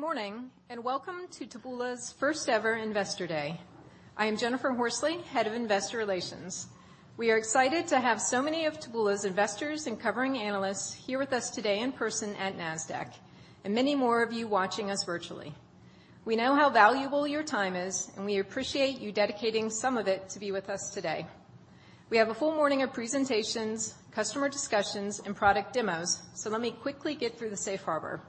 Good morning, and welcome to Taboola's first ever Investor Day. I am Jennifer Horsley, Head of Investor Relations. We are excited to have so many of Taboola's investors and covering analysts here with us today in person at Nasdaq, and many more of you watching us virtually. We know how valuable your time is, and we appreciate you dedicating some of it to be with us today. We have a full morning of presentations, customer discussions, and product demos, so let me quickly get through the safe harbor.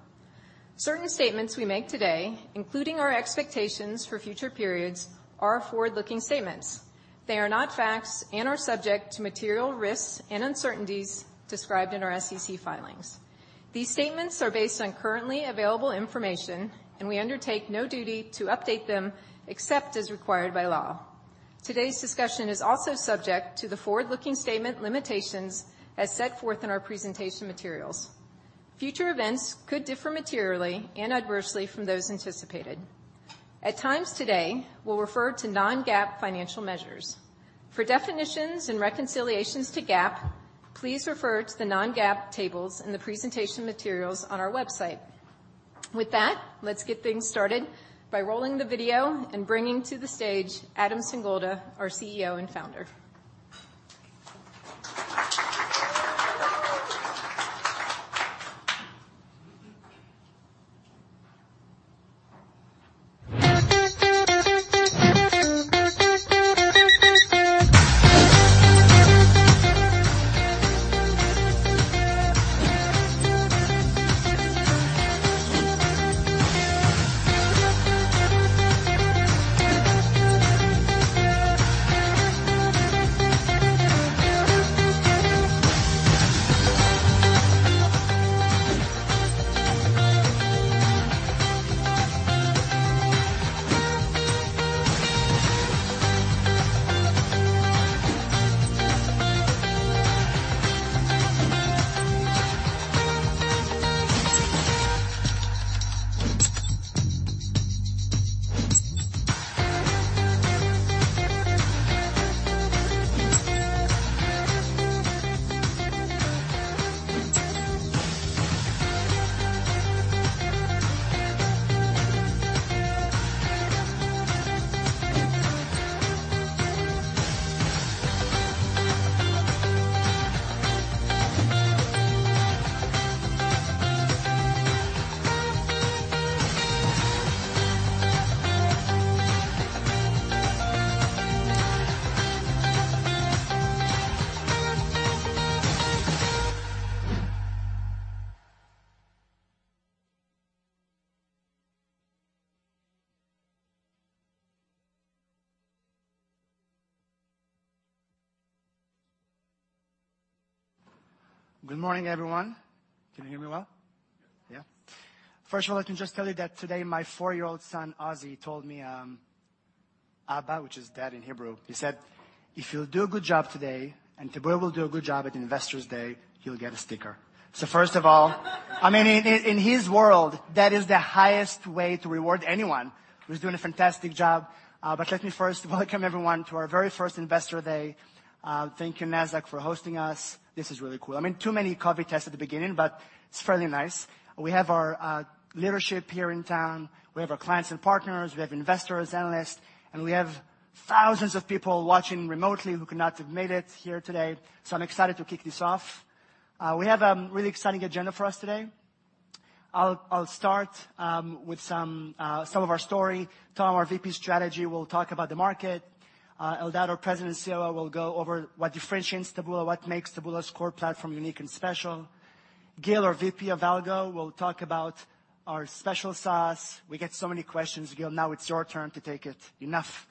Certain statements we make today, including our expectations for future periods, are forward-looking statements. They are not facts and are subject to material risks and uncertainties described in our SEC filings. These statements are based on currently available information, and we undertake no duty to update them except as required by law. Today's discussion is also subject to the forward-looking statement limitations as set forth in our presentation materials. Future events could differ materially and adversely from those anticipated. At times today, we'll refer to non-GAAP financial measures. For definitions and reconciliations to GAAP, please refer to the non-GAAP tables in the presentation materials on our website. With that, let's get things started by rolling the video and bringing to the stage Adam Singolda, our CEO and founder. Good morning, everyone. Can you hear me well? Yes. Yeah. First of all, let me just tell you that today my four-year-old son, Ozzie, told me, "Abba," which is dad in Hebrew, he said, "If you'll do a good job today, and Taboola will do a good job at the Investor Day, you'll get a sticker." First of all, I mean, in his world, that is the highest way to reward anyone who's doing a fantastic job. Let me first welcome everyone to our very first Investor Day. Thank you, Nasdaq, for hosting us. This is really cool. I mean, too many COVID tests at the beginning, but it's fairly nice. We have our leadership here in town. We have our clients and partners, we have investors, analysts, and we have thousands of people watching remotely who could not have made it here today. I'm excited to kick this off. We have a really exciting agenda for us today. I'll start with some of our story. Tom, our VP of Strategy, will talk about the market. Eldad, our President and COO, will go over what differentiates Taboola, what makes Taboola's core platform unique and special. Gil, our VP of Algo, will talk about our special sauce. We get so many questions, Gil. Now it's your turn to take it. Enough.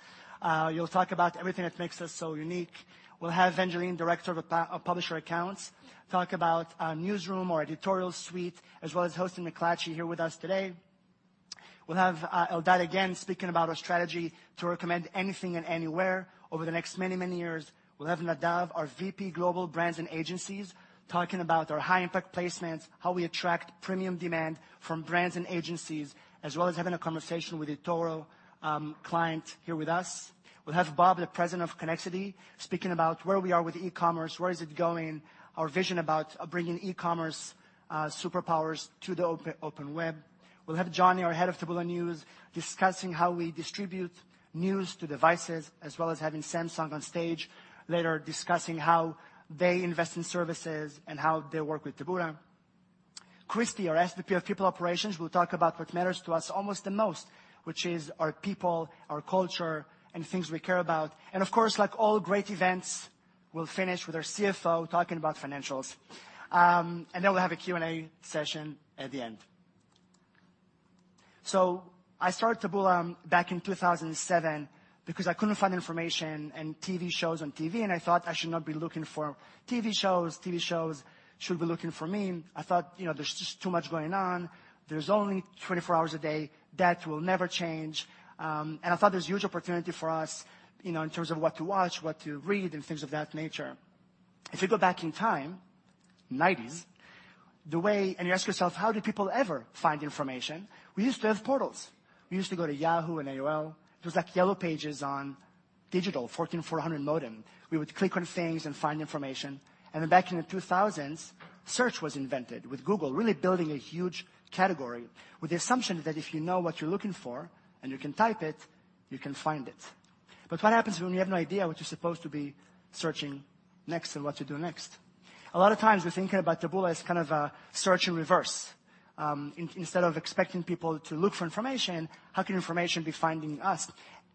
You'll talk about everything that makes us so unique. We'll have Evangeline, Director of Publisher Accounts, talk about our newsroom, our editorial suite, as well as hosting McClatchy here with us today. We'll have Eldad again speaking about our strategy to recommend anything and anywhere over the next many, many years. We'll have Nadav, our VP Global Brands and Agencies, talking about our High Impact Placements, how we attract premium demand from brands and agencies, as well as having a conversation with eToro client here with us. We'll have Bob, the President of Connexity, speaking about where we are with e-commerce, where is it going, our vision about bringing e-commerce superpowers to the open web. We'll have Jonny, our head of Taboola News, discussing how we distribute news to devices, as well as having Samsung on stage later discussing how they invest in services and how they work with Taboola. Kristy, our SVP of People Operations, will talk about what matters to us almost the most, which is our people, our culture, and things we care about. Of course, like all great events, we'll finish with our CFO talking about financials. We'll have a Q&A session at the end. I started Taboola back in 2007 because I couldn't find information and TV shows on TV, and I thought I should not be looking for TV shows. TV shows should be looking for me. I thought, you know, there's just too much going on. There's only 24 hours a day. That will never change. I thought there's huge opportunity for us, you know, in terms of what to watch, what to read, and things of that nature. If you go back in time, 1990s, the way you ask yourself, how did people ever find information? We used to have portals. We used to go to Yahoo and AOL. It was like Yellow Pages online 14,400 modem. We would click on things and find information. Back in the 2000s, search was invented with Google really building a huge category with the assumption that if you know what you're looking for and you can type it, you can find it. What happens when you have no idea what you're supposed to be searching next and what to do next? A lot of times we think about Taboola as kind of a search in reverse. Instead of expecting people to look for information, how can information be finding us?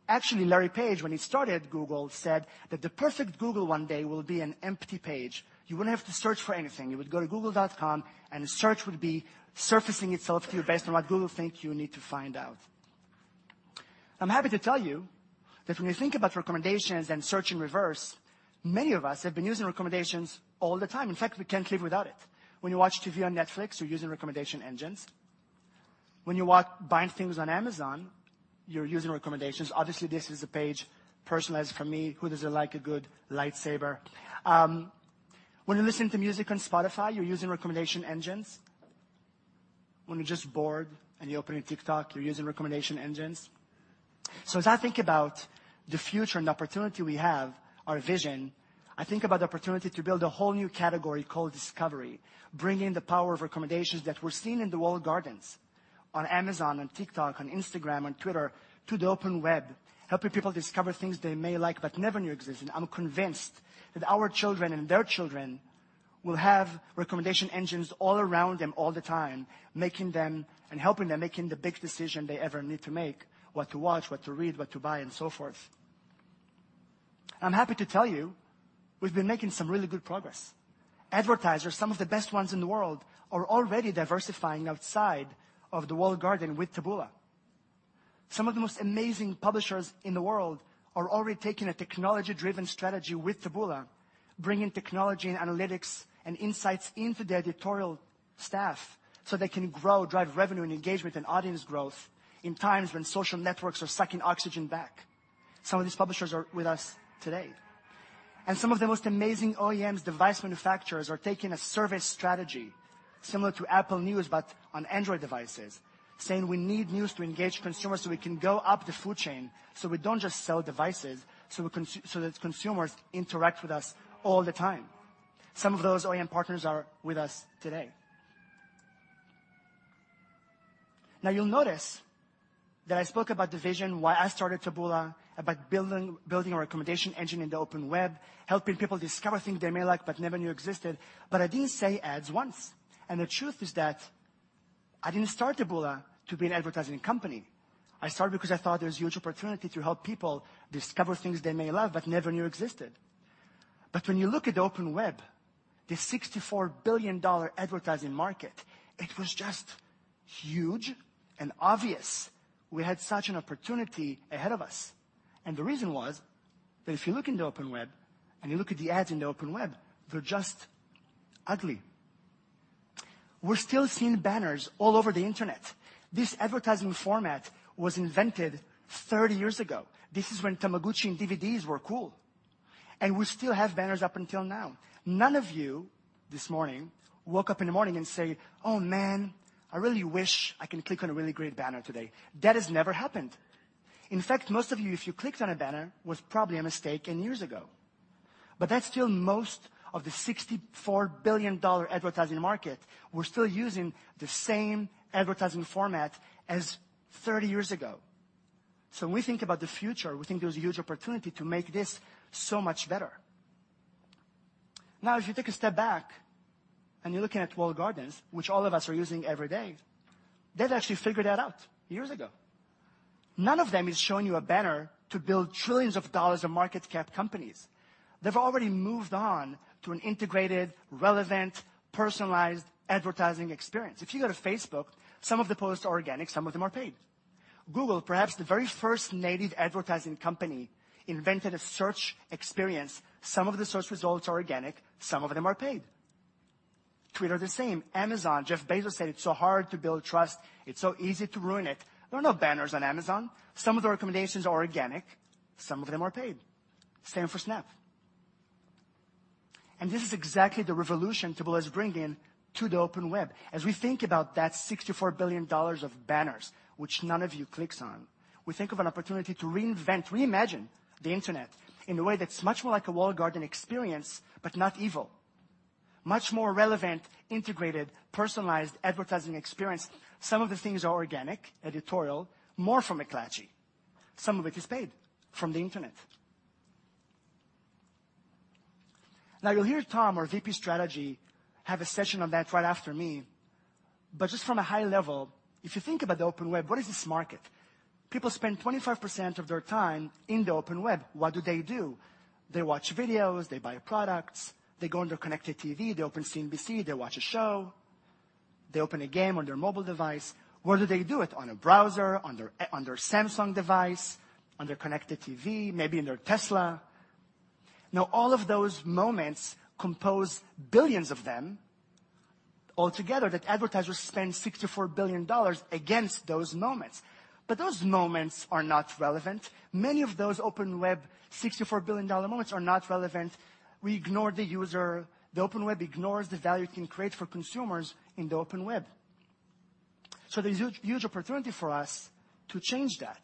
Actually, Larry Page, when he started Google, said that the perfect Google one day will be an empty page. You wouldn't have to search for anything. You would go to google.com, and the search would be surfacing itself to you based on what Google think you need to find out. I'm happy to tell you that when you think about recommendations and search in reverse, many of us have been using recommendations all the time. In fact, we can't live without it. When you watch TV on Netflix, you're using recommendation engines. When you buying things on Amazon, you're using recommendations. Obviously, this is a page personalized for me. Who doesn't like a good lightsaber? When you're listening to music on Spotify, you're using recommendation engines. When you're just bored and you open a TikTok, you're using recommendation engines. As I think about the future and the opportunity we have, our vision, I think about the opportunity to build a whole new category called discovery, bringing the power of recommendations that we're seeing in the walled gardens on Amazon, on TikTok, on Instagram, on Twitter to the open web, helping people discover things they may like but never knew existed. I'm convinced that our children and their children will have recommendation engines all around them all the time, making them and helping them making the big decision they ever need to make, what to watch, what to read, what to buy, and so forth. I'm happy to tell you we've been making some really good progress. Advertisers, some of the best ones in the world, are already diversifying outside of the walled garden with Taboola. Some of the most amazing publishers in the world are already taking a technology-driven strategy with Taboola, bringing technology and analytics and insights into their editorial staff, so they can grow, drive revenue and engagement and audience growth in times when social networks are sucking oxygen back. Some of these publishers are with us today. Some of the most amazing OEMs, device manufacturers, are taking a service strategy similar to Apple News, but on Android devices, saying we need news to engage consumers, so we can go up the food chain, so we don't just sell devices, so that consumers interact with us all the time. Some of those OEM partners are with us today. Now you'll notice that I spoke about the vision, why I started Taboola, about building a recommendation engine in the open web, helping people discover things they may like but never knew existed, but I didn't say ads once. The truth is that I didn't start Taboola to be an advertising company. I started because I thought there's huge opportunity to help people discover things they may love but never knew existed. When you look at the open web, the $64 billion advertising market, it was just huge and obvious we had such an opportunity ahead of us. The reason was that if you look in the open web and you look at the ads in the open web, they're just ugly. We're still seeing banners all over the internet. This advertising format was invented 30 years ago. This is when Tamagotchi and DVDs were cool, and we still have banners up until now. None of you this morning woke up in the morning and say, "Oh, man, I really wish I can click on a really great banner today." That has never happened. In fact, most of you, if you clicked on a banner, was probably a mistake and years ago. That's still most of the $64 billion advertising market. We're still using the same advertising format as 30 years ago. When we think about the future, we think there's a huge opportunity to make this so much better. Now, if you take a step back and you're looking at walled gardens, which all of us are using every day, they've actually figured that out years ago. None of them is showing you a banner to build trillions of dollars of market cap companies. They've already moved on to an integrated, relevant, personalized advertising experience. If you go to Facebook, some of the posts are organic, some of them are paid. Google, perhaps the very first native advertising company, invented a search experience. Some of the search results are organic, some of them are paid. Twitter, the same. Amazon, Jeff Bezos said it's so hard to build trust. It's so easy to ruin it. There are no banners on Amazon. Some of the recommendations are organic, some of them are paid. Same for Snap. This is exactly the revolution Taboola is bringing to the open web. As we think about that $64 billion of banners, which none of you clicks on, we think of an opportunity to reinvent, reimagine the internet in a way that's much more like a walled garden experience, but not evil. Much more relevant, integrated, personalized advertising experience. Some of the things are organic, editorial, more from McClatchy. Some of it is paid from the internet. Now you'll hear Tom, our VP of Strategy, have a session on that right after me. Just from a high level, if you think about the open web, what is this market? People spend 25% of their time in the open web. What do they do? They watch videos. They buy products. They go on their connected TV. They open CNBC. They watch a show. They open a game on their mobile device. Where do they do it? On a browser, on their Samsung device, on their connected TV, maybe in their Tesla. Now, all of those moments compose billions of them altogether that advertisers spend $64 billion against those moments, but those moments are not relevant. Many of those open web $64 billion moments are not relevant. We ignore the user. The open web ignores the value it can create for consumers in the open web. There's huge, huge opportunity for us to change that.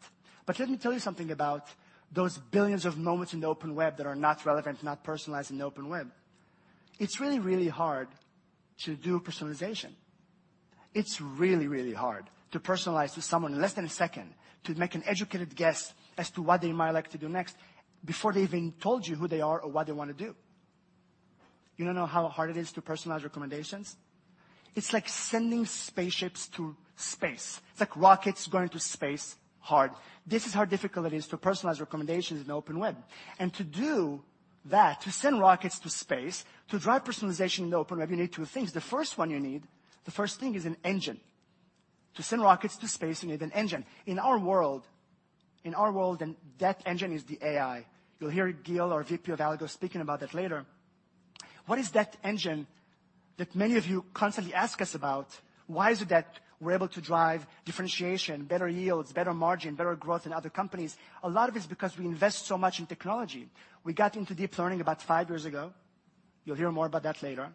Let me tell you something about those billions of moments in the open web that are not relevant, not personalized in the open web. It's really, really hard to do personalization. It's really, really hard to personalize to someone in less than a second, to make an educated guess as to what they might like to do next before they even told you who they are or what they wanna do. You don't know how hard it is to personalize recommendations? It's like sending spaceships to space. It's like rockets going to space hard. This is how difficult it is to personalize recommendations in the open web. To do that, to send rockets to space, to drive personalization in the open web, you need two things. The first one you need, the first thing is an engine. To send rockets to space, you need an engine. In our world, that engine is the AI. You'll hear Gil, our VP of Algo, speaking about that later. What is that engine that many of you constantly ask us about? Why is it that we're able to drive differentiation, better yields, better margin, better growth than other companies? A lot of it's because we invest so much in technology. We got into deep learning about five years ago. You'll hear more about that later.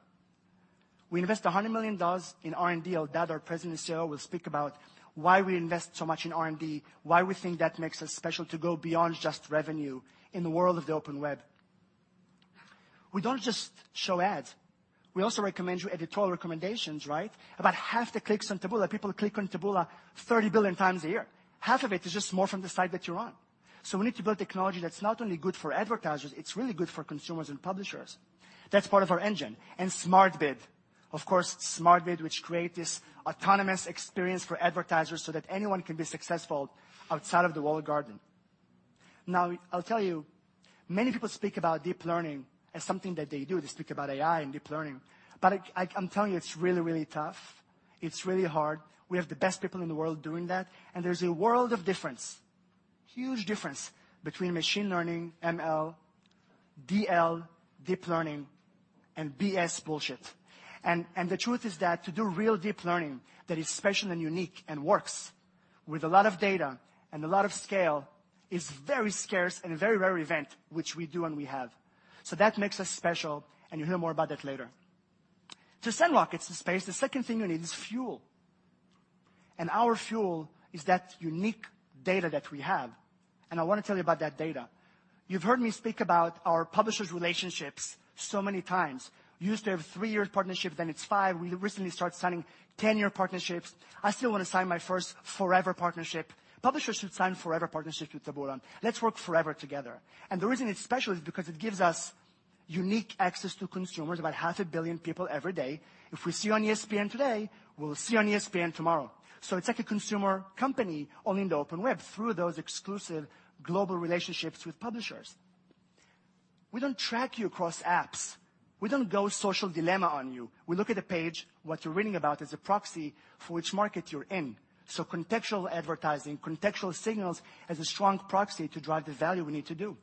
We invest $100 million in R&D. Eldad, our President and COO, will speak about why we invest so much in R&D, why we think that makes us special to go beyond just revenue in the world of the open web. We don't just show ads. We also recommend you editorial recommendations, right? About half the clicks on Taboola, people click on Taboola 30 billion times a year. Half of it is just more from the site that you're on. We need to build technology that's not only good for advertisers, it's really good for consumers and publishers. That's part of our engine. SmartBid. Of course, SmartBid, which create this autonomous experience for advertisers so that anyone can be successful outside of the walled garden. Now, I'll tell you, many people speak about deep learning as something that they do. They speak about AI and deep learning. I'm telling you, it's really, really tough. It's really hard. We have the best people in the world doing that, and there's a world of difference, huge difference between machine learning, ML, DL, deep learning, and BS, bullshit. The truth is that to do real deep learning that is special and unique and works with a lot of data and a lot of scale is very scarce and a very rare event, which we do and we have. That makes us special, and you'll hear more about that later. To send rockets to space, the second thing you need is fuel. Our fuel is that unique data that we have, and I wanna tell you about that data. You've heard me speak about our publishers' relationships so many times. We used to have three-year partnerships, then it's five. We recently started signing 10-year partnerships. I still wanna sign my first forever partnership. Publishers should sign forever partnerships with Taboola. Let's work forever together. The reason it's special is because it gives us unique access to consumers, about half a billion people every day. If we see you on ESPN today, we'll see you on ESPN tomorrow. It's like a consumer company only in the open web through those exclusive global relationships with publishers. We don't track you across apps. We don't go social dilemma on you. We look at a page, what you're reading about is a proxy for which market you're in. Contextual advertising, contextual signals as a strong proxy to drive the value we need to do.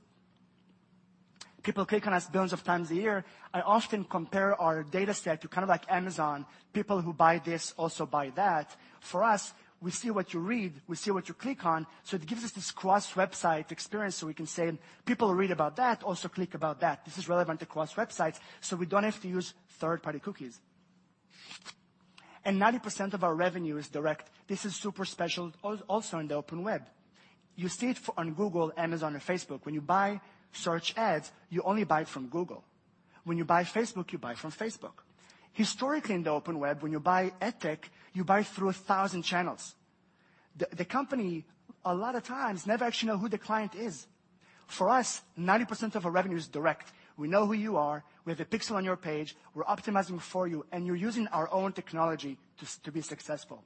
People click on us billions of times a year. I often compare our data set to kinda like Amazon, people who buy this also buy that. For us, we see what you read, we see what you click on, so it gives us this cross-website experience, so we can say, "People who read about that also click about that." This is relevant across websites, so we don't have to use third-party cookies. 90% of our revenue is direct. This is super special also in the open web. You see it on Google, Amazon, or Facebook. When you buy search ads, you only buy it from Google. When you buy Facebook, you buy from Facebook. Historically in the open web, when you buy ad tech, you buy through a thousand channels. The company a lot of times never actually know who the client is. For us, 90% of our revenue is direct. We know who you are. We have a pixel on your page. We're optimizing for you, and you're using our own technology to be successful.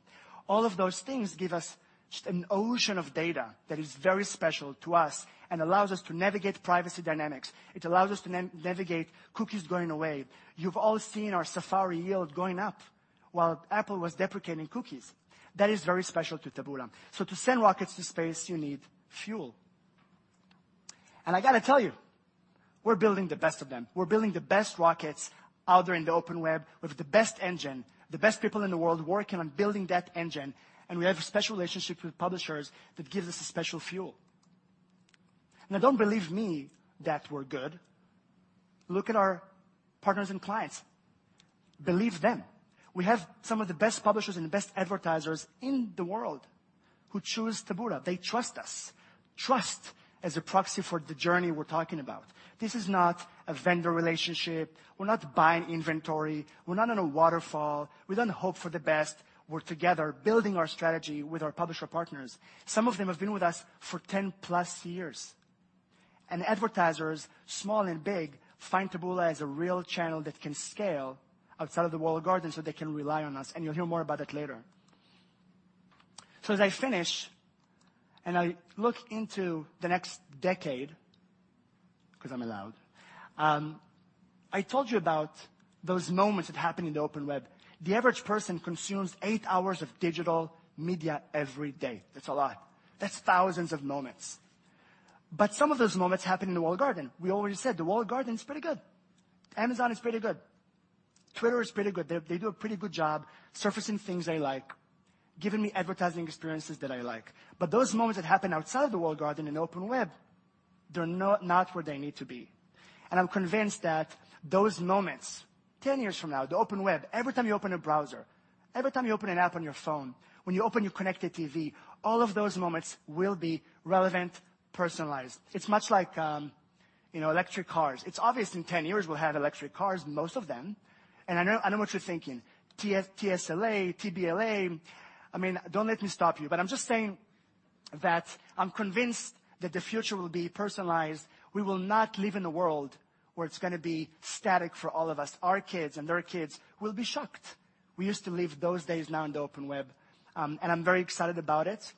All of those things give us just an ocean of data that is very special to us and allows us to navigate privacy dynamics. It allows us to navigate cookies going away. You've all seen our Safari yield going up while Apple was deprecating cookies. That is very special to Taboola. To send rockets to space, you need fuel. I gotta tell you, we're building the best of them. We're building the best rockets out there in the open web with the best engine, the best people in the world working on building that engine, and we have a special relationship with publishers that gives us a special fuel. Now, don't believe me that we're good. Look at our partners and clients. Believe them. We have some of the best publishers and the best advertisers in the world who choose Taboola. They trust us. Trust as a proxy for the journey we're talking about. This is not a vendor relationship. We're not buying inventory. We're not in a waterfall. We don't hope for the best. We're together building our strategy with our publisher partners. Some of them have been with us for 10-plus years. Advertisers, small and big, find Taboola as a real channel that can scale outside of the walled garden so they can rely on us, and you'll hear more about that later. As I finish, and I look into the next decade, 'cause I'm allowed, I told you about those moments that happen in the open web. The average person consumes eight hours of digital media every day. That's a lot. That's thousands of moments. Some of those moments happen in the walled garden. We already said the walled garden's pretty good. Amazon is pretty good. Twitter is pretty good. They do a pretty good job surfacing things I like, giving me advertising experiences that I like. Those moments that happen outside of the walled garden in the open web. They're not where they need to be. I'm convinced that those moments, 10 years from now, the open web, every time you open a browser, every time you open an app on your phone, when you open your connected TV, all of those moments will be relevant, personalized. It's much like, you know, electric cars. It's obvious in 10 years we'll have electric cars, most of them. I know what you're thinking, TSLA, TBLA. I mean, don't let me stop you. I'm just saying that I'm convinced that the future will be personalized. We will not live in a world where it's gonna be static for all of us. Our kids and their kids will be shocked. We used to live those days now in the open web, and I'm very excited about it.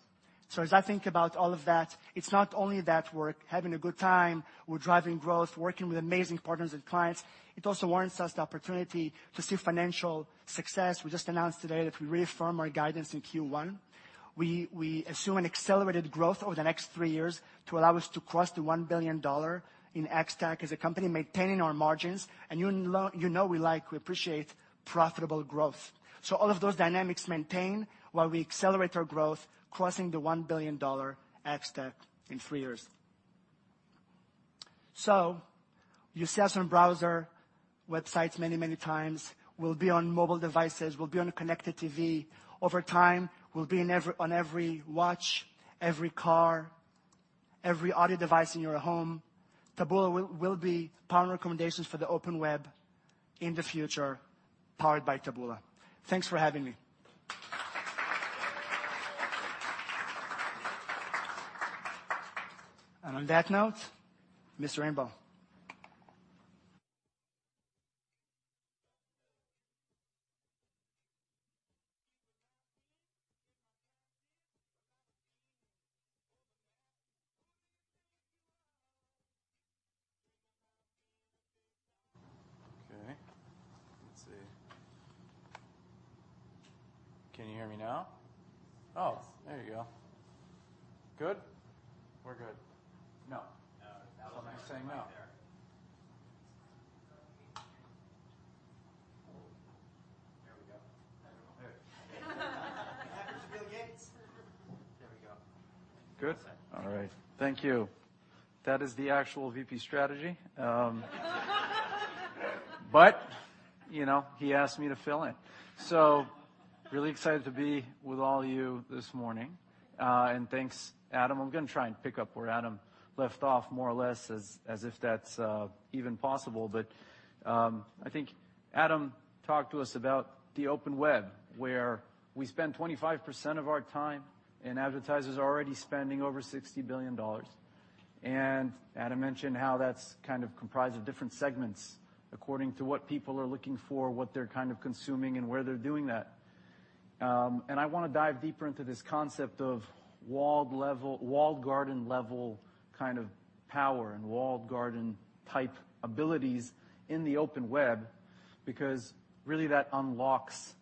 As I think about all of that, it's not only that we're having a good time, we're driving growth, working with amazing partners and clients, it also warrants us the opportunity to see financial success. We just announced today that we reaffirm our guidance in Q1. We assume an accelerated growth over the next three years to allow us to cross $1 billion in ex-TAC as a company, maintaining our margins. You know we like, we appreciate profitable growth. All of those dynamics maintain while we accelerate our growth, crossing the $1 billion xTAC in three years. You see us on browser websites many, many times. We'll be on mobile devices, we'll be on a connected TV. Over time, we'll be on every watch, every car, every audio device in your home. Taboola will be powering recommendations for the open web in the future, powered by Taboola. Thanks for having me. On that note, Mr. Inbal. Okay, let's see. Can you hear me now? Oh, there you go. Good? We're good. No. No. Am I saying no. There we go. There we go. Mr. Bill Gates. There we go. Good? All right. Thank you. That is the actual VP strategy. You know, he asked me to fill in. Really excited to be with all you this morning. Thanks, Adam. I'm gonna try and pick up where Adam left off more or less as if that's even possible. I think Adam talked to us about the open web, where we spend 25% of our time, and advertisers are already spending over $60 billion. Adam mentioned how that's kind of comprised of different segments according to what people are looking for, what they're kind of consuming, and where they're doing that. I wanna dive deeper into this concept of walled garden level kind of power and walled garden type abilities in the open web, because really that unlocks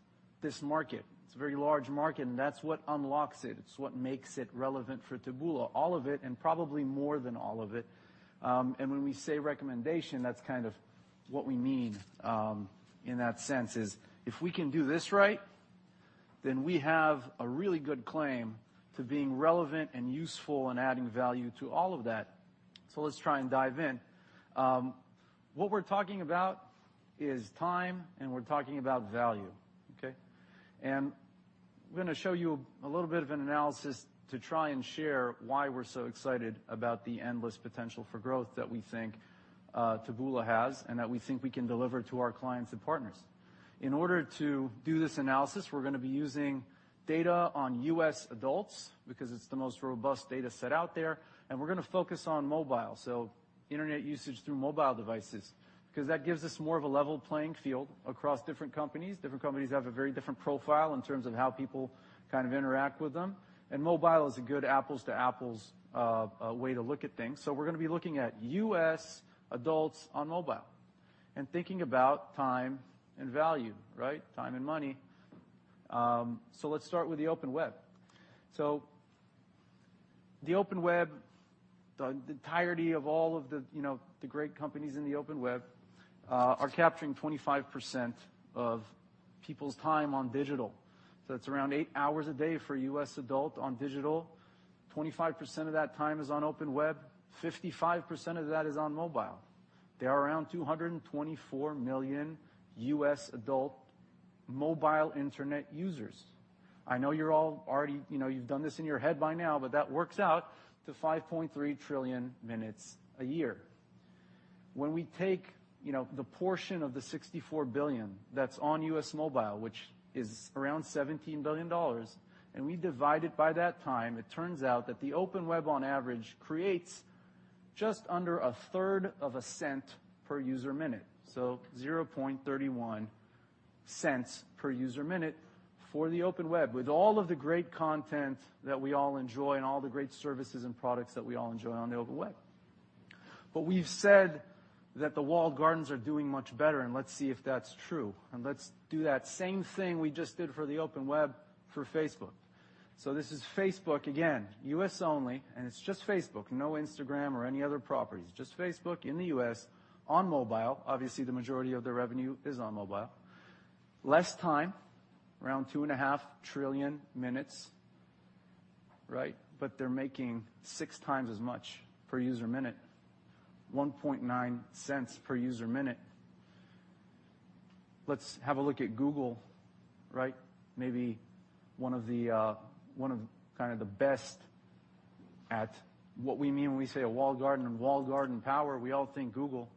this market. It's a very large market, and that's what unlocks it. It's what makes it relevant for Taboola. All of it, and probably more than all of it. When we say recommendation, that's kind of what we mean in that sense is, if we can do this right, then we have a really good claim to being relevant and useful and adding value to all of that. Let's try and dive in. What we're talking about is time, and we're talking about value, okay? I'm gonna show you a little bit of an analysis to try and share why we're so excited about the endless potential for growth that we think Taboola has and that we think we can deliver to our clients and partners. In order to do this analysis, we're gonna be using data on U.S. adults because it's the most robust data set out there, and we're gonna focus on mobile, so internet usage through mobile devices. 'Cause that gives us more of a level playing field across different companies. Different companies have a very different profile in terms of how people kind of interact with them, and mobile is a good apples to apples way to look at things. We're gonna be looking at U.S. adults on mobile and thinking about time and value, right? Time and money. Let's start with the open web. The open web, the entirety of all of the you know the great companies in the open web, are capturing 25% of people's time on digital. That's around eight hours a day for a U.S. adult on digital. 25% of that time is on open web. 55% of that is on mobile. There are around 224 million U.S. adult mobile internet users. I know you're all already you know, you've done this in your head by now, but that works out to 5.3 trillion minutes a year. When we take you know, the portion of the 64 billion that's on U.S. mobile, which is around $17 billion, and we divide it by that time, it turns out that the open web on average creates just under a third of a cent per user minute. Zero point thirty-one cents per user minute for the open web with all of the great content that we all enjoy and all the great services and products that we all enjoy on the open web. We've said that the walled gardens are doing much better, and let's see if that's true. Let's do that same thing we just did for the open web for Facebook. This is Facebook, again, U.S. only, and it's just Facebook, no Instagram or any other properties, just Facebook in the U.S. on mobile. Obviously, the majority of their revenue is on mobile. Less time, around 2.5 trillion minutes, right? They're making 6 times as much per user minute, $0.019 per user minute. Let's have a look at Google, right? Maybe one of the best at what we mean when we say a walled garden and walled garden power, we all think Google.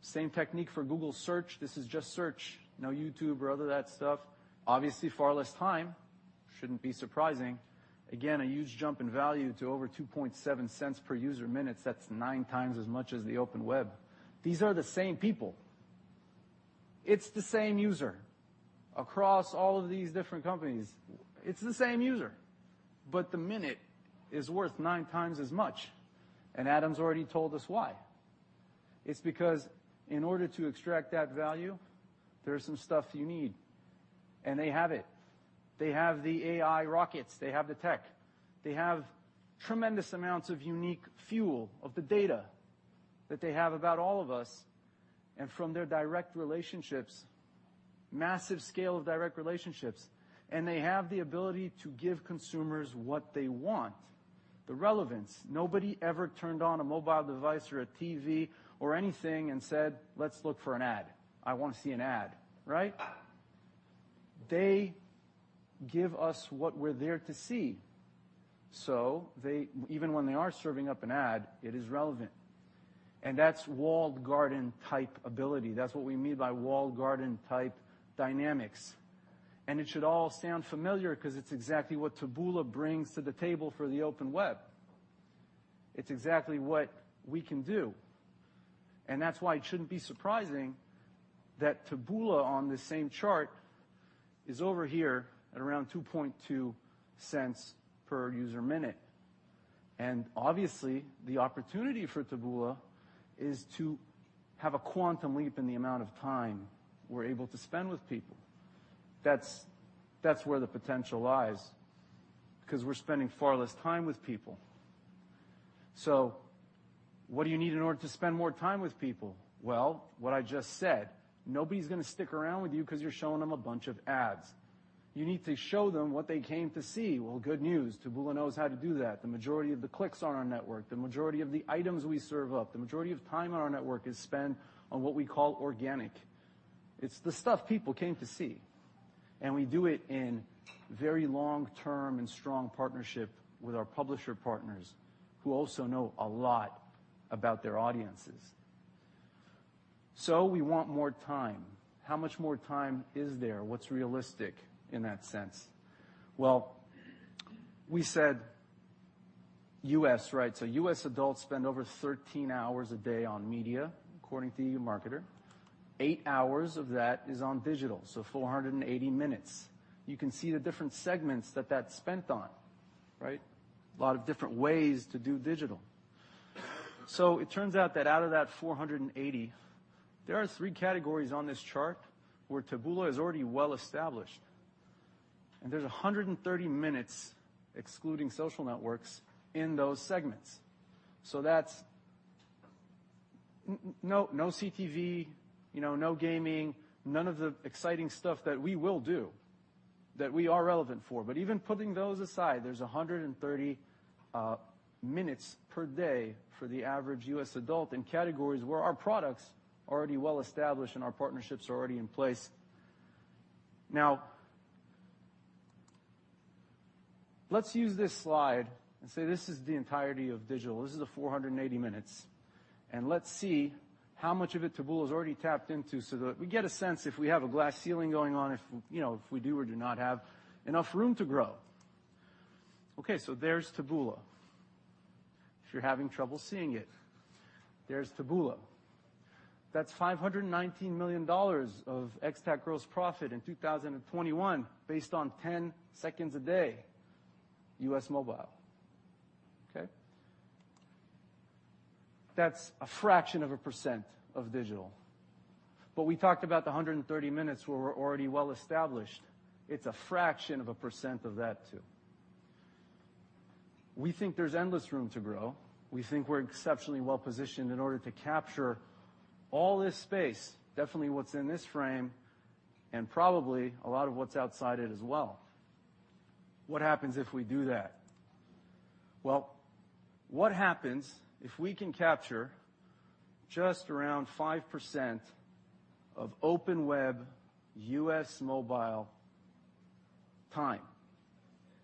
Same technique for Google Search. This is just search, no YouTube or other of that stuff. Obviously, far less time. Shouldn't be surprising. A huge jump in value to over $0.027 per user minute. That's 9 times as much as the open web. These are the same people. It's the same user across all of these different companies. It's the same user, but the minute is worth 9 times as much, and Adam's already told us why. It's because in order to extract that value, there's some stuff you need, and they have it. They have the AI rockets. They have the tech. They have tremendous amounts of unique fuel of the data that they have about all of us and from their direct relationships, massive scale of direct relationships, and they have the ability to give consumers what they want, the relevance. Nobody ever turned on a mobile device or a TV or anything and said, "Let's look for an ad. I want to see an ad." Right? They give us what we're there to see. They, even when they are serving up an ad, it is relevant, and that's walled garden type ability. That's what we mean by walled garden type dynamics. It should all sound familiar 'cause it's exactly what Taboola brings to the table for the open web. It's exactly what we can do, and that's why it shouldn't be surprising that Taboola on this same chart is over here at around $0.022 per user minute. Obviously, the opportunity for Taboola is to have a quantum leap in the amount of time we're able to spend with people. That's where the potential lies because we're spending far less time with people. What do you need in order to spend more time with people? Well, what I just said, nobody's gonna stick around with you because you're showing them a bunch of ads. You need to show them what they came to see. Well, good news. Taboola knows how to do that. The majority of the clicks on our network, the majority of the items we serve up, the majority of time on our network is spent on what we call organic. It's the stuff people came to see, and we do it in very long-term and strong partnership with our publisher partners who also know a lot about their audiences. We want more time. How much more time is there? What's realistic in that sense? Well, we said U.S., right? U.S. adults spend over 13 hours a day on media, according to eMarketer. Eight hours of that is on digital, so 480 minutes. You can see the different segments that that's spent on, right? A lot of different ways to do digital. It turns out that out of that 480, there are three categories on this chart where Taboola is already well-established, and there's 130 minutes excluding social networks in those segments. That's CTV, you know, no gaming, none of the exciting stuff that we will do that we are relevant for. Even putting those aside, there's 130 minutes per day for the average U.S. adult in categories where our products are already well-established and our partnerships are already in place. Now, let's use this slide and say, this is the entirety of digital. This is the 480 minutes, and let's see how much of it Taboola has already tapped into so that we get a sense if we have a glass ceiling going on, if, you know, if we do or do not have enough room to grow. Okay, there's Taboola. If you're having trouble seeing it, there's Taboola. That's $519 million of ex-TAC gross profit in 2021 based on 10 seconds a day, U.S. mobile, okay? That's a fraction of a percent of digital. We talked about the 130 minutes where we're already well-established. It's a fraction of a percent of that too. We think there's endless room to grow. We think we're exceptionally well-positioned in order to capture all this space, definitely what's in this frame and probably a lot of what's outside it as well. What happens if we do that? Well, what happens if we can capture just around 5% of open web U.S. mobile time?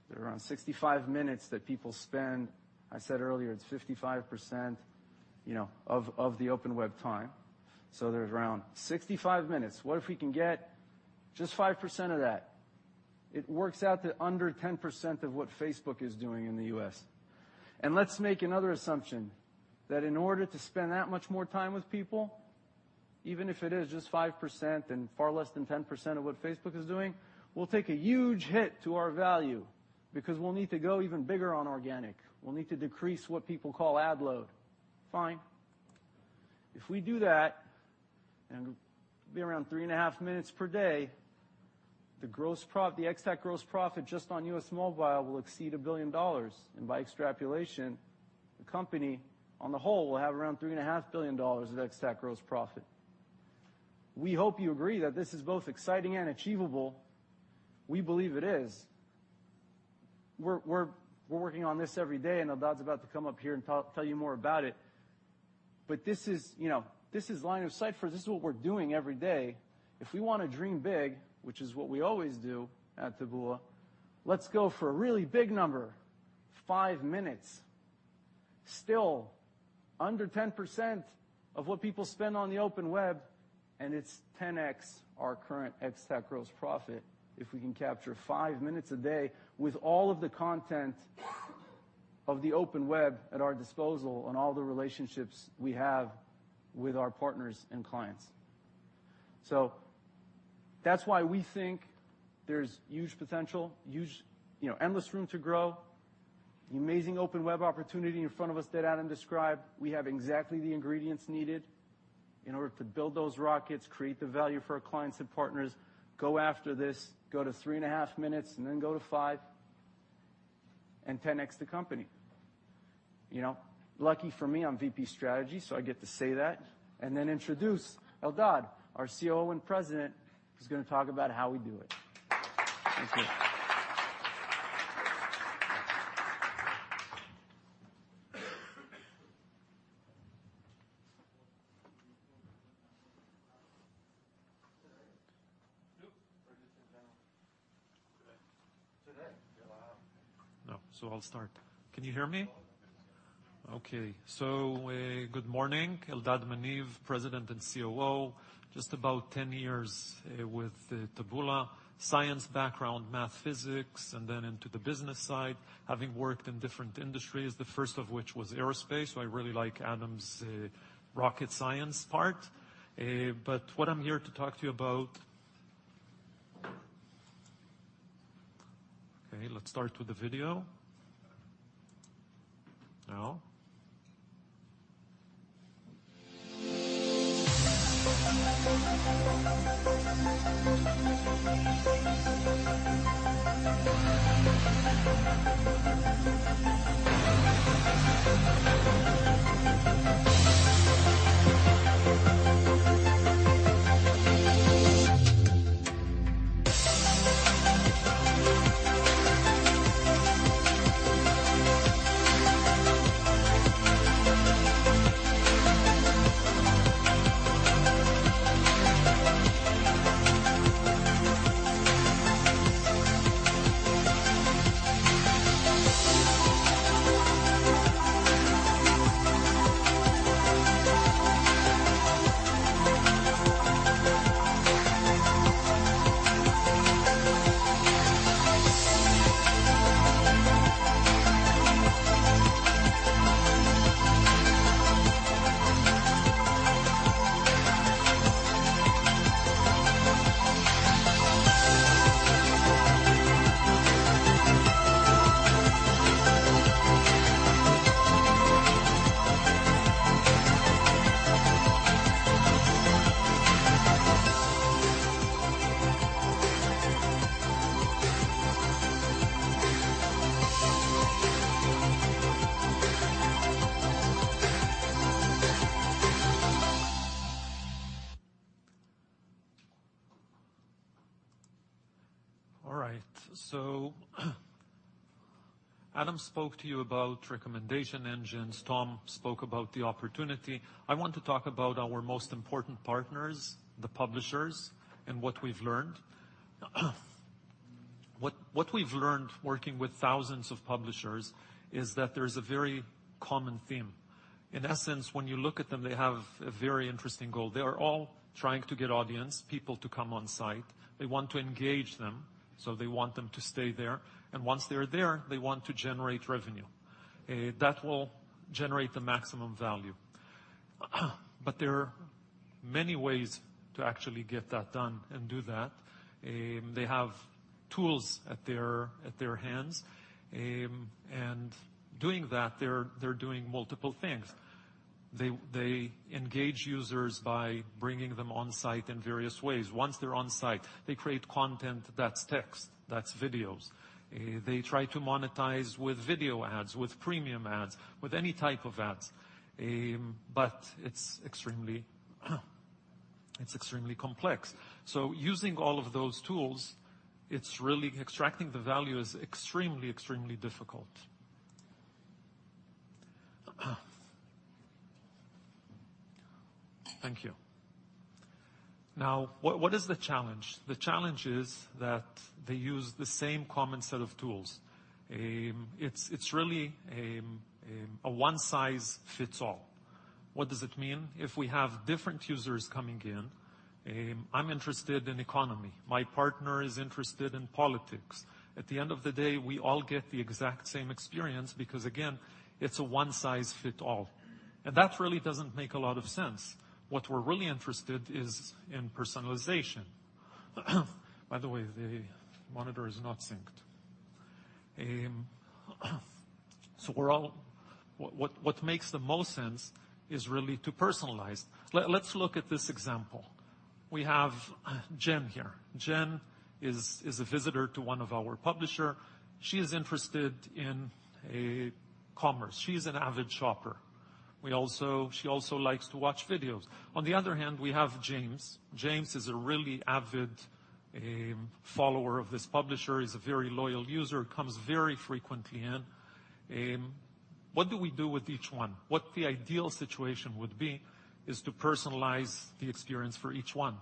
They're around 65 minutes that people spend. I said earlier, it's 55%, you know, of the open web time. So there's around 65 minutes. What if we can get just 5% of that? It works out to under 10% of what Facebook is doing in the U.S. Let's make another assumption that in order to spend that much more time with people, even if it is just 5% and far less than 10% of what Facebook is doing, we'll take a huge hit to our value because we'll need to go even bigger on organic. We'll need to decrease what people call ad load. Fine. If we do that, it'll be around 3.5 minutes per day. The ex-TAC gross profit just on U.S. mobile will exceed $1 billion, and by extrapolation, the company on the whole will have around $3.5 billion of ex-TAC gross profit. We hope you agree that this is both exciting and achievable. We believe it is. We're working on this every day, and Eldad's about to come up here and tell you more about it. This is, you know, line of sight for this is what we're doing every day. If we wanna dream big, which is what we always do at Taboola, let's go for a really big number, 5 minutes. Still under 10% of what people spend on the open web, and it's 10x our current ex-TAC gross profit if we can capture 5 minutes a day with all of the content of the open web at our disposal and all the relationships we have with our partners and clients. That's why we think there's huge potential, huge, you know, endless room to grow, amazing open web opportunity in front of us that Adam described. We have exactly the ingredients needed in order to build those rockets, create the value for our clients and partners, go after this, go to 3.5 minutes, and then go to 5x, and 10x the company. You know? Lucky for me, I'm VP strategy, so I get to say that and then introduce Eldad, our COO and president, who's gonna talk about how we do it. Thank you. No. I'll start. Can you hear me? Yes. Good morning. Eldad Maniv, President and COO. Just about 10 years with Taboola. Science background, math, physics, and then into the business side, having worked in different industries, the first of which was aerospace. I really like Adam's rocket science part. Let's start with the video. Adam spoke to you about recommendation engines. Tom spoke about the opportunity. I want to talk about our most important partners, the publishers, and what we've learned. What we've learned working with thousands of publishers is that there's a very common theme. In essence, when you look at them, they have a very interesting goal. They are all trying to get audience, people to come on-site. They want to engage them, so they want them to stay there, and once they're there, they want to generate revenue. That will generate the maximum value. There are many ways to actually get that done and do that. They have tools at their hands. Doing that, they're doing multiple things. They engage users by bringing them on-site in various ways. Once they're on-site, they create content that's text, that's videos. They try to monetize with video ads, with premium ads, with any type of ads. But it's extremely complex. Using all of those tools, it's really extracting the value is extremely difficult. Thank you. Now, what is the challenge? The challenge is that they use the same common set of tools. It's really a one-size-fits-all. What does it mean? If we have different users coming in, I'm interested in economy. My partner is interested in politics. At the end of the day, we all get the exact same experience because, again, it's a one size fit all. That really doesn't make a lot of sense. What we're really interested in is personalization. By the way, the monitor is not synced. What makes the most sense is really to personalize. Let's look at this example. We have Jen here. Jen is a visitor to one of our publishers. She is interested in e-commerce. She's an avid shopper. She also likes to watch videos. On the other hand, we have James. James is a really avid follower of this publisher. He's a very loyal user, comes very frequently in. What do we do with each one? What the ideal situation would be is to personalize the experience for each one.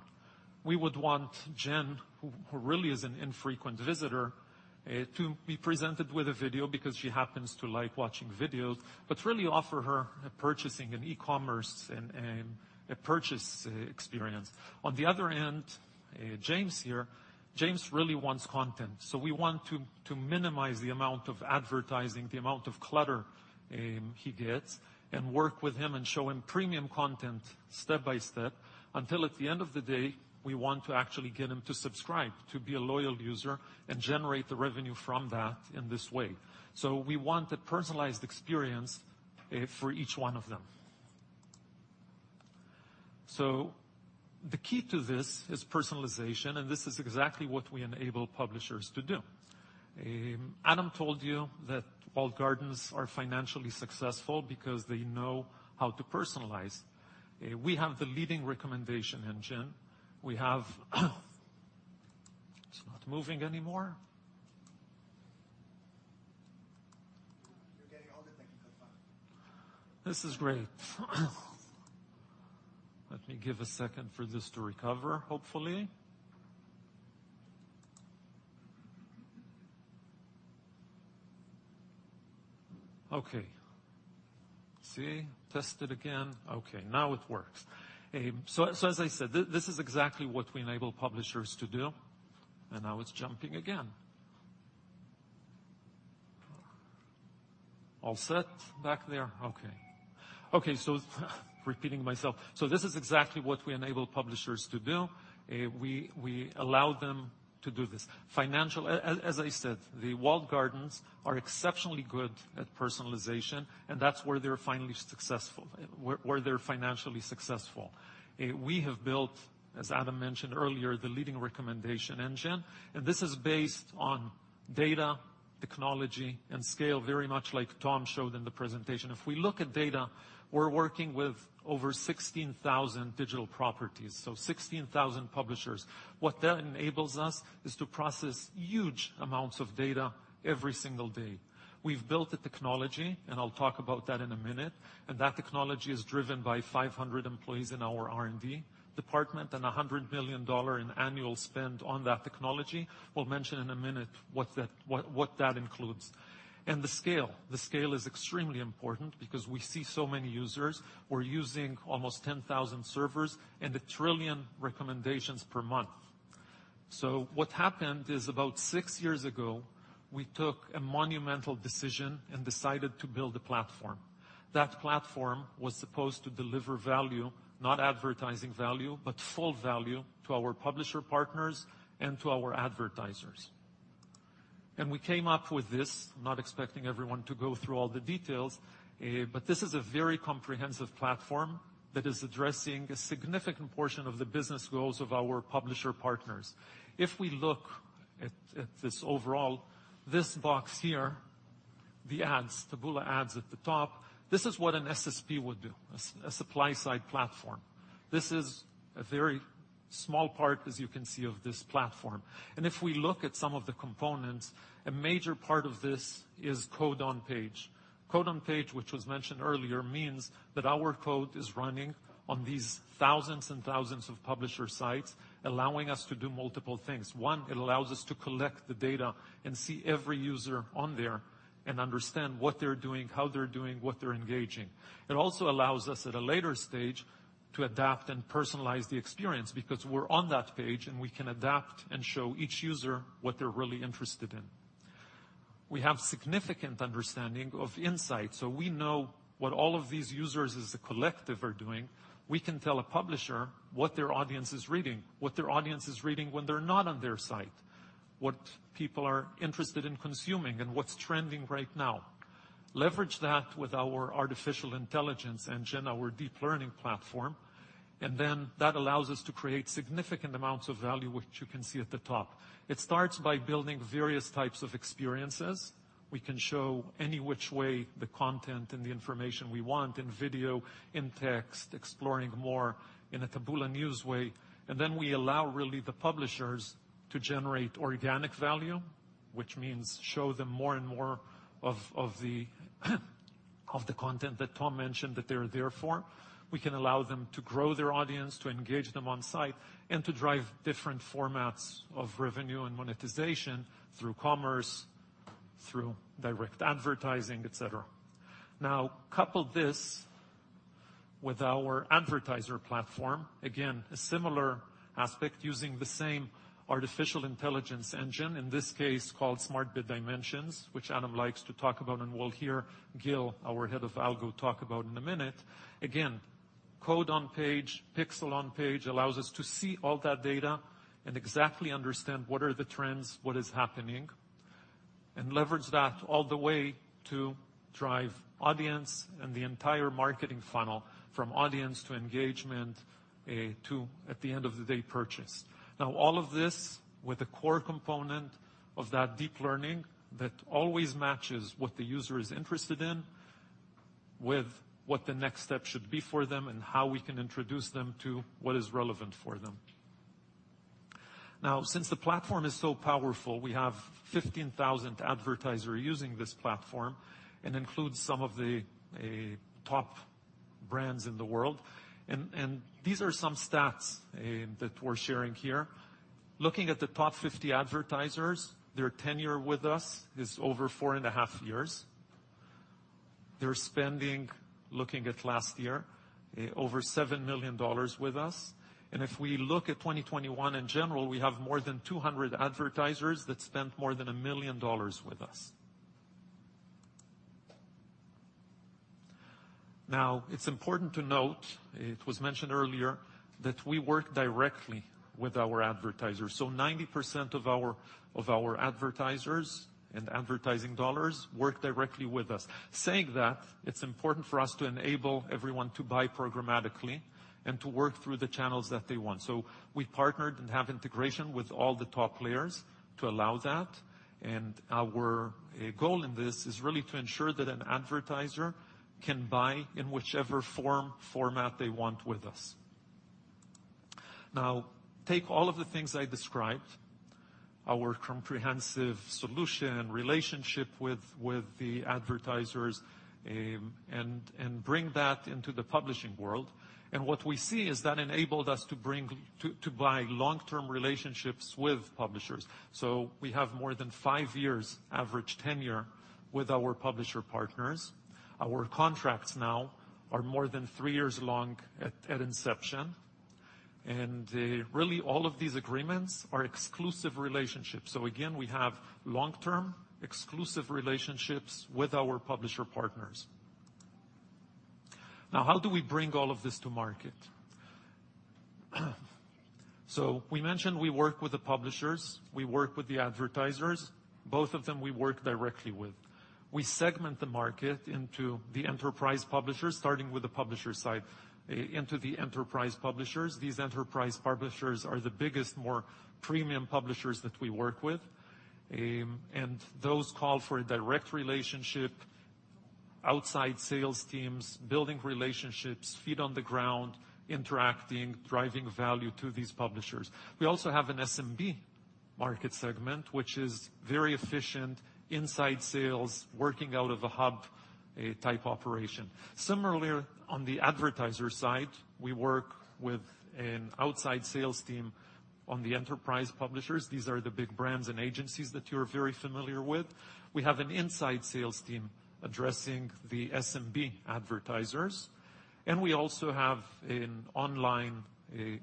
We would want Jen, who really is an infrequent visitor, to be presented with a video because she happens to like watching videos, but really offer her a purchasing, an e-commerce and a purchase e-experience. On the other end, James here really wants content. We want to minimize the amount of advertising, the amount of clutter, he gets and work with him and show him premium content step by step until at the end of the day, we want to actually get him to subscribe, to be a loyal user and generate the revenue from that in this way. We want a personalized experience for each one of them. The key to this is personalization, and this is exactly what we enable publishers to do. Adam told you that walled gardens are financially successful because they know how to personalize. We have the leading recommendation engine. It's not moving anymore. You're getting all the. This is great. Let me give a second for this to recover, hopefully. Okay. See, test it again. Okay, now it works. So as I said, this is exactly what we enable publishers to do. Now it's jumping again. All set back there? Okay. Okay, so repeating myself. So this is exactly what we enable publishers to do. We allow them to do this. As I said, the walled gardens are exceptionally good at personalization, and that's where they're finally successful, where they're financially successful. We have built, as Adam mentioned earlier, the leading recommendation engine, and this is based on data, technology, and scale, very much like Tom showed in the presentation. If we look at data, we're working with over 16,000 digital properties, so 16,000 publishers. What that enables us is to process huge amounts of data every single day. We've built the technology, and I'll talk about that in a minute, and that technology is driven by 500 employees in our R&D department and $100 million in annual spend on that technology. We'll mention in a minute what that includes. The scale. The scale is extremely important because we see so many users. We're using almost 10,000 servers and the trillion recommendations per month. What happened is about six years ago, we took a monumental decision and decided to build a platform. That platform was supposed to deliver value, not advertising value, but full value to our publisher partners and to our advertisers. We came up with this. I'm not expecting everyone to go through all the details, but this is a very comprehensive platform that is addressing a significant portion of the business goals of our publisher partners. If we look at this overall, this box here, the ads, Taboola Ads at the top, this is what an SSP would do, a supply side platform. This is a very small part, as you can see, of this platform. If we look at some of the components, a major part of this is code on page. Code on page, which was mentioned earlier, means that our code is running on these thousands and thousands of publisher sites, allowing us to do multiple things. One, it allows us to collect the data and see every user on there and understand what they're doing, how they're doing, what they're engaging. It also allows us at a later stage to adapt and personalize the experience because we're on that page, and we can adapt and show each user what they're really interested in. We have significant understanding of insights, so we know what all of these users as a collective are doing. We can tell a publisher what their audience is reading, what their audience is reading when they're not on their site, what people are interested in consuming, and what's trending right now. Leverage that with our artificial intelligence engine, our deep learning platform, and then that allows us to create significant amounts of value, which you can see at the top. It starts by building various types of experiences. We can show any which way the content and the information we want in video, in text, exploring more in a Taboola News way. Then we allow really the publishers to generate organic value, which means show them more and more of the content that Tom mentioned that they're there for. We can allow them to grow their audience, to engage them on site, and to drive different formats of revenue and monetization through commerce, through direct advertising, et cetera. Now, couple this with our advertiser platform. Again, a similar aspect using the same artificial intelligence engine, in this case, called SmartBid Dimensions, which Adam likes to talk about, and we'll hear Gil, our Head of Algo, talk about in a minute. Engage code on page, pixel on page allows us to see all that data and exactly understand what are the trends, what is happening, and leverage that all the way to drive audience and the entire marketing funnel from audience to engagement, to at the end of the day purchase. Now, all of this with a core component of that deep learning that always matches what the user is interested in with what the next step should be for them and how we can introduce them to what is relevant for them. Now, since the platform is so powerful, we have 15,000 advertisers using this platform and includes some of the top brands in the world. These are some stats that we're sharing here. Looking at the top 50 advertisers, their tenure with us is over 4.5 years. They're spending, looking at last year, over $7 million with us. If we look at 2021 in general, we have more than 200 advertisers that spent more than $1 million with us. Now, it's important to note, it was mentioned earlier, that we work directly with our advertisers. 90% of our advertisers and advertising dollars work directly with us. Saying that, it's important for us to enable everyone to buy programmatically and to work through the channels that they want. We partnered and have integration with all the top players to allow that. Our goal in this is really to ensure that an advertiser can buy in whichever form, format they want with us. Now, take all of the things I described, our comprehensive solution, relationship with the advertisers, and bring that into the publishing world. What we see is that enabled us to buy long-term relationships with publishers. We have more than five years average tenure with our publisher partners. Our contracts now are more than three years long at inception. Really all of these agreements are exclusive relationships. Again, we have long-term exclusive relationships with our publisher partners. Now, how do we bring all of this to market? We mentioned we work with the publishers, we work with the advertisers, both of them we work directly with. We segment the market into the enterprise publishers, starting with the publisher side, into the enterprise publishers. These enterprise publishers are the biggest, more premium publishers that we work with. Those call for a direct relationship, outside sales teams, building relationships, feet on the ground, interacting, driving value to these publishers. We also have an SMB market segment, which is very efficient inside sales, working out of a hub, a type operation. Similarly, on the advertiser side, we work with an outside sales team on the enterprise publishers. These are the big brands and agencies that you're very familiar with. We have an inside sales team addressing the SMB advertisers. We also have an online,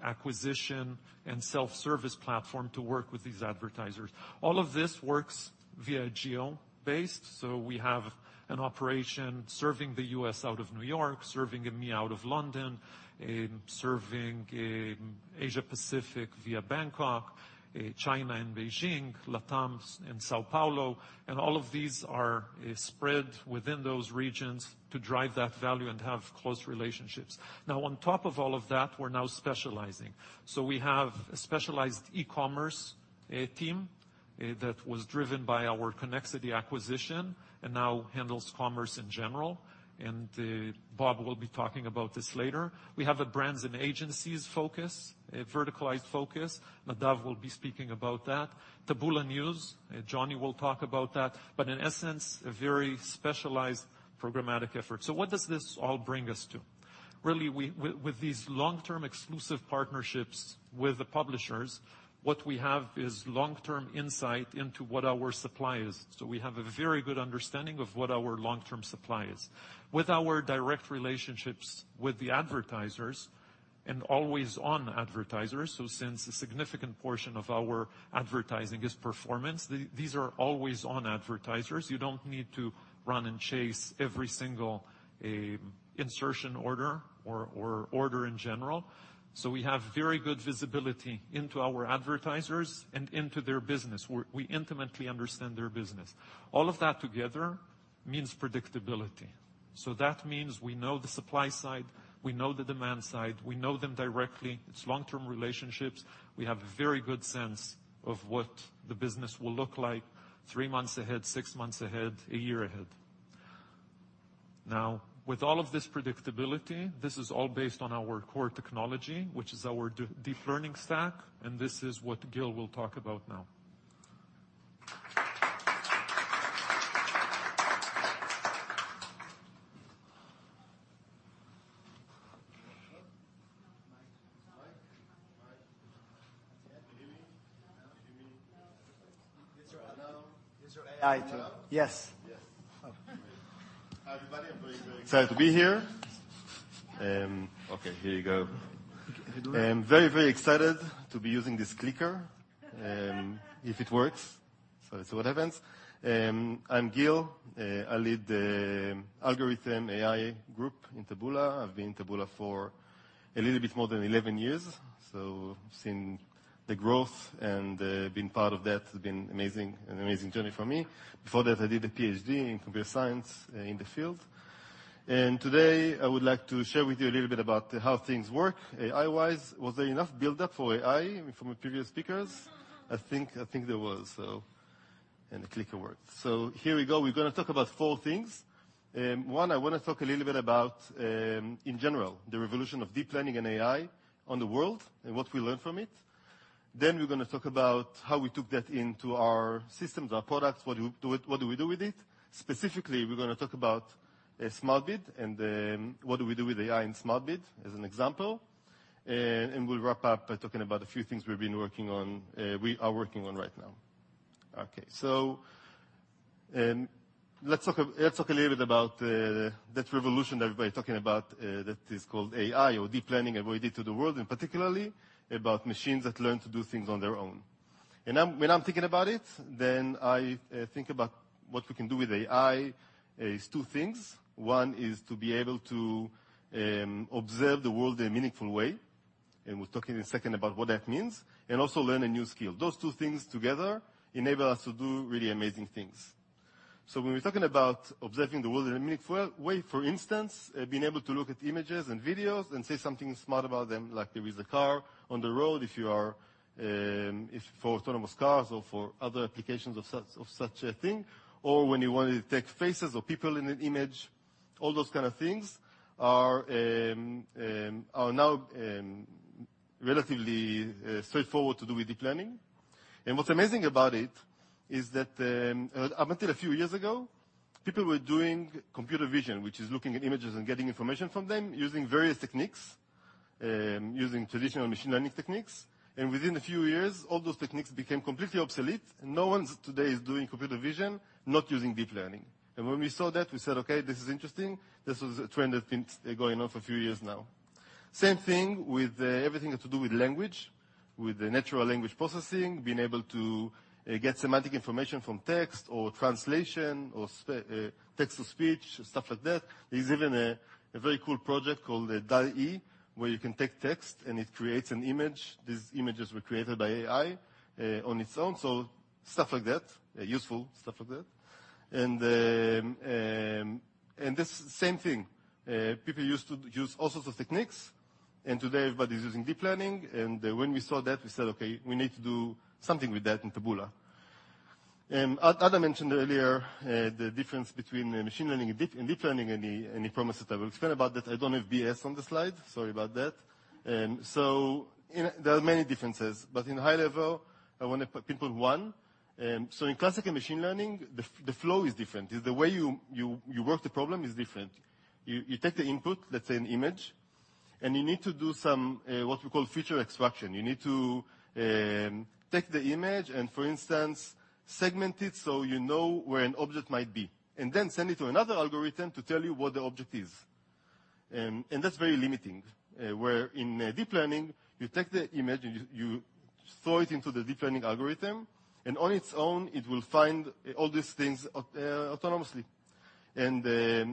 acquisition and self-service platform to work with these advertisers. All of this works via geo-based. We have an operation serving the U.S. out of New York, serving EMEA out of London, serving Asia-Pacific via Bangkok, China in Beijing, LatAm in São Paulo, and all of these are spread within those regions to drive that value and have close relationships. Now, on top of all of that, we're now specializing. We have a specialized e-commerce team that was driven by our Connexity acquisition and now handles commerce in general. Bob will be talking about this later. We have a brands and agencies focus, a verticalized focus. Nadav will be speaking about that. Taboola News, Jonny will talk about that. In essence, a very specialized programmatic effort. What does this all bring us to? Really, with these long-term exclusive partnerships with the publishers, what we have is long-term insight into what our supply is. We have a very good understanding of what our long-term supply is. With our direct relationships with the advertisers and always-on advertisers, since a significant portion of our advertising is performance, these are always on advertisers. You don't need to run and chase every single insertion order or order in general. We have very good visibility into our advertisers and into their business. We intimately understand their business. All of that together means predictability. That means we know the supply side, we know the demand side, we know them directly. It's long-term relationships. We have a very good sense of what the business will look like three months ahead, six months ahead, a year ahead. Now, with all of this predictability, this is all based on our core technology, which is our deep learning stack, and this is what Gil will talk about now. Can you hear me? Yes. Hi, everybody. I'm very, very excited to be here. Okay, here you go. I'm very, very excited to be using this clicker, if it works. Let's see what happens. I'm Gil. I lead the algorithm AI group in Taboola. I've been in Taboola for a little bit more than 11 years, so I've seen the growth and being part of that has been amazing, an amazing journey for me. Before that, I did a PhD in Computer Science in the field. Today, I would like to share with you a little bit about how things work AI-wise. Was there enough build-up for AI from the previous speakers? I think there was. The clicker works. Here we go. We're gonna talk about four things. One, I wanna talk a little bit about in general the revolution of deep learning and AI on the world, and what we learned from it. We're gonna talk about how we took that into our systems, our products. What do we do with it? Specifically, we're gonna talk about SmartBid and what we do with AI in SmartBid as an example. We'll wrap up by talking about a few things we've been working on, we are working on right now. Okay. Let's talk a little bit about that revolution everybody's talking about, that is called AI or deep learning and what it did to the world, and particularly about machines that learn to do things on their own. When I'm thinking about it, I think about what we can do with AI is two things. One is to be able to observe the world in a meaningful way, and we'll talk in a second about what that means, and also learn a new skill. Those two things together enable us to do really amazing things. When we're talking about observing the world in a meaningful way, for instance, being able to look at images and videos and say something smart about them, like there is a car on the road for autonomous cars or for other applications of such a thing, or when you wanted to take faces of people in an image. All those kind of things are now relatively straightforward to do with deep learning. What's amazing about it is that, up until a few years ago, people were doing computer vision, which is looking at images and getting information from them using various techniques, using traditional machine learning techniques, and within a few years, all those techniques became completely obsolete, and no one today is doing computer vision not using deep learning. When we saw that, we said, "Okay, this is interesting." This was a trend that's been going on for a few years now. Same thing with everything to do with language. With the natural language processing, being able to get semantic information from text or translation or text to speech, stuff like that. There's even a very cool project called DALL·E, where you can take text, and it creates an image. These images were created by AI on its own, so stuff like that. Useful stuff like that. This same thing, people used to use all sorts of techniques, and today everybody's using deep learning. When we saw that, we said, "Okay, we need to do something with that in Taboola." Adam mentioned earlier the difference between machine learning and deep learning and the promise that. We'll forget about that. I don't have BS on the slide. Sorry about that. There are many differences, but in high level, I wanna pinpoint one. In classical machine learning, the flow is different. The way you work the problem is different. You take the input, let's say an image, and you need to do some what we call feature extraction. You need to take the image and, for instance, segment it, so you know where an object might be, and then send it to another algorithm to tell you what the object is. That's very limiting, whereas in deep learning, you take the image, and you throw it into the deep learning algorithm, and on its own, it will find all these things autonomously. It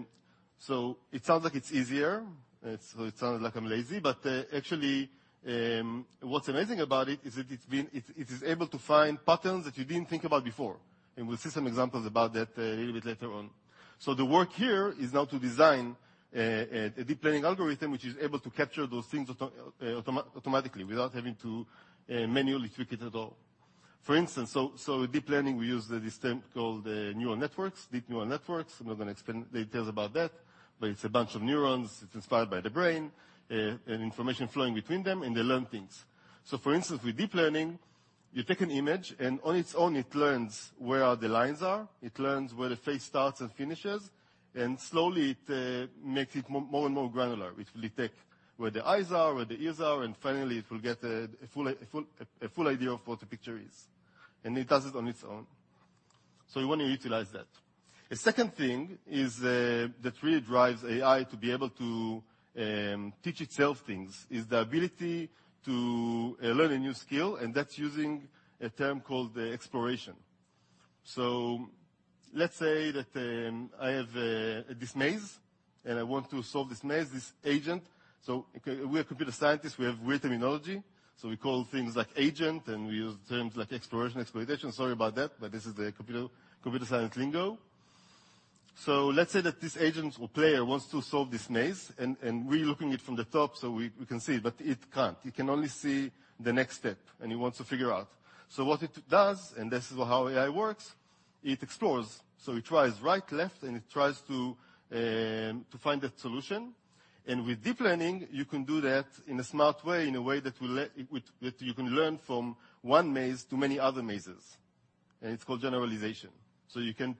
sounds like it's easier. It sounds like I'm lazy, but actually, what's amazing about it is that it is able to find patterns that you didn't think about before, and we'll see some examples about that a little bit later on. The work here is now to design a deep learning algorithm which is able to capture those things automatically without having to manually tweak it at all. For instance, deep learning, we use this term called neural networks, deep neural networks. I'm not gonna explain details about that, but it's a bunch of neurons. It's inspired by the brain, and information flowing between them, and they learn things. For instance, with deep learning, you take an image, and on its own, it learns where the lines are, it learns where the face starts and finishes, and slowly it makes it more and more granular. It'll detect where the eyes are, where the ears are, and finally it will get a full idea of what the picture is, and it does it on its own. We wanna utilize that. A second thing is that really drives AI to be able to teach itself things is the ability to learn a new skill, and that's using a term called exploration. Let's say that I have this maze, and I want to solve this maze, this agent. Okay, we're computer scientists. We have weird terminology. We call things like agent, and we use terms like exploration, exploitation. Sorry about that, but this is the computer science lingo. Let's say that this agent or player wants to solve this maze, and we're looking at it from the top, so we can see it, but it can't. It can only see the next step, and he wants to figure out. What it does, and this is how AI works, it explores. It tries right, left, and it tries to find a solution. With deep learning, you can do that in a smart way, in a way that will let you learn from one maze to many other mazes, and it's called generalization. You can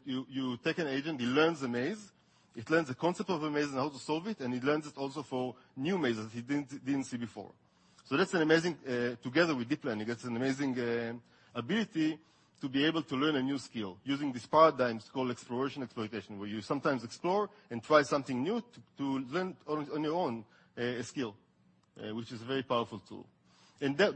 take an agent. He learns a maze. It learns the concept of a maze and how to solve it, and it learns it also for new mazes he didn't see before. That's an amazing. Together with deep learning, that's an amazing ability to be able to learn a new skill using these paradigms called exploration, exploitation, where you sometimes explore and try something new to learn on your own, a skill, which is a very powerful tool.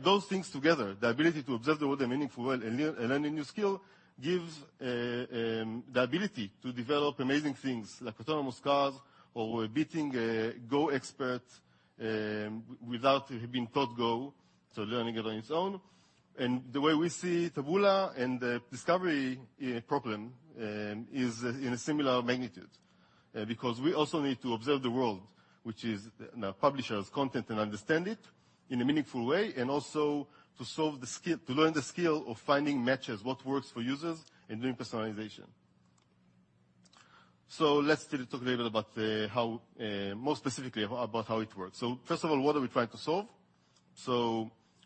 Those things together, the ability to observe the world in a meaningful way and learning a new skill, gives the ability to develop amazing things like autonomous cars or beating a Go expert without having been taught Go, so learning it on its own. The way we see Taboola and the discovery problem is in a similar magnitude because we also need to observe the world, which is publishers' content and understand it in a meaningful way, and also to learn the skill of finding matches, what works for users, and doing personalization. Let's talk a little about the how more specifically about how it works. First of all, what are we trying to solve?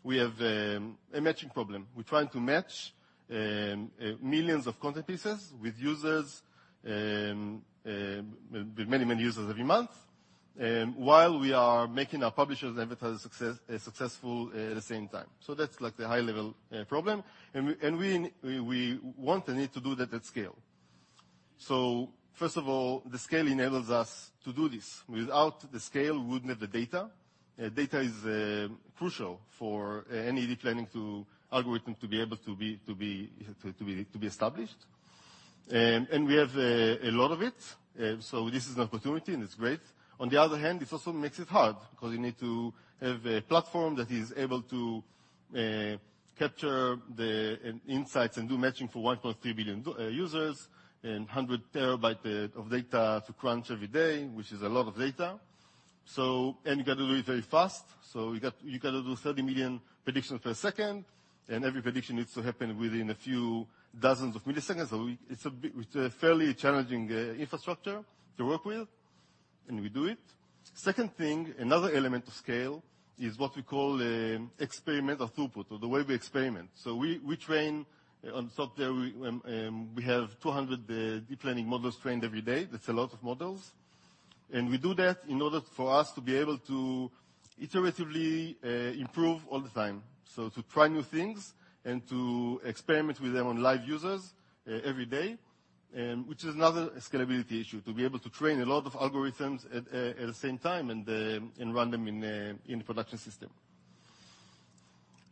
We have a matching problem. We're trying to match millions of content pieces with users with many, many users every month while we are making our publishers and advertisers successful at the same time. That's like the high level problem. We want and need to do that at scale. First of all, the scale enables us to do this. Without the scale, we wouldn't have the data. Data is crucial for any deep learning algorithm to be able to be established. We have a lot of it, so this is an opportunity, and it's great. On the other hand, this also makes it hard because you need to have a platform that is able to capture the insights and do matching for 1.3 billion users and 100 TB of data to crunch every day, which is a lot of data. You got to do it very fast. You got to do 30 million predictions per second, and every prediction needs to happen within a few dozen milliseconds. It's a fairly challenging infrastructure to work with, and we do it. Second thing, another element of scale is what we call experimental throughput or the way we experiment. We train on software. We have 200 deep learning models trained every day. That's a lot of models. We do that in order for us to be able to iteratively improve all the time. To try new things and to experiment with them on live users every day, which is another scalability issue, to be able to train a lot of algorithms at the same time and run them in a production system.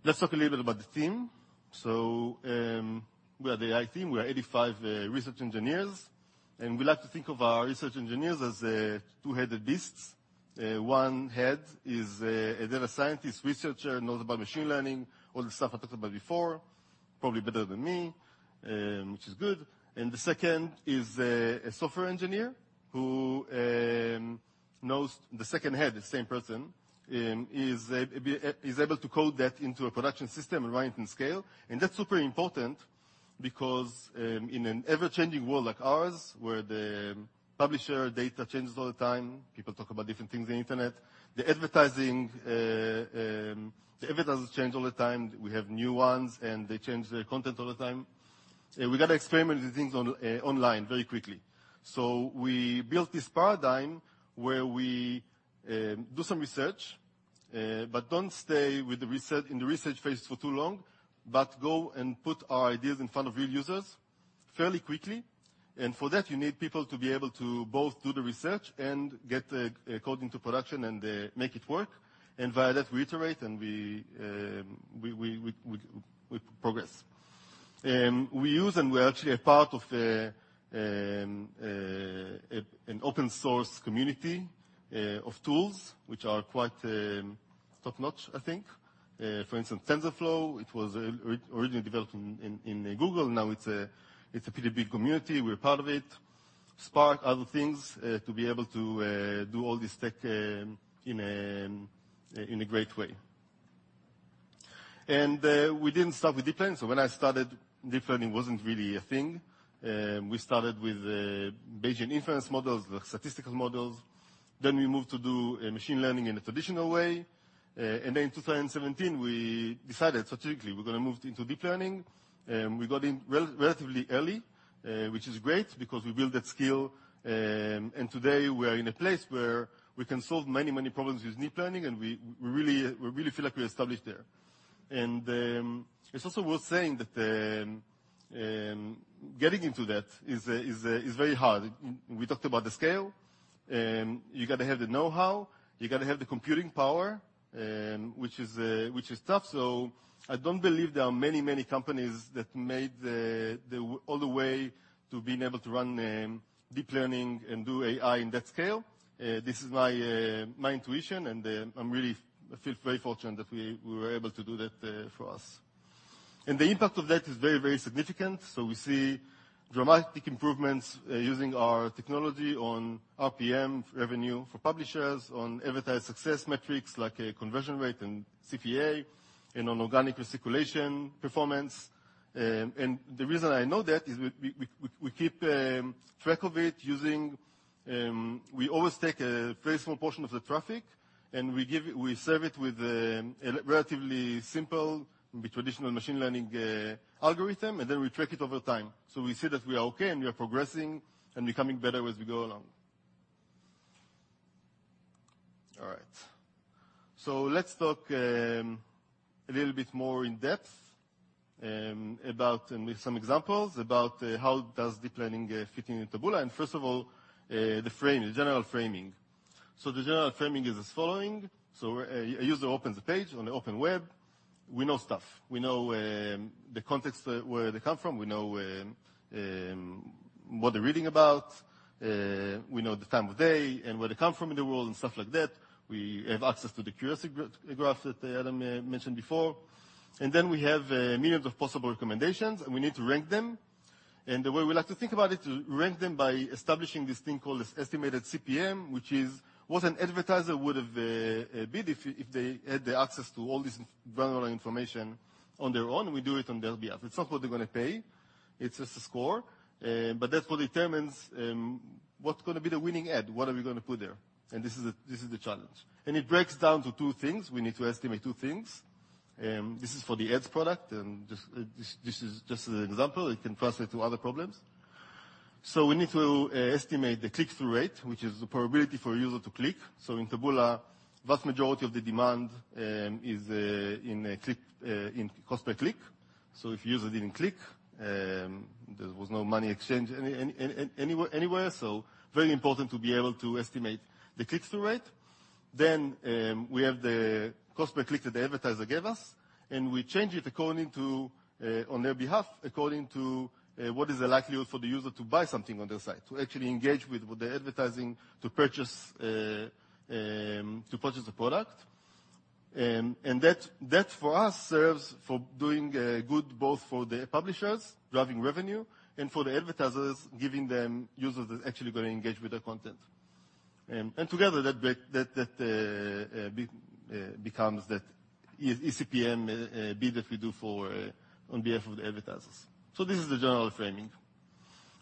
Let's talk a little bit about the team. We are the AI team. We are 85 research engineers, and we like to think of our research engineers as two-headed beasts. One head is a data scientist, researcher, knows about machine learning, all the stuff I talked about before, probably better than me, which is good. The second is a software engineer who knows... The second head, the same person, is able to code that into a production system and run it at scale. That's super important because in an ever-changing world like ours, where the publisher data changes all the time, people talk about different things on the internet. The advertisers change all the time. We have new ones, and they change their content all the time. We got to experiment with things online very quickly. We built this paradigm where we do some research, but don't stay with the research in the research phase for too long, but go and put our ideas in front of real users fairly quickly. For that, you need people to be able to both do the research and get the code into production and make it work. Via that, we iterate, and we progress. We use and we are actually a part of an open source community of tools which are quite top-notch, I think. For instance, TensorFlow, it was originally developed in Google. Now it's a pretty big community. We're part of it. Spark, other things, to be able to do all this tech in a great way. We didn't start with deep learning. When I started, deep learning wasn't really a thing. We started with Bayesian inference models, the statistical models. Then we moved to do machine learning in a traditional way. In 2017, we decided strategically we're going to move into deep learning. We got in relatively early, which is great because we built that skill. Today we are in a place where we can solve many problems with deep learning, and we really feel like we're established there. It's also worth saying that getting into that is very hard. We talked about the scale. You got to have the know-how. You got to have the computing power, which is tough. I don't believe there are many companies that made it all the way to being able to run deep learning and do AI in that scale. This is my intuition, and I really feel very fortunate that we were able to do that for us. The impact of that is very, very significant. We see dramatic improvements using our technology on RPM revenue for publishers, on advertiser success metrics like conversion rate and CPA and on organic recirculation performance. The reason I know that is we keep track of it. We always take a very small portion of the traffic, and we serve it with a relatively simple but traditional machine learning algorithm, and then we track it over time. We see that we are okay and we are progressing and becoming better as we go along. All right. Let's talk a little bit more in depth about and with some examples about how does deep learning fit in with Taboola. First of all, the frame, the general framing. The general framing is as following. A user opens a page on the open web. We know stuff. We know the context where they come from. We know what they're reading about. We know the time of day and where they come from in the world and stuff like that. We have access to the curiosity graph that Adam mentioned before. We have millions of possible recommendations, and we need to rank them. The way we like to think about it, to rank them by establishing this thing called estimated CPM, which is what an advertiser would have bid if they had the access to all this granular information on their own. We do it on their behalf. It's not what they're gonna pay. It's just a score. That's what determines what's gonna be the winning ad, what are we gonna put there. This is the challenge. It breaks down to two things. We need to estimate two things. This is for the ads product and just an example. It can translate to other problems. We need to estimate the click-through rate, which is the probability for a user to click. In Taboola, vast majority of the demand is in a click, in cost per click. If user didn't click, there was no money exchanged anywhere. Very important to be able to estimate the click-through rate. We have the cost per click that the advertiser gave us, and we change it according to, on their behalf, according to what is the likelihood for the user to buy something on their site, to actually engage with the advertising to purchase a product. That for us serves for doing good both for the publishers driving revenue and for the advertisers, giving them users that are actually going to engage with the content. Together that becomes that eCPM bid that we do, on behalf of the advertisers. This is the general framing.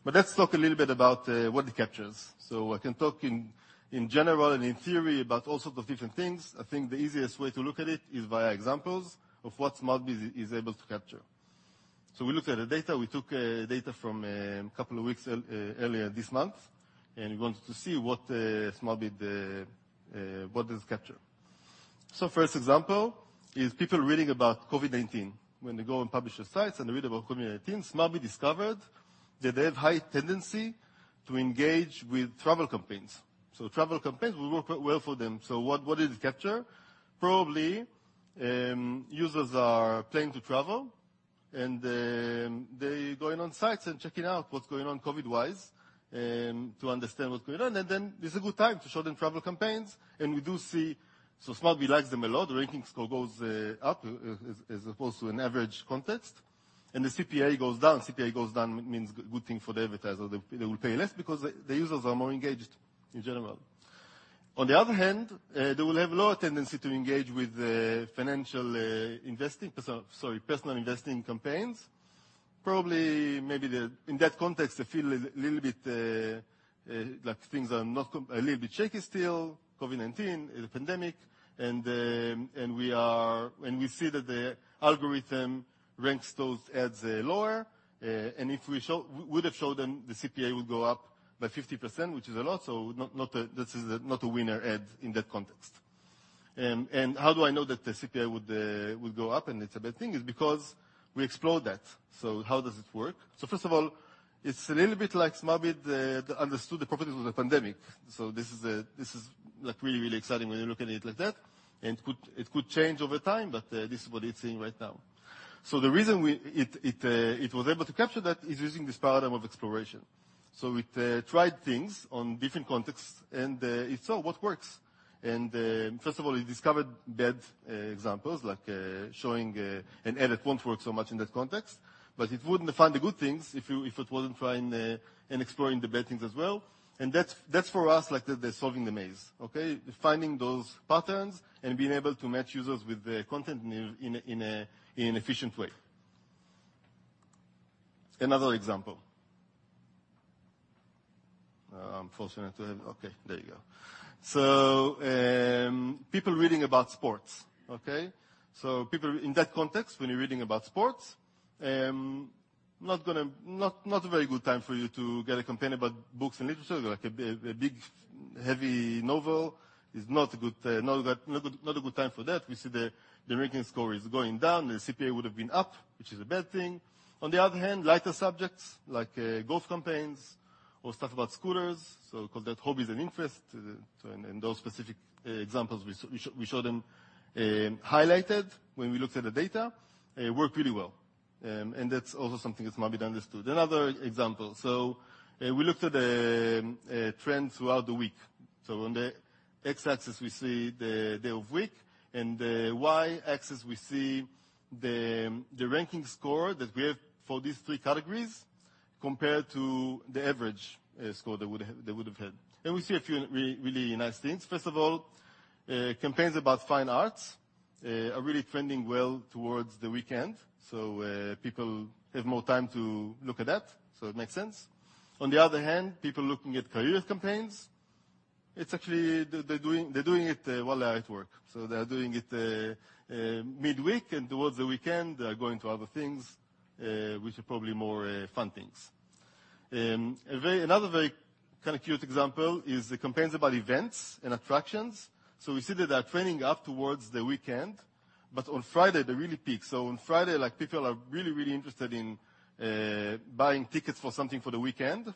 Let's talk a little bit about what it captures. I can talk in general and in theory about all sorts of different things. I think the easiest way to look at it is via examples of what SmartBid is able to capture. We looked at the data. We took data from a couple of weeks earlier this month, and we wanted to see what SmartBid captures. First example is people reading about COVID-19. When they go on publishers' sites and they read about COVID-19, SmartBid discovered that they have high tendency to engage with travel campaigns. Travel campaigns will work quite well for them. What did it capture? Probably users are planning to travel, and they're going on sites and checking out what's going on COVID-wise, to understand what's going on. Then it's a good time to show them travel campaigns. We do see. SmartBid likes them a lot. The ranking score goes up as opposed to an average context, and the CPA goes down. CPA goes down means good thing for the advertiser. They will pay less because the users are more engaged in general. On the other hand, they will have lower tendency to engage with financial, personal investing campaigns. Probably in that context, they feel a little bit like things are a little bit shaky still, COVID-19, the pandemic, and we see that the algorithm ranks those ads lower. If we would have showed them, the CPA would go up by 50%, which is a lot. This is not a winner ad in that context. How do I know that the CPA would go up and it's a bad thing? It's because we explored that. How does this work? First of all, it's a little bit like SmartBid understood the properties of the pandemic. This is like really exciting when you look at it like that. It could change over time, but this is what it's seeing right now. The reason it was able to capture that is using this paradigm of exploration. It tried things on different contexts, and it saw what works. First of all, it discovered bad examples, like showing an ad that won't work so much in that context, but it wouldn't find the good things if you... If it wasn't trying and exploring the bad things as well. That's for us like the solving the maze. Okay. Finding those patterns and being able to match users with the content in an efficient way. Another example. I'm fortunate to have. Okay, there you go. People reading about sports. People in that context, when you're reading about sports, not a very good time for you to get a campaign about books and literature, like a big, heavy novel is not a good time for that. We see the ranking score is going down. The CPA would have been up, which is a bad thing. On the other hand, lighter subjects like golf campaigns or stuff about scooters. Call that hobbies and interest. In those specific examples we show them highlighted when we looked at the data, it worked really well. And that's also something that SmartBid understood. Another example. We looked at trends throughout the week. On the X-axis, we see the day of week, and the Y-axis, we see the ranking score that we have for these three categories compared to the average score they would have had. We see a few really nice things. First of all, campaigns about fine arts are really trending well towards the weekend, people have more time to look at that. It makes sense. On the other hand, people looking at career campaigns, it's actually they're doing it while they're at work. They are doing it midweek, and towards the weekend, they are going to other things, which are probably more fun things. Another very kind of cute example is the campaigns about events and attractions. We see that they are trending up towards the weekend, but on Friday they really peak. On Friday, like, people are really, really interested in buying tickets for something for the weekend.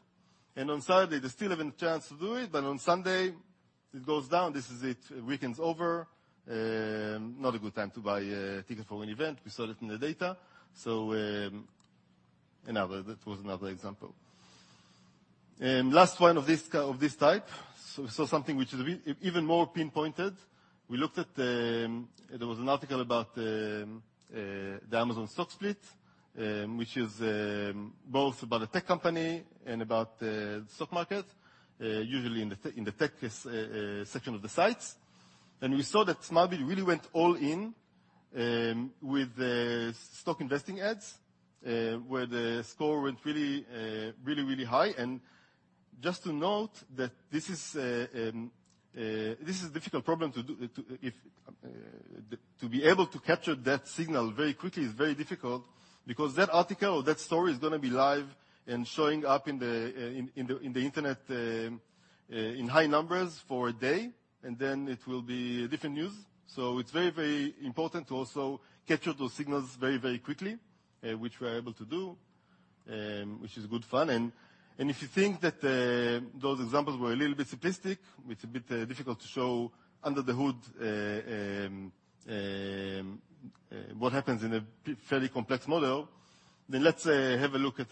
On Saturday, they still have a chance to do it, but on Sunday it goes down. This is it, weekend's over. Not a good time to buy a ticket for an event. We saw that in the data. Another. That was another example. Last one of this kind of this type. Something which is even more pinpointed. We looked at there was an article about the Amazon stock split, which is both about a tech company and about the stock market, usually in the tech section of the sites. We saw that SmartBid really went all in with the stock investing ads, where the score went really high. Just to note that this is a difficult problem to do. To be able to capture that signal very quickly is very difficult because that article or that story is going to be live and showing up in the internet in high numbers for a day, and then it will be different news. It's very, very important to also capture those signals very, very quickly, which we are able to do, which is good fun. If you think that those examples were a little bit simplistic, it's a bit difficult to show under the hood what happens in a fairly complex model, then let's have a look at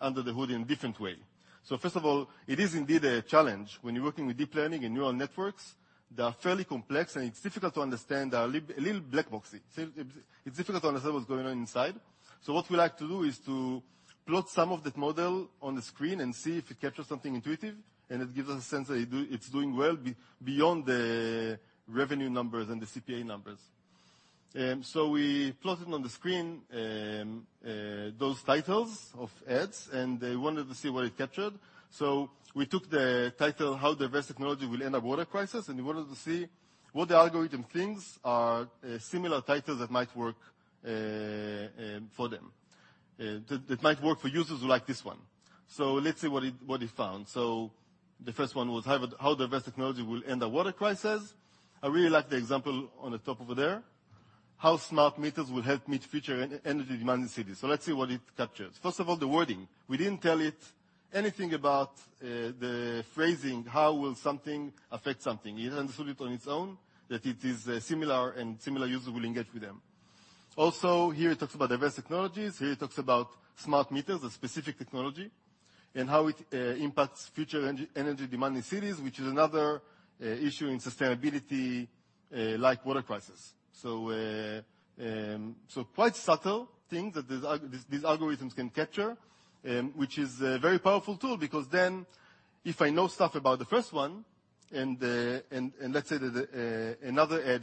under the hood in a different way. First of all, it is indeed a challenge when you're working with deep learning and neural networks. They are fairly complex, and it's difficult to understand. They are a little black boxy. It's difficult to understand what's going on inside. What we like to do is to plot some of that model on the screen and see if it captures something intuitive, and it gives us a sense that it's doing well beyond the revenue numbers and the CPA numbers. We plotted on the screen those titles of ads, and we wanted to see what it captured. We took the title How Diverse Technology Will End Our Water Crisis, and we wanted to see what the algorithm thinks are similar titles that might work for them. That might work for users who like this one. Let's see what it found. The first one was How Diverse Technology Will End Our Water Crisis. I really like the example on the top over there. How smart meters will help meet future energy demand in cities. Let's see what it captures. First of all, the wording. We didn't tell it anything about the phrasing, how will something affect something. It understood it on its own, that it is similar and similar users will engage with them. Also, here it talks about diverse technologies. Here it talks about smart meters, a specific technology, and how it impacts future energy demand in cities, which is another issue in sustainability, like water crisis. Quite subtle things that these algorithms can capture, which is a very powerful tool because then if I know stuff about the first one and let's say that another ad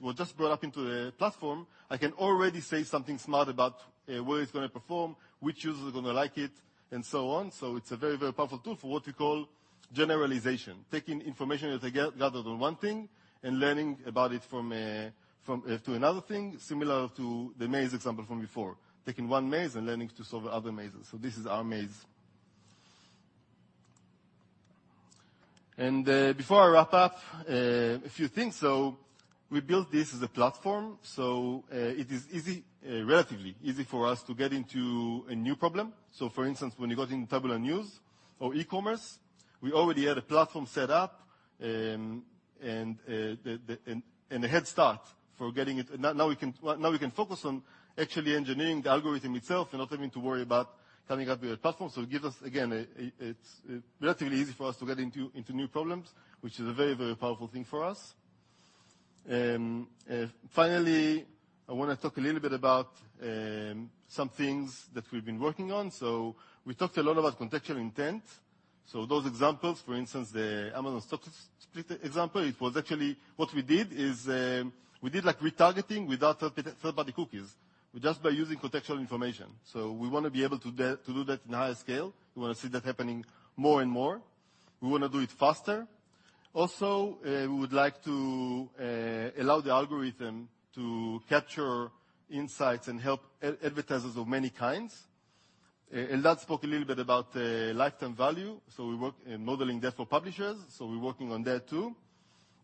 was just brought up into the platform, I can already say something smart about where it's going to perform, which user's gonna like it and so on. It's a very, very powerful tool for what we call generalization. Taking information that I gathered on one thing and learning about it from to another thing, similar to the maze example from before. Taking one maze and learning to solve other mazes. This is our maze. Before I wrap up, a few things. We built this as a platform, so it is relatively easy for us to get into a new problem. For instance, when we got into Taboola News or e-commerce, we already had a platform set up, and a head start for getting it. Now we can focus on actually engineering the algorithm itself and not having to worry about coming up with a platform. It gives us, again, it is relatively easy for us to get into new problems, which is a very, very powerful thing for us. Finally, I want to talk a little bit about some things that we've been working on. We talked a lot about contextual intent. Those examples, for instance, the Amazon stock split example, it was actually what we did. We did like retargeting without third-party cookies, just by using contextual information. We want to be able to to do that in a higher scale. We want to see that happening more and more. We want to do it faster. Also, we would like to allow the algorithm to capture insights and help advertisers of many kinds. Eldad spoke a little bit about lifetime value. We're modeling that for publishers, so we're working on that too.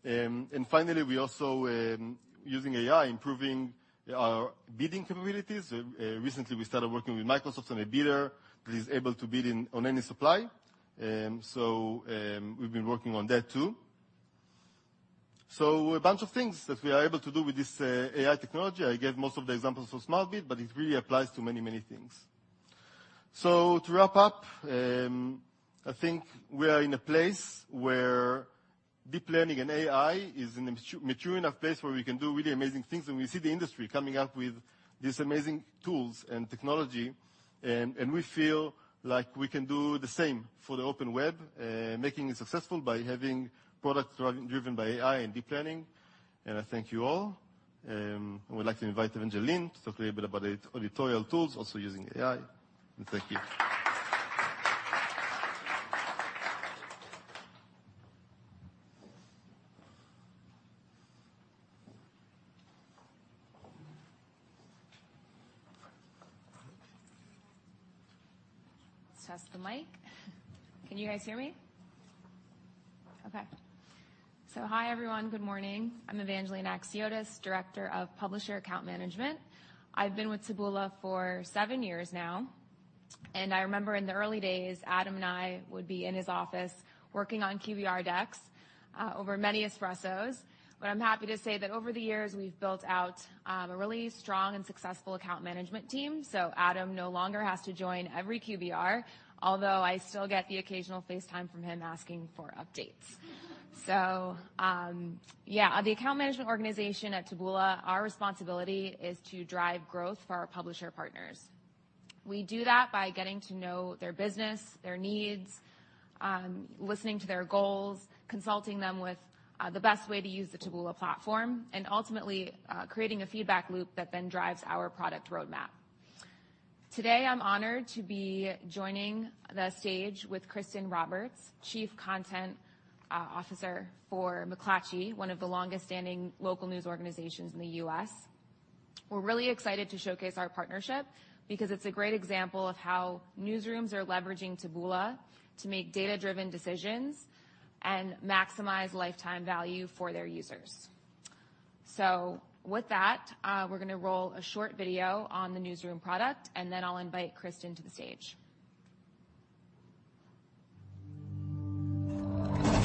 And finally, we're also using AI, improving our bidding capabilities. Recently we started working with Microsoft on a bidder that is able to bid on any supply. We've been working on that too. A bunch of things that we are able to do with this AI technology. I gave most of the examples for SmartBid, but it really applies to many, many things. To wrap up, I think we are in a place where deep learning and AI is in a mature enough place where we can do really amazing things, and we see the industry coming up with these amazing tools and technology. We feel like we can do the same for the open web, making it successful by having products driven by AI and deep learning. I thank you all. I would like to invite Evangeline to talk a little bit about editorial tools also using AI. Thank you. Let's test the mic. Can you guys hear me? Okay. Hi, everyone. Good morning. I'm Evangeline Axiotis, Director of Publisher Account Management. I've been with Taboola for seven years now, and I remember in the early days, Adam and I would be in his office working on QBR decks over many espressos. I'm happy to say that over the years, we've built out a really strong and successful account management team. Adam no longer has to join every QBR, although I still get the occasional FaceTime from him asking for updates. Yeah. The account management organization at Taboola, our responsibility is to drive growth for our publisher partners. We do that by getting to know their business, their needs, listening to their goals, consulting them with the best way to use the Taboola platform, and ultimately, creating a feedback loop that then drives our product roadmap. Today, I'm honored to be joining the stage with Kristin Roberts, Chief Content Officer for McClatchy, one of the longest standing local news organizations in the U.S. We're really excited to showcase our partnership because it's a great example of how newsrooms are leveraging Taboola to make data-driven decisions and maximize lifetime value for their users. With that, we're gonna roll a short video on the Newsroom product, and then I'll invite Kristin to the stage.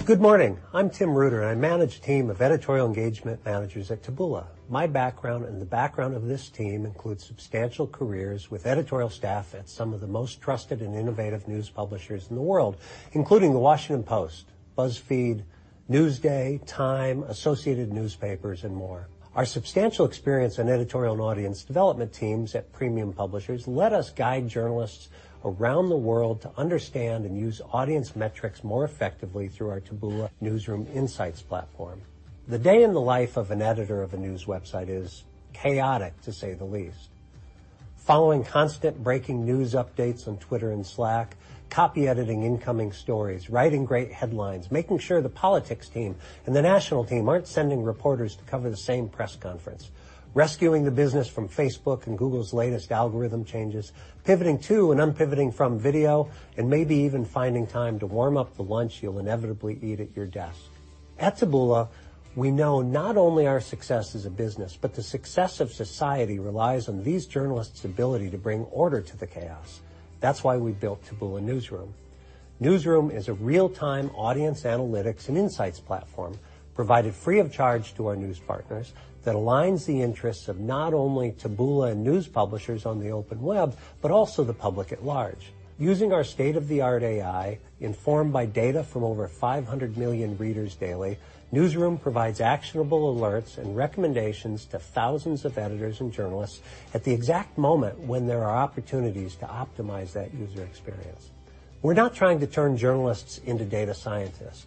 Good morning. I'm Tim Ruder, and I manage a team of editorial engagement managers at Taboola. My background and the background of this team includes substantial careers with editorial staff at some of the most trusted and innovative news publishers in the world, including The Washington Post, BuzzFeed, Newsday, Time, Associated Newspapers, and more. Our substantial experience in editorial and audience development teams at premium publishers let us guide journalists around the world to understand and use audience metrics more effectively through our Taboola Newsroom Insights platform. The day in the life of an editor of a news website is chaotic, to say the least. Following constant breaking news updates on Twitter and Slack, copy editing incoming stories, writing great headlines, making sure the politics team and the national team aren't sending reporters to cover the same press conference, rescuing the business from Facebook and Google's latest algorithm changes, pivoting to and un-pivoting from video, and maybe even finding time to warm up the lunch you'll inevitably eat at your desk. At Taboola, we know not only our success as a business, but the success of society relies on these journalists' ability to bring order to the chaos. That's why we built Taboola Newsroom. Newsroom is a real-time audience analytics and insights platform provided free of charge to our news partners that aligns the interests of not only Taboola and news publishers on the open web, but also the public at large. Using our state-of-the-art AI, informed by data from over 500 million readers daily, Newsroom provides actionable alerts and recommendations to thousands of editors and journalists at the exact moment when there are opportunities to optimize that user experience. We're not trying to turn journalists into data scientists.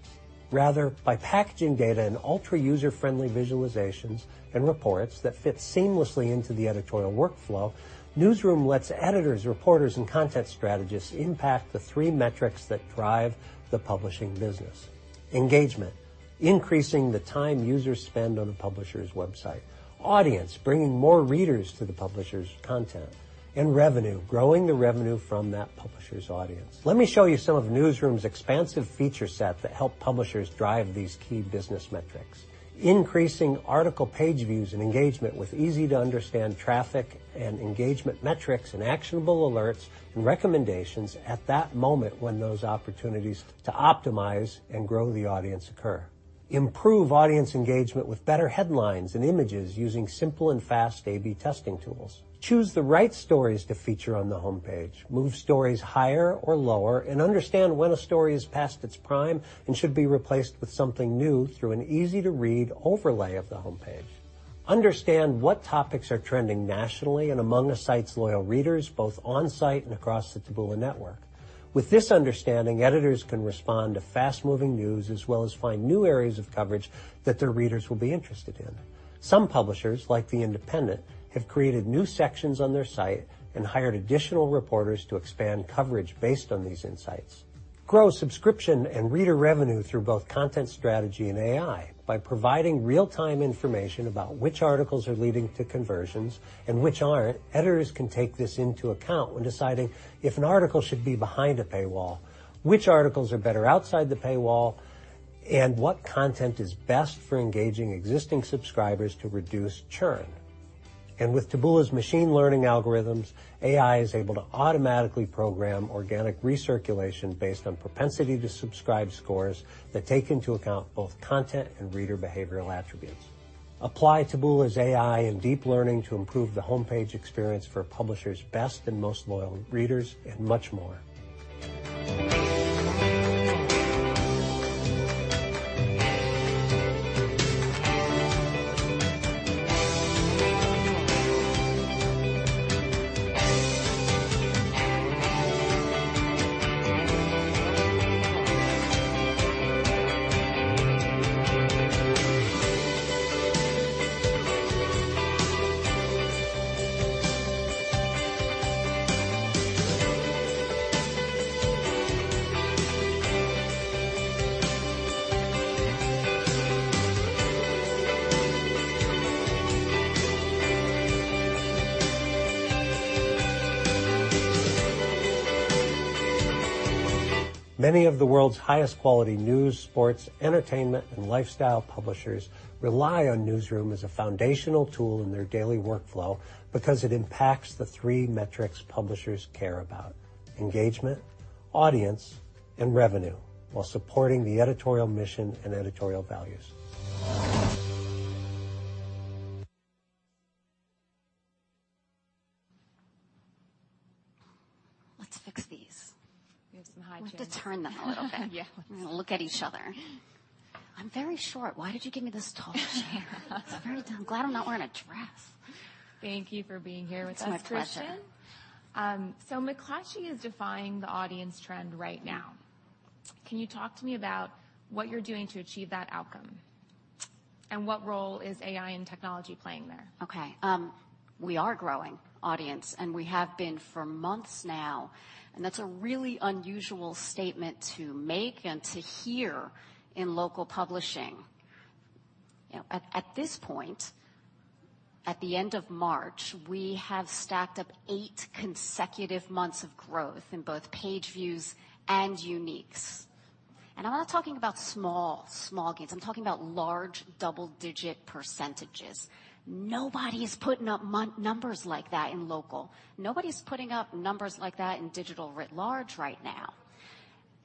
Rather, by packaging data in ultra user-friendly visualizations and reports that fit seamlessly into the editorial workflow, Newsroom lets editors, reporters, and content strategists impact the three metrics that drive the publishing business. Engagement, increasing the time users spend on a publisher's website. Audience, bringing more readers to the publisher's content. And revenue, growing the revenue from that publisher's audience. Let me show you some of Newsroom's expansive feature set that help publishers drive these key business metrics. Increasing article page views and engagement with easy to understand traffic and engagement metrics and actionable alerts and recommendations at that moment when those opportunities to optimize and grow the audience occur. Improve audience engagement with better headlines and images using simple and fast A/B testing tools. Choose the right stories to feature on the homepage. Move stories higher or lower, and understand when a story is past its prime and should be replaced with something new through an easy to read overlay of the homepage. Understand what topics are trending nationally and among a site's loyal readers, both on-site and across the Taboola network. With this understanding, editors can respond to fast-moving news, as well as find new areas of coverage that their readers will be interested in. Some publishers, like The Independent, have created new sections on their site and hired additional reporters to expand coverage based on these insights. Grow subscription and reader revenue through both content strategy and AI. By providing real-time information about which articles are leading to conversions and which aren't, editors can take this into account when deciding if an article should be behind a paywall, which articles are better outside the paywall, and what content is best for engaging existing subscribers to reduce churn. With Taboola's machine learning algorithms, AI is able to automatically program organic recirculation based on propensity to subscribe scores that take into account both content and reader behavioral attributes. Apply Taboola's AI and deep learning to improve the homepage experience for a publisher's best and most loyal readers, and much more. Many of the world's highest quality news, sports, entertainment, and lifestyle publishers rely on Newsroom as a foundational tool in their daily workflow because it impacts the three metrics publishers care about, engagement, audience, and revenue, while supporting the editorial mission and editorial values. Let's fix these. We have some high chairs. We have to turn them a little bit. Yeah. We're gonna look at each other. I'm very short. Why did you give me this tall chair? It's very tall. I'm glad I'm not wearing a dress. Thank you for being here with us. It's my pleasure. Kristin. McClatchy is defying the audience trend right now. Can you talk to me about what you're doing to achieve that outcome? What role is AI and technology playing there? Okay. We are growing audience, and we have been for months now, and that's a really unusual statement to make and to hear in local publishing. You know, at this point, at the end of March, we have stacked up eight consecutive months of growth in both page views and uniques. I'm not talking about small gains. I'm talking about large double-digit percentages. Nobody's putting up numbers like that in local. Nobody's putting up numbers like that in digital writ large right now.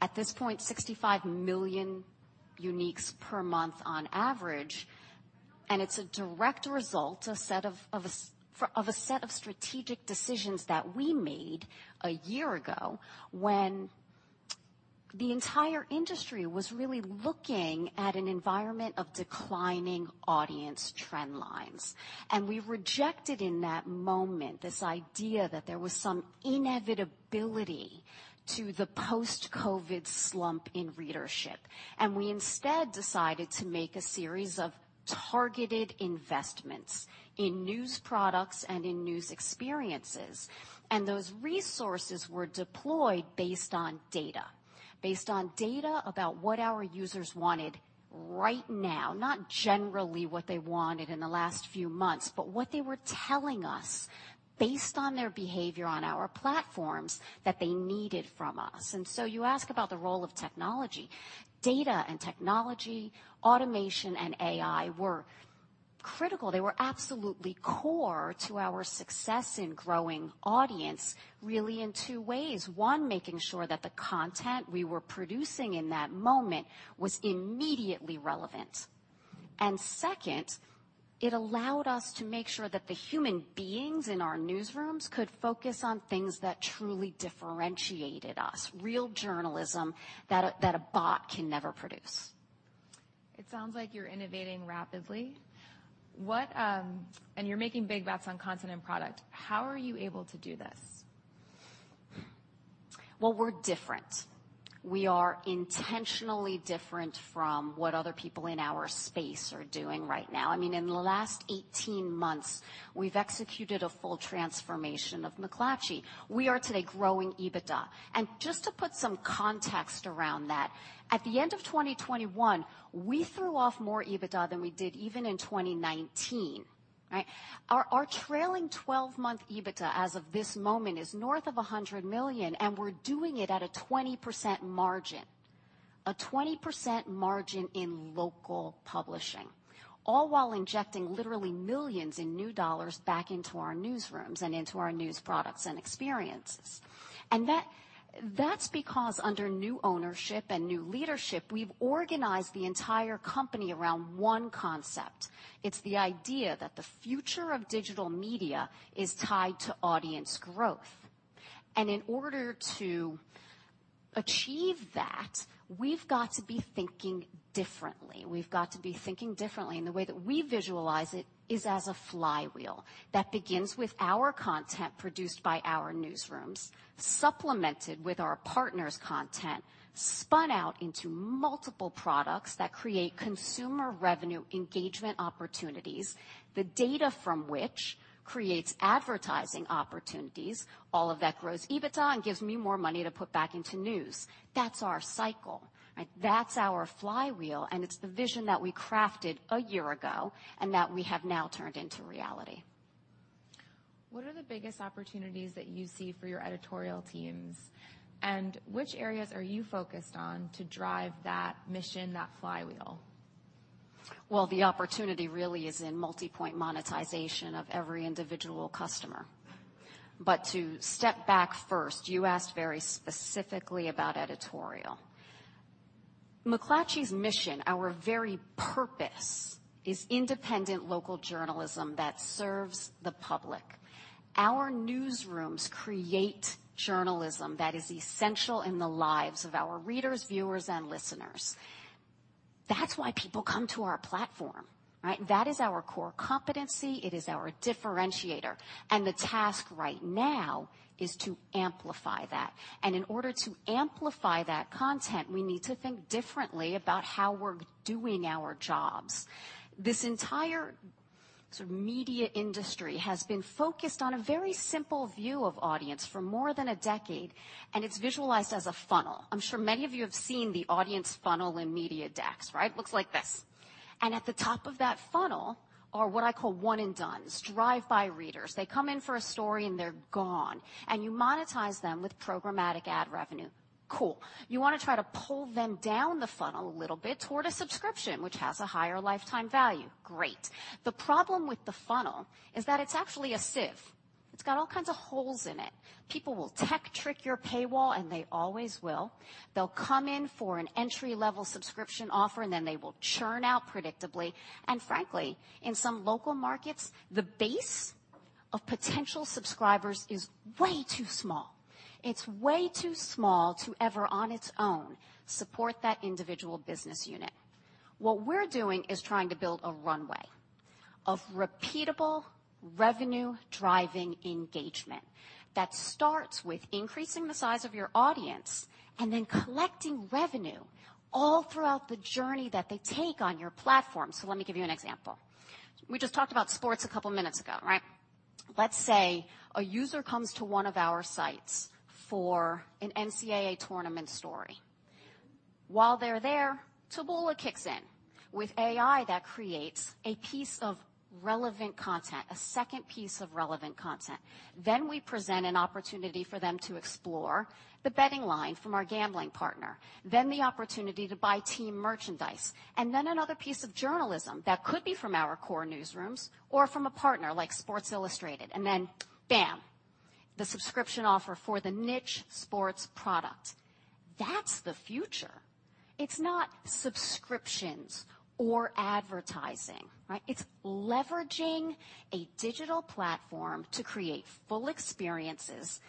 At this point, 65 million uniques per month on average, and it's a direct result of a set of strategic decisions that we made a year ago when the entire industry was really looking at an environment of declining audience trend lines. We rejected in that moment, this idea that there was some inevitability to the post-COVID slump in readership. We instead decided to make a series of targeted investments in news products and in news experiences. Those resources were deployed based on data. Based on data about what our users wanted right now, not generally what they wanted in the last few months, but what they were telling us based on their behavior on our platforms that they needed from us. You ask about the role of technology. Data and technology, automation and AI were critical. They were absolutely core to our success in growing audience, really in two ways. One, making sure that the content we were producing in that moment was immediately relevant. Second, it allowed us to make sure that the human beings in our newsrooms could focus on things that truly differentiated us, real journalism that a bot can never produce. It sounds like you're innovating rapidly. What, you're making big bets on content and product. How are you able to do this? Well, we're different. We are intentionally different from what other people in our space are doing right now. I mean, in the last 18 months, we've executed a full transformation of McClatchy. We are today growing EBITDA. Just to put some context around that, at the end of 2021, we threw off more EBITDA than we did even in 2019, right? Our trailing 12-month EBITDA as of this moment is north of $100 million, and we're doing it at a 20% margin. A 20% margin in local publishing, all while injecting literally millions of dollars back into our newsrooms and into our news products and experiences. That's because under new ownership and new leadership, we've organized the entire company around one concept. It's the idea that the future of digital media is tied to audience growth. In order to achieve that, we've got to be thinking differently. The way that we visualize it is as a flywheel that begins with our content produced by our newsrooms, supplemented with our partners' content, spun out into multiple products that create consumer revenue engagement opportunities, the data from which creates advertising opportunities. All of that grows EBITDA and gives me more money to put back into news. That's our cycle, right? That's our flywheel, and it's the vision that we crafted a year ago and that we have now turned into reality. What are the biggest opportunities that you see for your editorial teams, and which areas are you focused on to drive that mission, that flywheel? Well, the opportunity really is in multipoint monetization of every individual customer. To step back first, you asked very specifically about editorial. McClatchy's mission, our very purpose, is independent local journalism that serves the public. Our newsrooms create journalism that is essential in the lives of our readers, viewers, and listeners. That's why people come to our platform, right? That is our core competency, it is our differentiator, and the task right now is to amplify that. In order to amplify that content, we need to think differently about how we're doing our jobs. This entire so media industry has been focused on a very simple view of audience for more than a decade, and it's visualized as a funnel. I'm sure many of you have seen the audience funnel in media decks, right? Looks like this. At the top of that funnel are what I call one and dones, drive-by readers. They come in for a story, and they're gone. You monetize them with programmatic ad revenue. Cool. You want to try to pull them down the funnel a little bit toward a subscription, which has a higher lifetime value. Great. The problem with the funnel is that it's actually a sieve. It's got all kinds of holes in it. People will tech trick your paywall, and they always will. They'll come in for an entry-level subscription offer, and then they will churn out predictably. Frankly, in some local markets, the base of potential subscribers is way too small. It's way too small to ever, on its own, support that individual business unit. What we're doing is trying to build a runway of repeatable revenue-driving engagement that starts with increasing the size of your audience and then collecting revenue all throughout the journey that they take on your platform. Let me give you an example. We just talked about sports a couple minutes ago, right? Let's say a user comes to one of our sites for an NCAA tournament story. While they're there, Taboola kicks in with AI that creates a piece of relevant content, a second piece of relevant content. We present an opportunity for them to explore the betting line from our gambling partner, then the opportunity to buy team merchandise, and then another piece of journalism that could be from our core newsrooms or from a partner like Sports Illustrated. Bam, the subscription offer for the niche sports product. That's the future. It's not subscriptions or advertising, right? It's leveraging a digital platform to create full experiences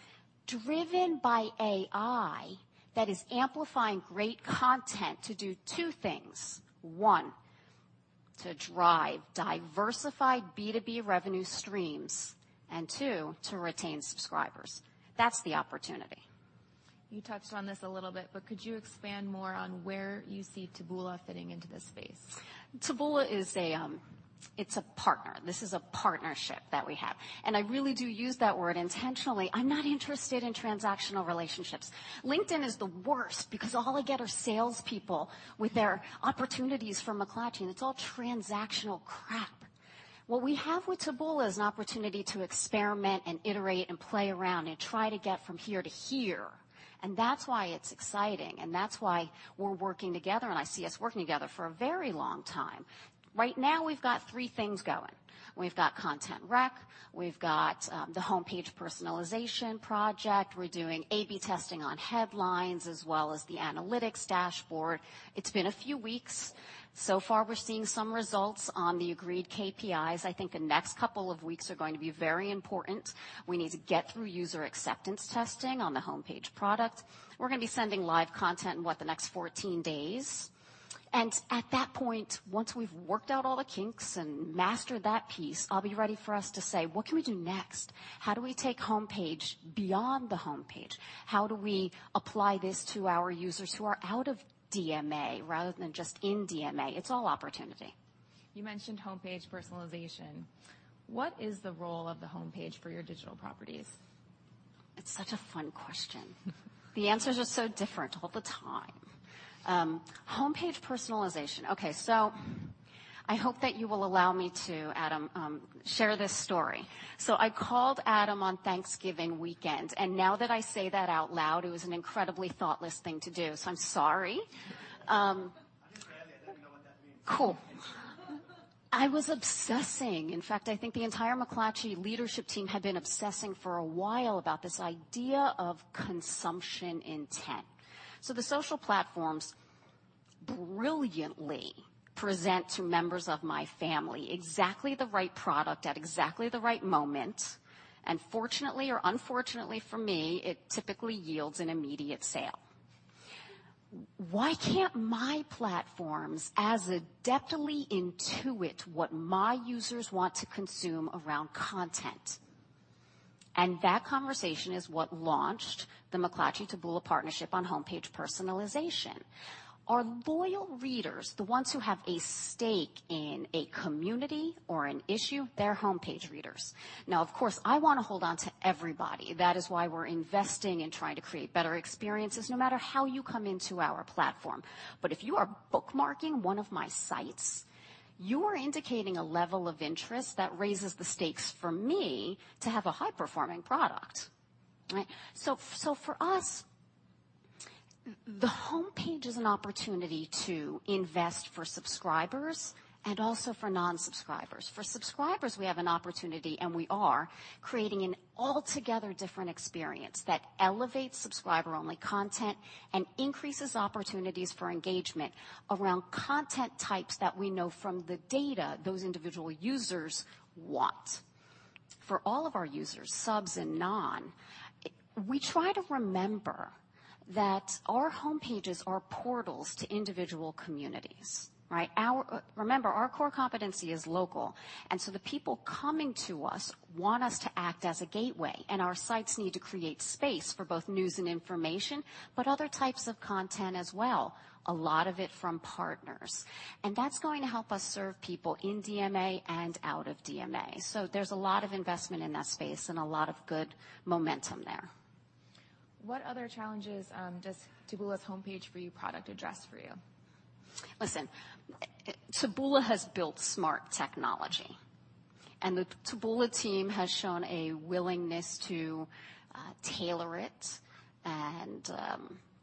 driven by AI that is amplifying great content to do two things. One, to drive diversified B2B revenue streams, and two, to retain subscribers. That's the opportunity. You touched on this a little bit, but could you expand more on where you see Taboola fitting into this space? Taboola is a partner. This is a partnership that we have, and I really do use that word intentionally. I'm not interested in transactional relationships. LinkedIn is the worst because all I get are salespeople with their opportunities for McClatchy, and it's all transactional crap. What we have with Taboola is an opportunity to experiment and iterate and play around and try to get from here to here. That's why it's exciting, and that's why we're working together, and I see us working together for a very long time. Right now, we've got three things going. We've got content rec. We've got the homepage personalization project. We're doing A/B testing on headlines as well as the analytics dashboard. It's been a few weeks. So far, we're seeing some results on the agreed KPIs. I think the next couple of weeks are going to be very important. We need to get through user acceptance testing on the homepage product. We're gonna be sending live content in, what, the next 14 days. At that point, once we've worked out all the kinks and mastered that piece, I'll be ready for us to say, "What can we do next? How do we take homepage beyond the homepage? How do we apply this to our users who are out of DMA rather than just in DMA?" It's all opportunity. You mentioned homepage personalization. What is the role of the homepage for your digital properties? It's such a fun question. The answers are so different all the time. Homepage personalization. Okay, I hope that you will allow me to, Adam, share this story. I called Adam on Thanksgiving weekend, and now that I say that out loud, it was an incredibly thoughtless thing to do, so I'm sorry. I didn't know what that means. Cool. I was obsessing. In fact, I think the entire McClatchy leadership team had been obsessing for a while about this idea of consumption intent. The social platforms brilliantly present to members of my family exactly the right product at exactly the right moment. Fortunately or unfortunately for me, it typically yields an immediate sale. Why can't my platforms as adeptly intuit what my users want to consume around content? That conversation is what launched the McClatchy-Taboola partnership on homepage personalization. Our loyal readers, the ones who have a stake in a community or an issue, they're homepage readers. Now, of course, I want to hold on to everybody. That is why we're investing in trying to create better experiences no matter how you come into our platform. If you are bookmarking one of my sites, you are indicating a level of interest that raises the stakes for me to have a high-performing product, right? So for us, the homepage is an opportunity to invest for subscribers and also for non-subscribers. For subscribers, we have an opportunity, and we are creating an altogether different experience that elevates subscriber-only content and increases opportunities for engagement around content types that we know from the data those individual users want. For all of our users, subs and non, we try to remember that our homepages are portals to individual communities, right? Remember, our core competency is local, and so the people coming to us want us to act as a gateway, and our sites need to create space for both news and information, but other types of content as well, a lot of it from partners. That's going to help us serve people in DMA and out of DMA. There's a lot of investment in that space and a lot of good momentum there. What other challenges does Taboola's Homepage For You product address for you? Listen, Taboola has built smart technology, and the Taboola team has shown a willingness to tailor it and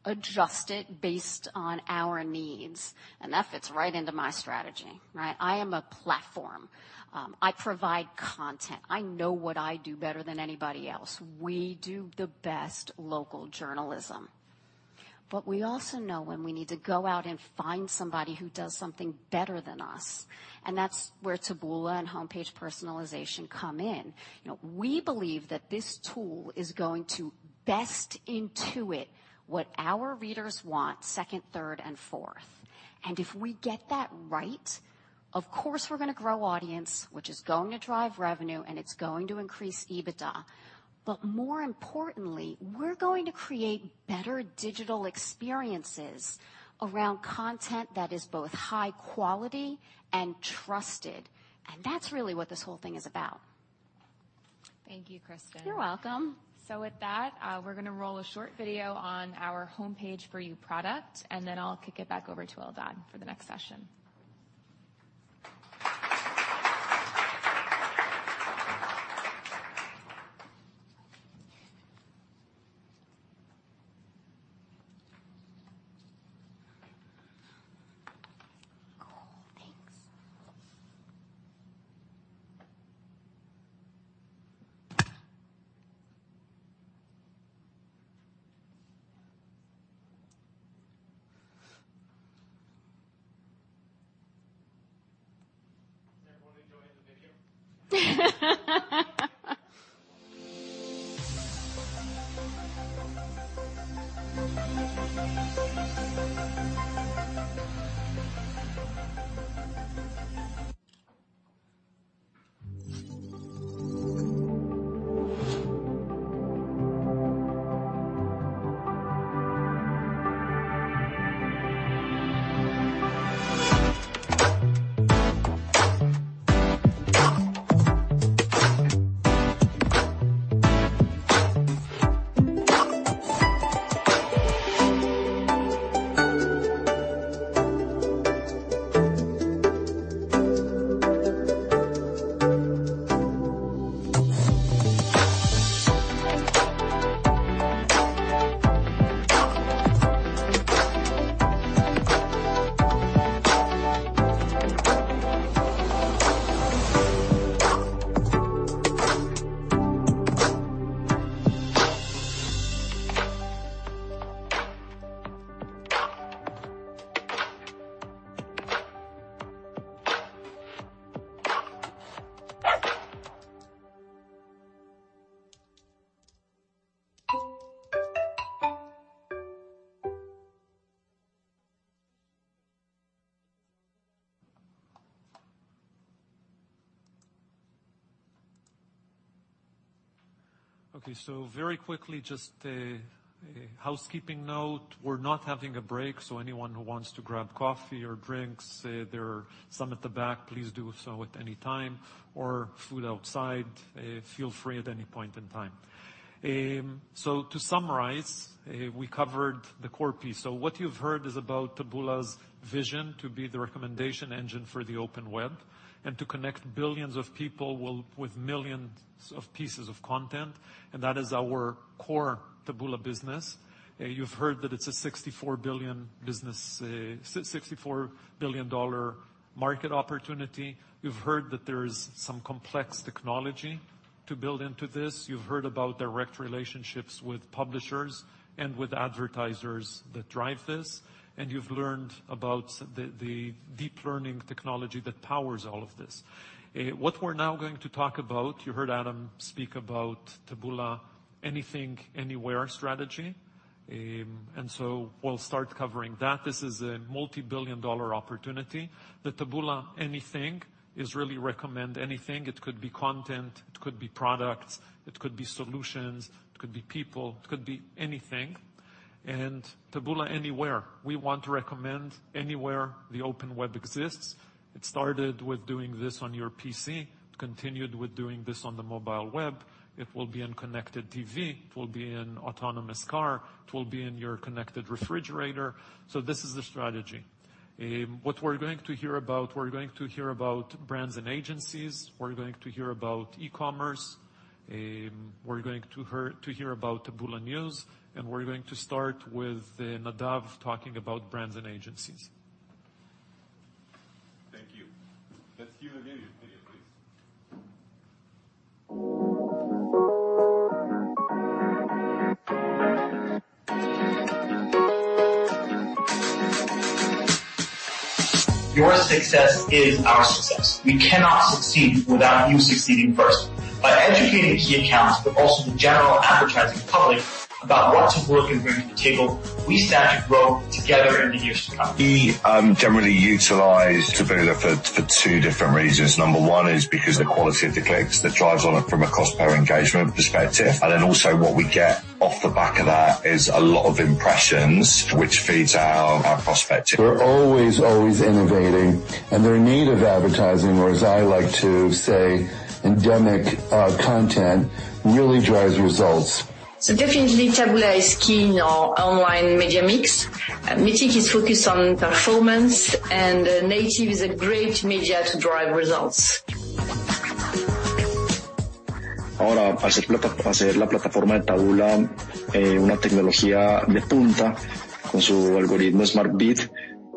adjust it based on our needs, and that fits right into my strategy, right? I am a platform. I provide content. I know what I do better than anybody else. We do the best local journalism. We also know when we need to go out and find somebody who does something better than us, and that's where Taboola and homepage personalization come in. You know, we believe that this tool is going to best intuit what our readers want second, third, and fourth. If we get that right, of course, we're gonna grow audience, which is going to drive revenue, and it's going to increase EBITDA. But more importantly, we're going to create better digital experiences around content that is both high quality and trusted. That's really what this whole thing is about. Thank you, Kristin. You're welcome. With that, we're gonna roll a short video on our Homepage for You product, and then I'll kick it back over to Eldad for the next session. Cool. Thanks. Is everyone enjoying the video? Okay, very quickly, just a housekeeping note. We're not having a break, so anyone who wants to grab coffee or drinks, there are some at the back. Please do so at any time. Or food outside, feel free at any point in time. To summarize, we covered the core piece. What you've heard is about Taboola's vision to be the recommendation engine for the open web and to connect billions of people with millions of pieces of content, and that is our core Taboola business. You've heard that it's a $64 billion business, $64 billion dollar market opportunity. You've heard that there's some complex technology to build into this. You've heard about direct relationships with publishers and with advertisers that drive this. You've learned about the deep learning technology that powers all of this. What we're now going to talk about, you heard Adam speak about Taboola Anything & Anywhere strategy. We'll start covering that. This is a multibillion-dollar opportunity. The Taboola Anything is really to recommend anything. It could be content, it could be products, it could be solutions, it could be people, it could be anything. Taboola Anywhere, we want to recommend anywhere the open web exists. It started with doing this on your PC, continued with doing this on the mobile web. It will be in connected TV. It will be in autonomous car. It will be in your connected refrigerator. This is the strategy. What we're going to hear about is brands and agencies. We're going to hear about e-commerce. We're going to hear about Taboola News, and we're going to start with Nadav talking about brands and agencies. Thank you. Let's see the video. Video, please. Your success is our success. We cannot succeed without you succeeding first. By educating key accounts, but also the general advertising public about what Taboola can bring to the table, we stand to grow together in the years to come. We generally utilize Taboola for two different reasons. Number one is because the quality of the clicks that drives on it from a cost per engagement perspective, and then also what we get off the back of that is a lot of impressions which feeds our prospects. We're always innovating, and their native advertising, or as I like to say, endemic content, really drives results. Definitely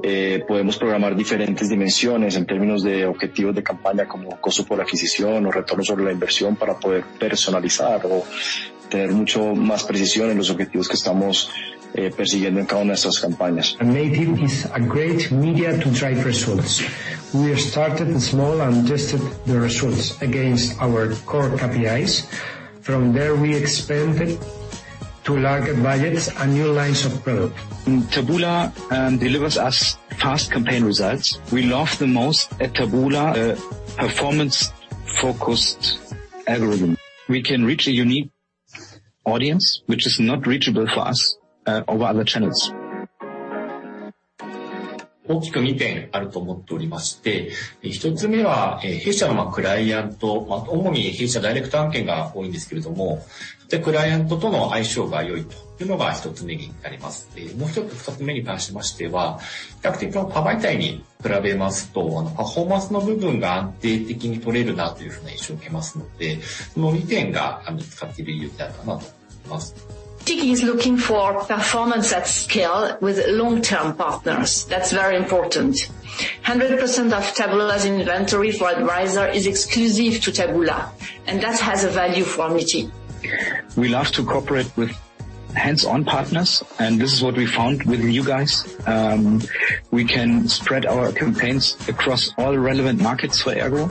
Taboola is key in our online media mix. Metyis is focused on performance, and native is a great media to drive results. Now, by making Taboola's platform a state-of-the-art technology with its SmartBid algorithm, we can program different dimensions in terms of campaign objectives such as cost per acquisition or return on investment to be able to personalize or have much more precision in the objectives we are pursuing in each of our campaigns. Native is a great media to drive results. We started small and tested the results against our core KPIs. From there, we expanded to larger budgets and new lines of product. Taboola delivers us fast campaign results. We love the most at Taboola, a performance-focused algorithm. We can reach a unique audience which is not reachable for us over other channels. There are two main reasons. The first is that our clients, mainly direct clients, are a good match with Taboola. The second is that compared to other DSPs, Taboola's performance is more stable. These two reasons are the main reasons why we use Taboola. Metyis is looking for performance at scale with long-term partners. That's very important. 100% of Taboola's inventory for Advisor is exclusive to Taboola, and that has a value for Metyis. We love to cooperate with hands-on partners, and this is what we found with you guys. We can spread our campaigns across all relevant markets for ERGO.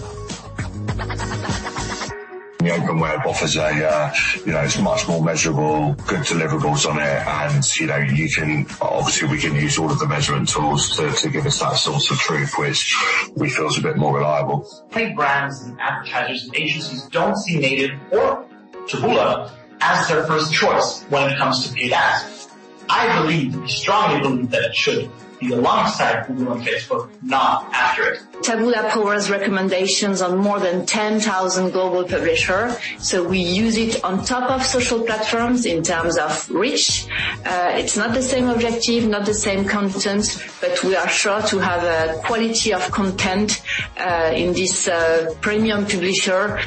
The open web offers a, you know, it's much more measurable, good deliverables on it, and, you know, you can. Obviously, we can use all of the measurement tools to give us that source of truth, which we feel is a bit more reliable. Many brands and advertisers and agencies don't see native or Taboola as their first choice when it comes to paid ads. I believe, strongly believe that it should be alongside Google and Facebook, not after it. Taboola powers recommendations on more than 10,000 global publishers, so we use it on top of social platforms in terms of reach. It's not the same objective, not the same content, but we are sure to have a quality of content in this premium publishers.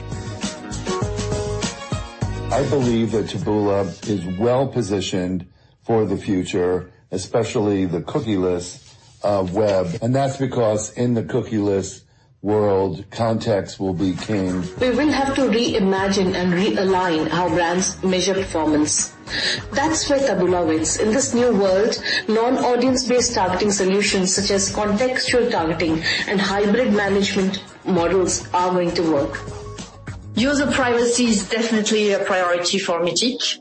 I believe that Taboola is well-positioned for the future, especially the cookieless web, and that's because in the cookieless world, context will be king. We will have to reimagine and realign how brands measure performance. That's where Taboola wins. In this new world, non-audience-based targeting solutions such as contextual targeting and hybrid management models are going to work. User privacy is definitely a priority for Metyis.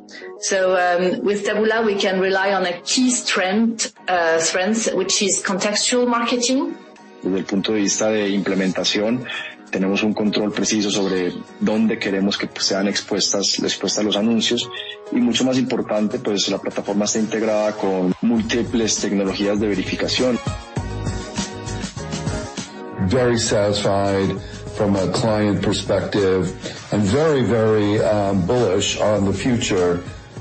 With Taboola, we can rely on key strengths, which is contextual marketing. From the point of view of implementation, we have precise control over where we want the ads to be exposed, and more importantly, the platform is integrated with multiple verification technologies. Very satisfied from a client perspective and very, very, bullish on the future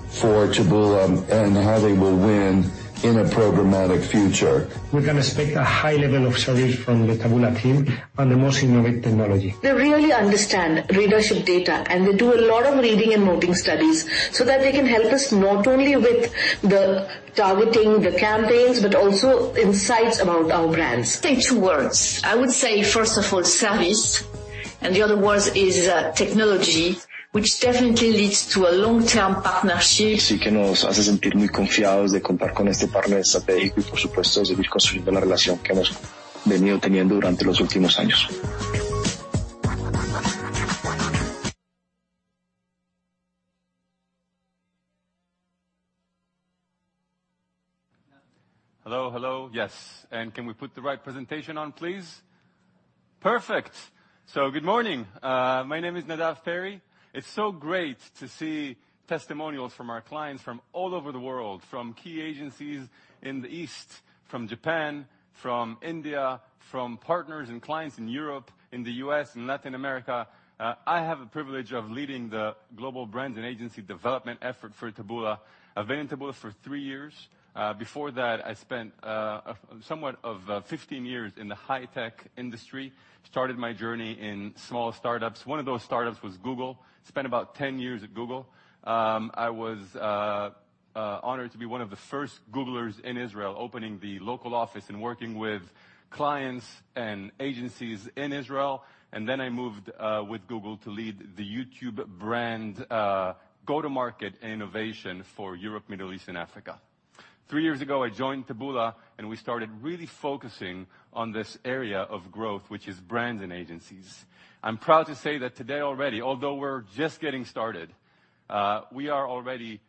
for Taboola and how they will win in a programmatic future. We can expect a high level of service from the Taboola team and the most innovative technology. They really understand readership data, and they do a lot of reading and noting studies so that they can help us not only with the targeting the campaigns, but also insights about our brands. Say two words. I would say first of all, service, and the other word is, technology, which definitely leads to a long-term partnership. It does make us feel very confident to have this strategic partner and, of course, to continue building the relationship we have had over the last few years. Hello, hello. Yes. Can we put the right presentation on, please? Perfect. Good morning. My name is Nadav Perry. It's so great to see testimonials from our clients from all over the world, from key agencies in the East, from Japan, from India, from partners and clients in Europe, in the U.S., in Latin America. I have the privilege of leading the Global Brand and Agency Development effort for Taboola. I've been in Taboola for three years. Before that, I spent somewhat of 15 years in the high tech industry, started my journey in small startups. One of those startups was Google. Spent about 10 years at Google. I was honored to be one of the first Googlers in Israel, opening the local office and working with clients and agencies in Israel. I moved with Google to lead the YouTube brand go-to-market innovation for Europe, Middle East, and Africa. Three years ago, I joined Taboola, and we started really focusing on this area of growth, which is brands and agencies. I'm proud to say that today already, although we're just getting started, we are already.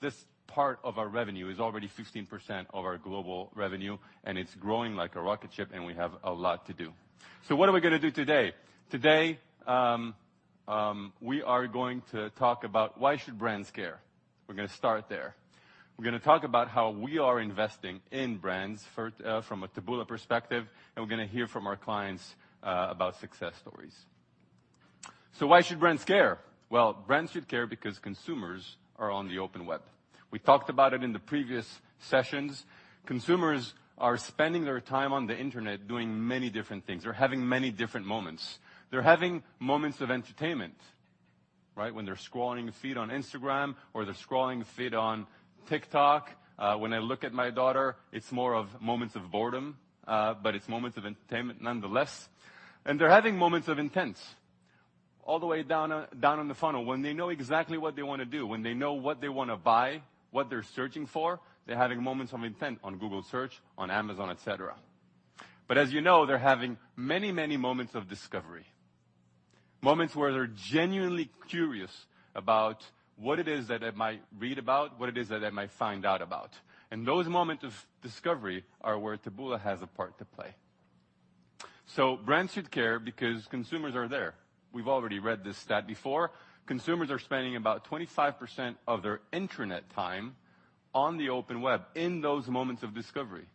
This part of our revenue is already 15% of our global revenue, and it's growing like a rocket ship, and we have a lot to do. What are we gonna do today? Today, we are going to talk about why should brands care. We're gonna start there. We're gonna talk about how we are investing in brands from a Taboola perspective, and we're gonna hear from our clients about success stories. Why should brands care? Well, brands should care because consumers are on the open web. We talked about it in the previous sessions. Consumers are spending their time on the internet doing many different things. They're having many different moments. They're having moments of entertainment, right? When they're scrolling a feed on Instagram or they're scrolling a feed on TikTok. When I look at my daughter, it's more of moments of boredom, but it's moments of entertainment nonetheless. They're having moments of intents all the way down in the funnel when they know exactly what they wanna do, when they know what they wanna buy, what they're searching for, they're having moments of intent on Google Search, on Amazon, et cetera. As you know, they're having many, many moments of discovery. Moments where they're genuinely curious about what it is that they might read about, what it is that they might find out about, and those moments of discovery are where Taboola has a part to play. Brands should care because consumers are there. We've already read this stat before. Consumers are spending about 25% of their internet time on the open web in those moments of discovery,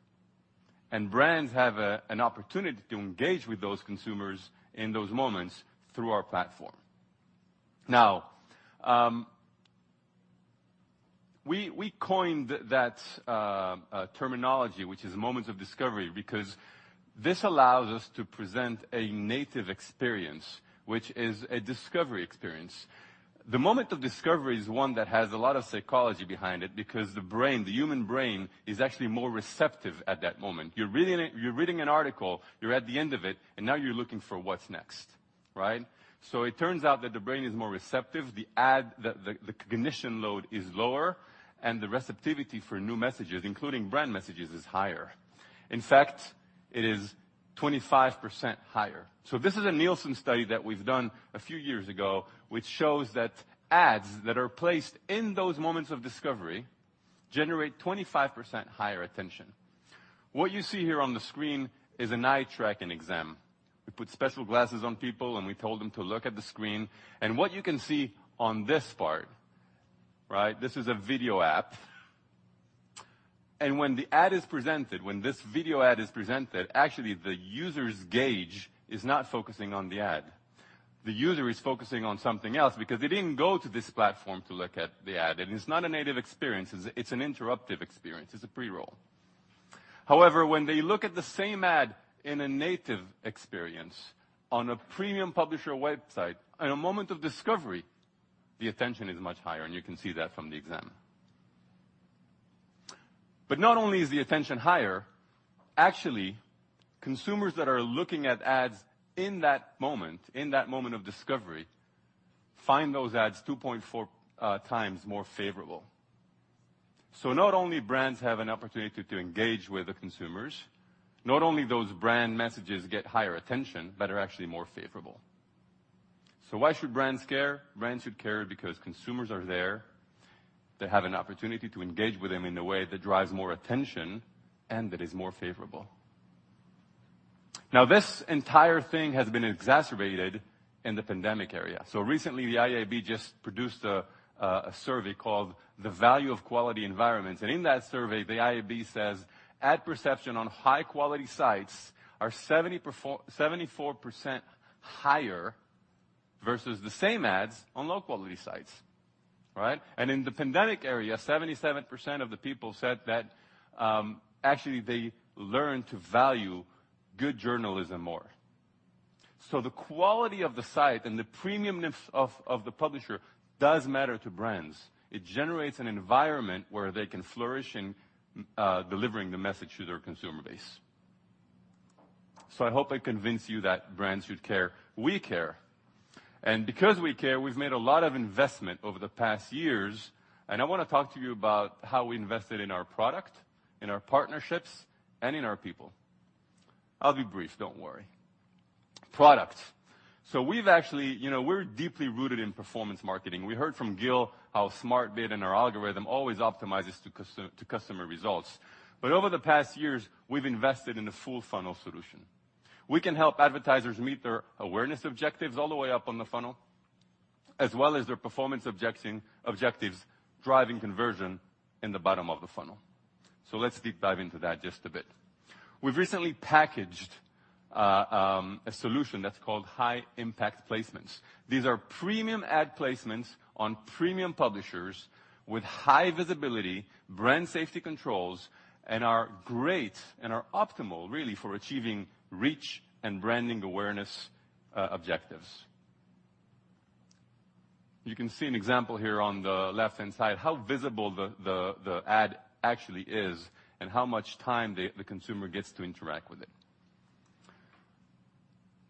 and brands have an opportunity to engage with those consumers in those moments through our platform. Now, we coined that terminology, which is moments of discovery, because this allows us to present a native experience, which is a discovery experience. The moment of discovery is one that has a lot of psychology behind it because the brain, the human brain, is actually more receptive at that moment. You're reading an article, you're at the end of it, and now you're looking for what's next, right? It turns out that the brain is more receptive. The cognition load is lower and the receptivity for new messages, including brand messages, is higher. In fact, it is 25% higher. This is a Nielsen study that we've done a few years ago, which shows that ads that are placed in those moments of discovery generate 25% higher attention. What you see here on the screen is an eye-tracking exam. We put special glasses on people, and we told them to look at the screen, and what you can see on this part, right? This is a video app, and when this video ad is presented, actually the user's gaze is not focusing on the ad. The user is focusing on something else because they didn't go to this platform to look at the ad, and it's not a native experience, it's an interruptive experience. It's a pre-roll. However, when they look at the same ad in a native experience on a premium publisher website in a moment of discovery, the attention is much higher, and you can see that from the exam. Not only is the attention higher, actually, consumers that are looking at ads in that moment, in that moment of discovery, find those ads 2.4 times more favorable. Not only brands have an opportunity to engage with the consumers, not only those brand messages get higher attention, but are actually more favorable. Why should brands care? Brands should care because consumers are there. They have an opportunity to engage with them in a way that drives more attention and that is more favorable. Now, this entire thing has been exacerbated in the pandemic era. Recently, the IAB just produced a survey called The Value of Quality Environments, and in that survey, the IAB says ad perception on high-quality sites are 74% higher versus the same ads on low-quality sites, right? In the pandemic era, 77% of the people said that, actually, they learned to value good journalism more. The quality of the site and the premium-ness of the publisher does matter to brands. It generates an environment where they can flourish in delivering the message to their consumer base. I hope I convinced you that brands should care. We care, and because we care, we've made a lot of investment over the past years, and I wanna talk to you about how we invested in our product, in our partnerships, and in our people. I'll be brief, don't worry. Product. We've actually you know, we're deeply rooted in performance marketing. We heard from Gil how smart data and our algorithm always optimizes to customer results. Over the past years, we've invested in a full funnel solution. We can help advertisers meet their awareness objectives all the way up on the funnel, as well as their performance objectives, driving conversion in the bottom of the funnel. Let's deep dive into that just a bit. We've recently packaged a solution that's called High Impact Placements. These are premium ad placements on premium publishers with high visibility, brand safety controls, and are great and are optimal really for achieving reach and brand awareness objectives. You can see an example here on the left-hand side, how visible the ad actually is and how much time the consumer gets to interact with it.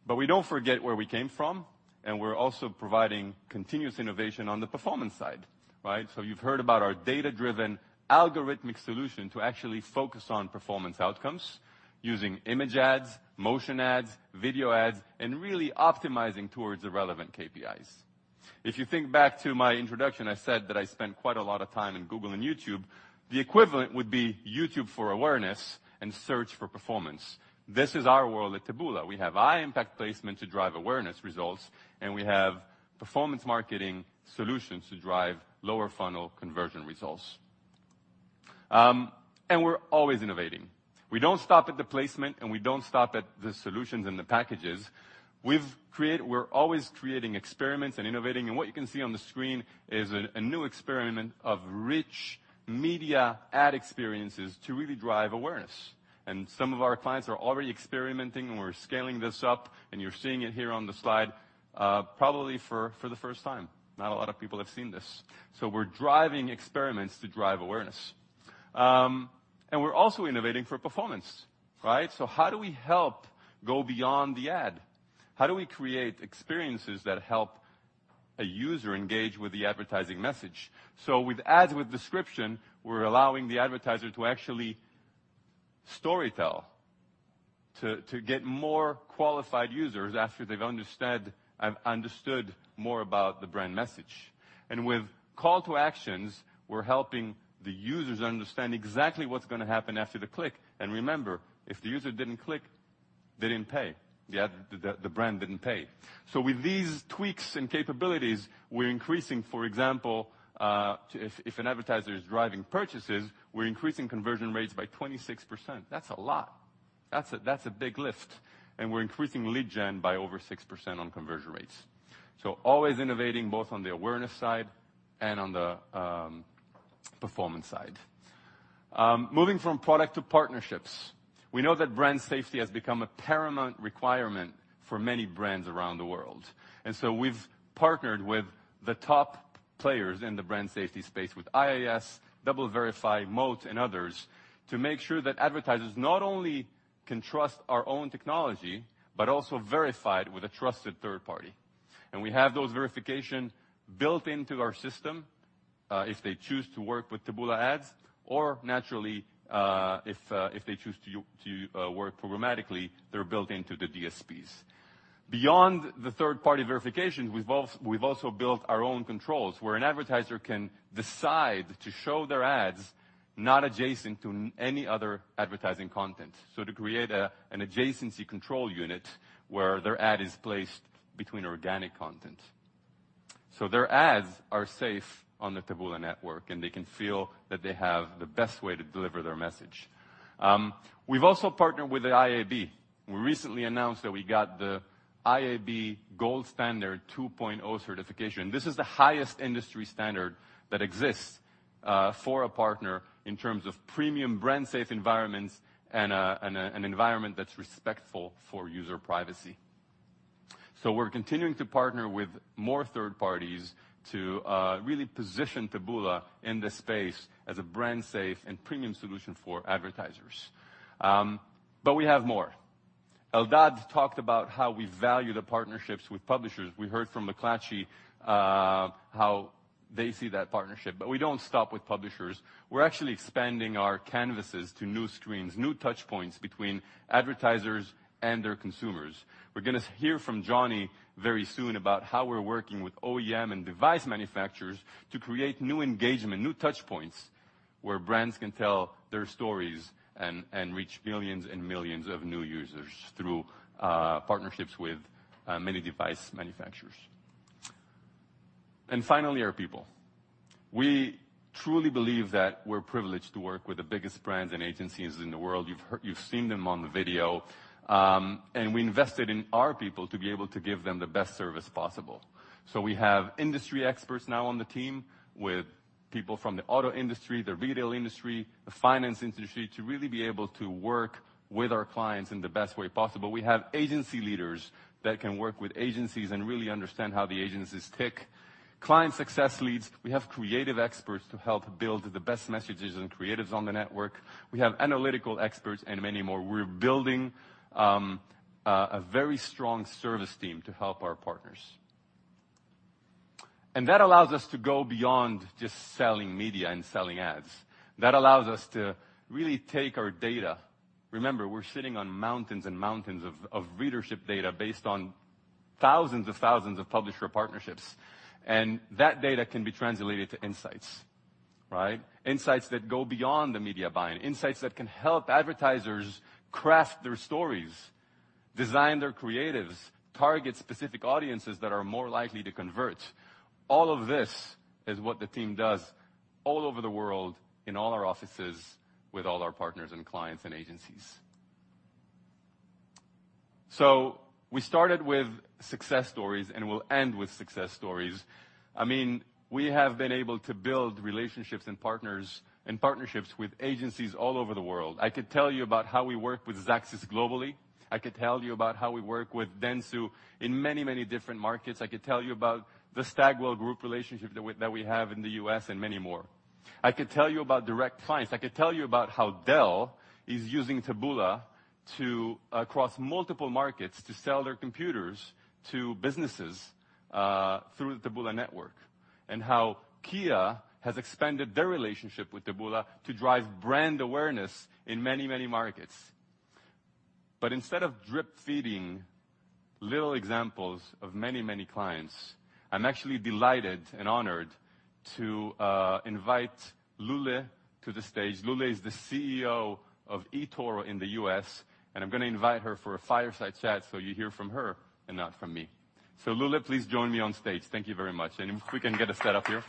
We don't forget where we came from, and we're also providing continuous innovation on the performance side, right? You've heard about our data-driven algorithmic solution to actually focus on performance outcomes using image ads, motion ads, video ads, and really optimizing towards the relevant KPIs. If you think back to my introduction, I said that I spent quite a lot of time in Google and YouTube. The equivalent would be YouTube for awareness and search for performance. This is our world at Taboola. We have High Impact Placement to drive awareness results, and we have performance marketing solutions to drive lower funnel conversion results. We're always innovating. We don't stop at the placement, and we don't stop at the solutions and the packages. We're always creating experiments and innovating, and what you can see on the screen is a new experiment of rich media ad experiences to really drive awareness. Some of our clients are already experimenting, and we're scaling this up, and you're seeing it here on the slide, probably for the first time. Not a lot of people have seen this. We're driving experiments to drive awareness. We're also innovating for performance, right? How do we help go beyond the ad? How do we create experiences that help a user engage with the advertising message? With ads with description, we're allowing the advertiser to actually storytell, to get more qualified users after they've understood more about the brand message. With call to actions, we're helping the users understand exactly what's gonna happen after the click. Remember, if the user didn't click, they didn't pay. The brand didn't pay. With these tweaks and capabilities, we're increasing, for example, if an advertiser is driving purchases, we're increasing conversion rates by 26%. That's a lot. That's a big lift. We're increasing lead gen by over 6% on conversion rates. Always innovating, both on the awareness side and on the performance side. Moving from product to partnerships. We know that brand safety has become a paramount requirement for many brands around the world. We've partnered with the top players in the brand safety space, with IAS, DoubleVerify, Moat, and others, to make sure that advertisers not only can trust our own technology but also verify it with a trusted third party. We have those verification built into our system, if they choose to work with Taboola Ads, or naturally, if they choose to work programmatically, they're built into the DSPs. Beyond the third-party verification, we've also built our own controls, where an advertiser can decide to show their ads not adjacent to any other advertising content, so to create an adjacency control unit where their ad is placed between organic content. Their ads are safe on the Taboola network, and they can feel that they have the best way to deliver their message. We've also partnered with the IAB. We recently announced that we got the IAB Gold Standard 2.0 certification. This is the highest industry standard that exists for a partner in terms of premium brand safe environments and an environment that's respectful for user privacy. We're continuing to partner with more third parties to really position Taboola in this space as a brand safe and premium solution for advertisers. We have more. Eldad talked about how we value the partnerships with publishers. We heard from McClatchy how they see that partnership. We don't stop with publishers. We're actually expanding our canvases to new screens, new touch points between advertisers and their consumers. We're gonna hear from Jonny very soon about how we're working with OEM and device manufacturers to create new engagement, new touch points, where brands can tell their stories and reach millions and millions of new users through partnerships with many device manufacturers. Finally, our people. We truly believe that we're privileged to work with the biggest brands and agencies in the world. You've seen them on the video. We invested in our people to be able to give them the best service possible. We have industry experts now on the team with people from the auto industry, the retail industry, the finance industry, to really be able to work with our clients in the best way possible. We have agency leaders that can work with agencies and really understand how the agencies tick. Client success leads. We have creative experts to help build the best messages and creatives on the network. We have analytical experts and many more. We're building a very strong service team to help our partners. That allows us to go beyond just selling media and selling ads. That allows us to really take our data. Remember, we're sitting on mountains and mountains of readership data based on thousands and thousands of publisher partnerships, and that data can be translated to insights, right? Insights that go beyond the media buy-in, insights that can help advertisers craft their stories, design their creatives, target specific audiences that are more likely to convert. All of this is what the team does all over the world in all our offices with all our partners and clients and agencies. We started with success stories, and we'll end with success stories. I mean, we have been able to build relationships and partners, and partnerships with agencies all over the world. I could tell you about how we work with Xaxis globally. I could tell you about how we work with Dentsu in many, many different markets. I could tell you about the Stagwell Group relationship that we have in the U.S. and many more. I could tell you about direct clients. I could tell you about how Dell is using Taboola across multiple markets to sell their computers to businesses through the Taboola network and how Kia has expanded their relationship with Taboola to drive brand awareness in many, many markets. Instead of drip-feeding little examples of many, many clients, I'm actually delighted and honored to invite Lule to the stage. Lule is the CEO of eToro in the U.S., and I'm gonna invite her for a fireside chat so you hear from her and not from me. Lule, please join me on stage. Thank you very much. If we can get her set up here.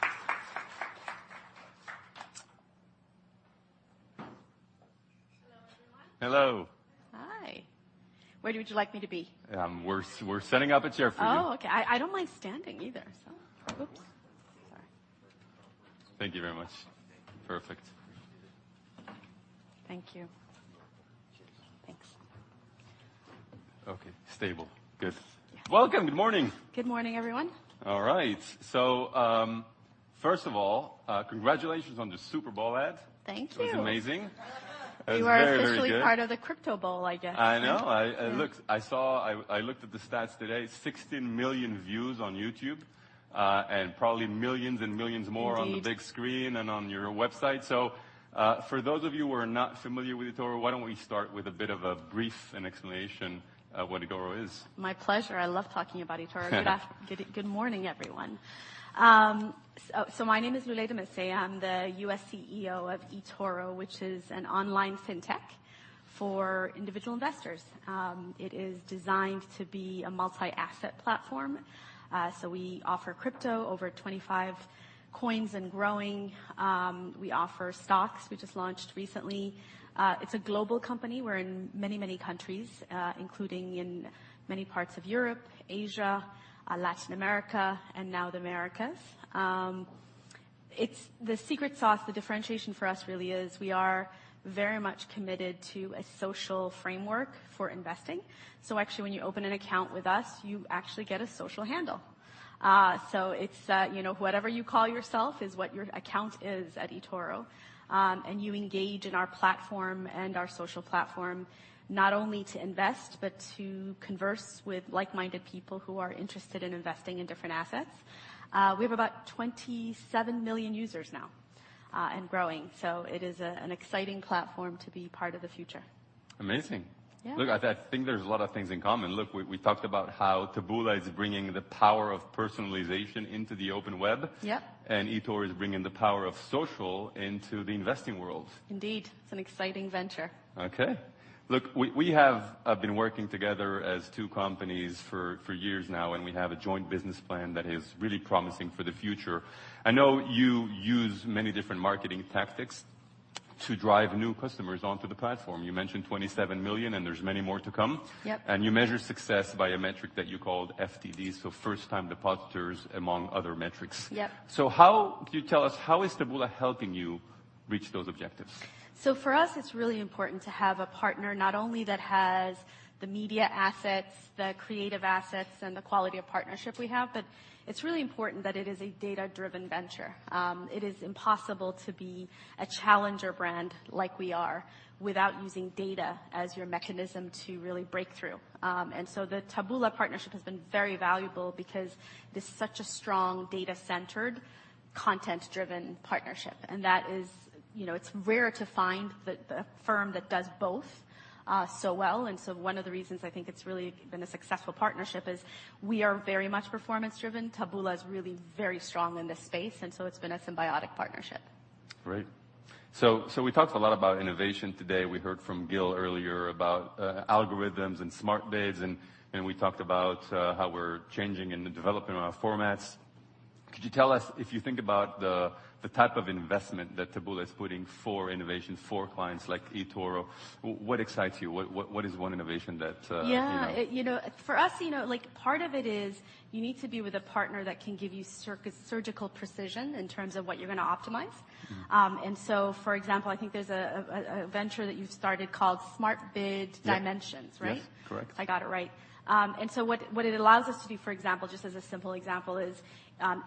Hello, everyone. Hello. Hi. Where would you like me to be? We're setting up a chair for you. Oh, okay. I don't like standing either. Oops. Sorry. Thank you very much. Perfect. Thank you. You're welcome. Cheers. Thanks. Okay. Stable. Good. Yeah. Welcome. Good morning. Good morning, everyone. All right. First of all, congratulations on the Super Bowl ad. Thank you. It was amazing. It was very, very good. You are officially part of the Crypto Bowl, I guess. I know. Yeah. Look, I looked at the stats today. 16 million views on YouTube, and probably millions and millions more. Indeed. On the big screen and on your website. For those of you who are not familiar with eToro, why don't we start with a bit of a brief explanation of what eToro is? My pleasure. I love talking about eToro. Good morning, everyone. My name is Lule Demmissie. I'm the U.S. CEO of eToro, which is an online fintech for individual investors. It is designed to be a multi-asset platform. We offer crypto, over 25 coins and growing. We offer stocks we just launched recently. It's a global company. We're in many countries, including in many parts of Europe, Asia, Latin America, and now the Americas. It's the secret sauce, the differentiation for us really is we are very much committed to a social framework for investing. Actually, when you open an account with us, you actually get a social handle. It's, you know, whatever you call yourself is what your account is at eToro. You engage in our platform and our social platform not only to invest, but to converse with like-minded people who are interested in investing in different assets. We have about 27 million users now, and growing. It is an exciting platform to be part of the future. Amazing. Yeah. Look, I think there's a lot of things in common. Look, we talked about how Taboola is bringing the power of personalization into the open web. Yep. eToro is bringing the power of social into the investing world. Indeed. It's an exciting venture. Okay. Look, we have been working together as two companies for years now, and we have a joint business plan that is really promising for the future. I know you use many different marketing tactics to drive new customers onto the platform. You mentioned 27 million, and there's many more to come. Yep. You measure success by a metric that you called FTDs, so first-time depositors, among other metrics. Yep. How could you tell us how Taboola is helping you reach those objectives? For us, it's really important to have a partner not only that has the media assets, the creative assets, and the quality of partnership we have, but it's really important that it is a data-driven venture. It is impossible to be a challenger brand like we are without using data as your mechanism to really break through. The Taboola partnership has been very valuable because it's such a strong data-centered, content-driven partnership, and that is rare to find the firm that does both so well. One of the reasons I think it's really been a successful partnership is we are very much performance driven. Taboola is really very strong in this space, and it's been a symbiotic partnership. Great. We talked a lot about innovation today. We heard from Gil earlier about algorithms and smart bids, and we talked about how we're changing and developing our formats. Could you tell us, if you think about the type of investment that Taboola is putting for innovation for clients like eToro, what excites you? What is one innovation that you know? Yeah. You know, for us, you know, like part of it is you need to be with a partner that can give you surgical precision in terms of what you're gonna optimize. Mm-hmm. For example, I think there's a venture that you've started called SmartBid Dimensions. Yeah. -right? Yes. Correct. I got it right. What it allows us to do, for example, just as a simple example, is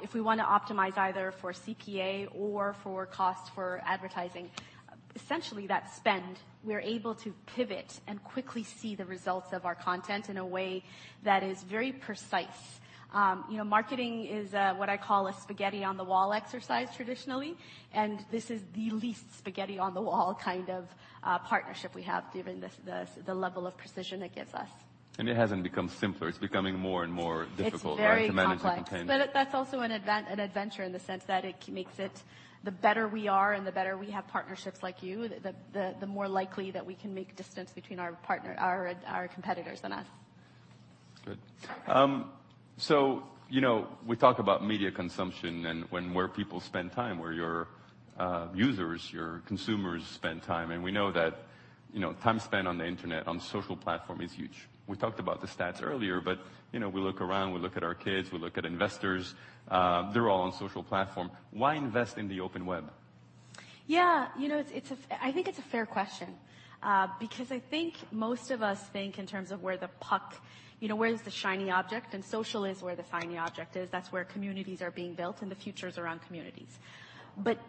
if we wanna optimize either for CPA or for cost for advertising, essentially that spend, we're able to pivot and quickly see the results of our content in a way that is very precise. You know, marketing is what I call a spaghetti on the wall exercise traditionally, and this is the least spaghetti on the wall kind of partnership we have given the level of precision it gives us. It hasn't become simpler. It's becoming more and more difficult. It's very complex. Right, to manage the content. That's also an adventure in the sense that it makes it the better we are and the better we have partnerships like you, the more likely that we can make distance between our partner, our competitors and us. Good. You know, we talk about media consumption and when, where people spend time, where your users, your consumers spend time, and we know that, you know, time spent on the internet, on social platform is huge. We talked about the stats earlier, but you know, we look around, we look at our kids, we look at investors, they're all on social platform. Why invest in the open web? Yeah. You know, it's a... I think it's a fair question, because I think most of us think in terms of where the puck. You know, where is the shiny object? Social is where the shiny object is. That's where communities are being built, and the future is around communities.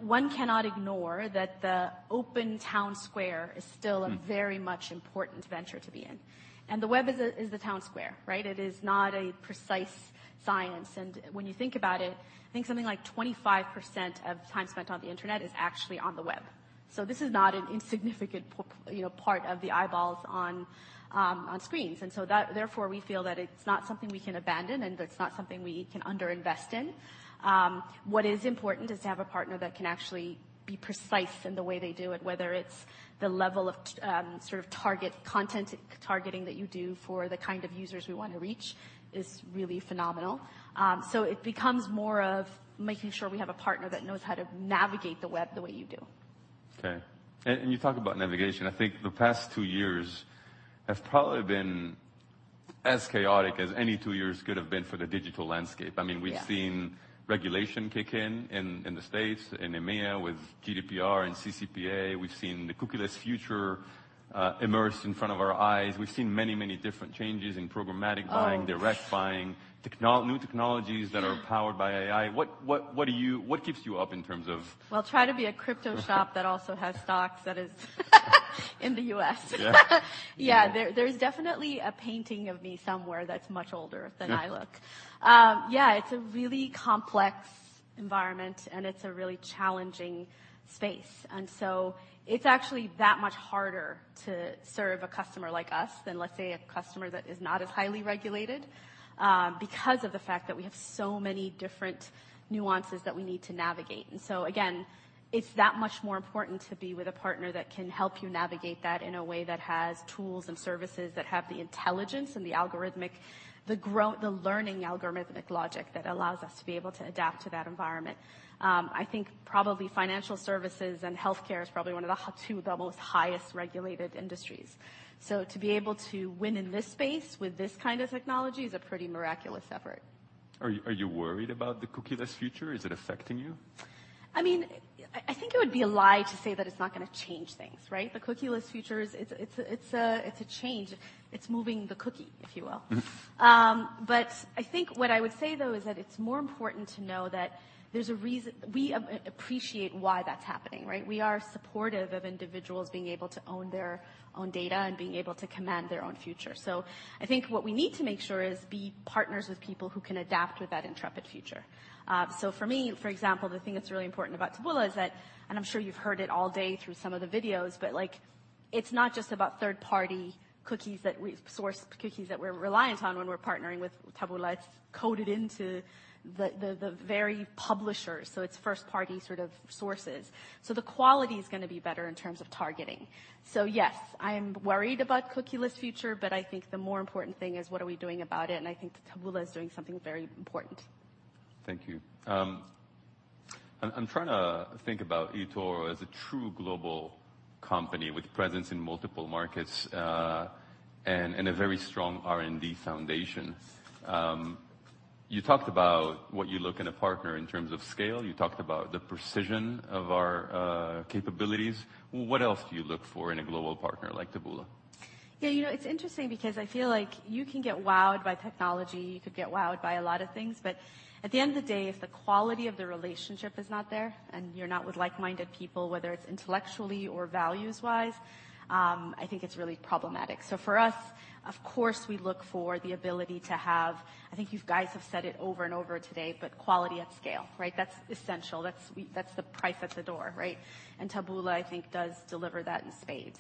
One cannot ignore that the open town square is still Mm. It's a very much important venture to be in. The web is the town square, right? It is not a precise science. When you think about it, I think something like 25% of time spent on the internet is actually on the web. This is not an insignificant, you know, part of the eyeballs on screens. Therefore, we feel that it's not something we can abandon, and it's not something we can under-invest in. What is important is to have a partner that can actually be precise in the way they do it, whether it's the level of sort of target content targeting that you do for the kind of users we want to reach is really phenomenal. It becomes more of making sure we have a partner that knows how to navigate the web the way you do. Okay. You talk about navigation. I think the past two years have probably been as chaotic as any two years could have been for the digital landscape. I mean. Yeah. We've seen regulation kick in in the States, in EMEA with GDPR and CCPA. We've seen the cookieless future emerge in front of our eyes. We've seen many different changes in programmatic buying. Oh. Direct buying, new technologies that are powered by AI. What keeps you up in terms of- Well, try to be a crypto shop that also has stocks that is in the U.S. Yeah. Yeah. There's definitely a painting of me somewhere that's much older than I look. Yeah. Yeah, it's a really complex environment, and it's a really challenging space. It's actually that much harder to serve a customer like us than, let's say, a customer that is not as highly regulated, because of the fact that we have so many different nuances that we need to navigate. Again, it's that much more important to be with a partner that can help you navigate that in a way that has tools and services that have the intelligence and the algorithmic, the learning algorithmic logic that allows us to be able to adapt to that environment. I think probably financial services and healthcare is probably one of the two of the most highest regulated industries. To be able to win in this space with this kind of technology is a pretty miraculous effort. Are you worried about the cookieless future? Is it affecting you? I mean, I think it would be a lie to say that it's not gonna change things, right? The cookieless future is a change. It's moving the cookie, if you will. Mm-hmm. I think what I would say, though, is that it's more important to know that there's a reason we appreciate why that's happening, right? We are supportive of individuals being able to own their own data and being able to command their own future. I think what we need to make sure is to be partners with people who can adapt with that unpredictable future. For me, for example, the thing that's really important about Taboola is that, and I'm sure you've heard it all day through some of the videos, but, like, it's not just about third-party cookies that we source, cookies that we're reliant on when we're partnering with Taboola. It's coded into the very publishers, so it's first-party sort of sources. The quality's gonna be better in terms of targeting. Yes, I am worried about cookieless future, but I think the more important thing is what are we doing about it, and I think that Taboola is doing something very important. Thank you. I'm trying to think about eToro as a true global company with presence in multiple markets, and a very strong R&D foundation. You talked about what you look for in a partner in terms of scale. You talked about the precision of our capabilities. What else do you look for in a global partner like Taboola? Yeah, you know, it's interesting because I feel like you can get wowed by technology. You could get wowed by a lot of things. At the end of the day, if the quality of the relationship is not there and you're not with like-minded people, whether it's intellectually or values-wise, I think it's really problematic. For us, of course, we look for the ability. I think you guys have said it over and over today, but quality at scale, right? That's essential. That's sweet. That's the price at the door, right? Taboola, I think, does deliver that in spades.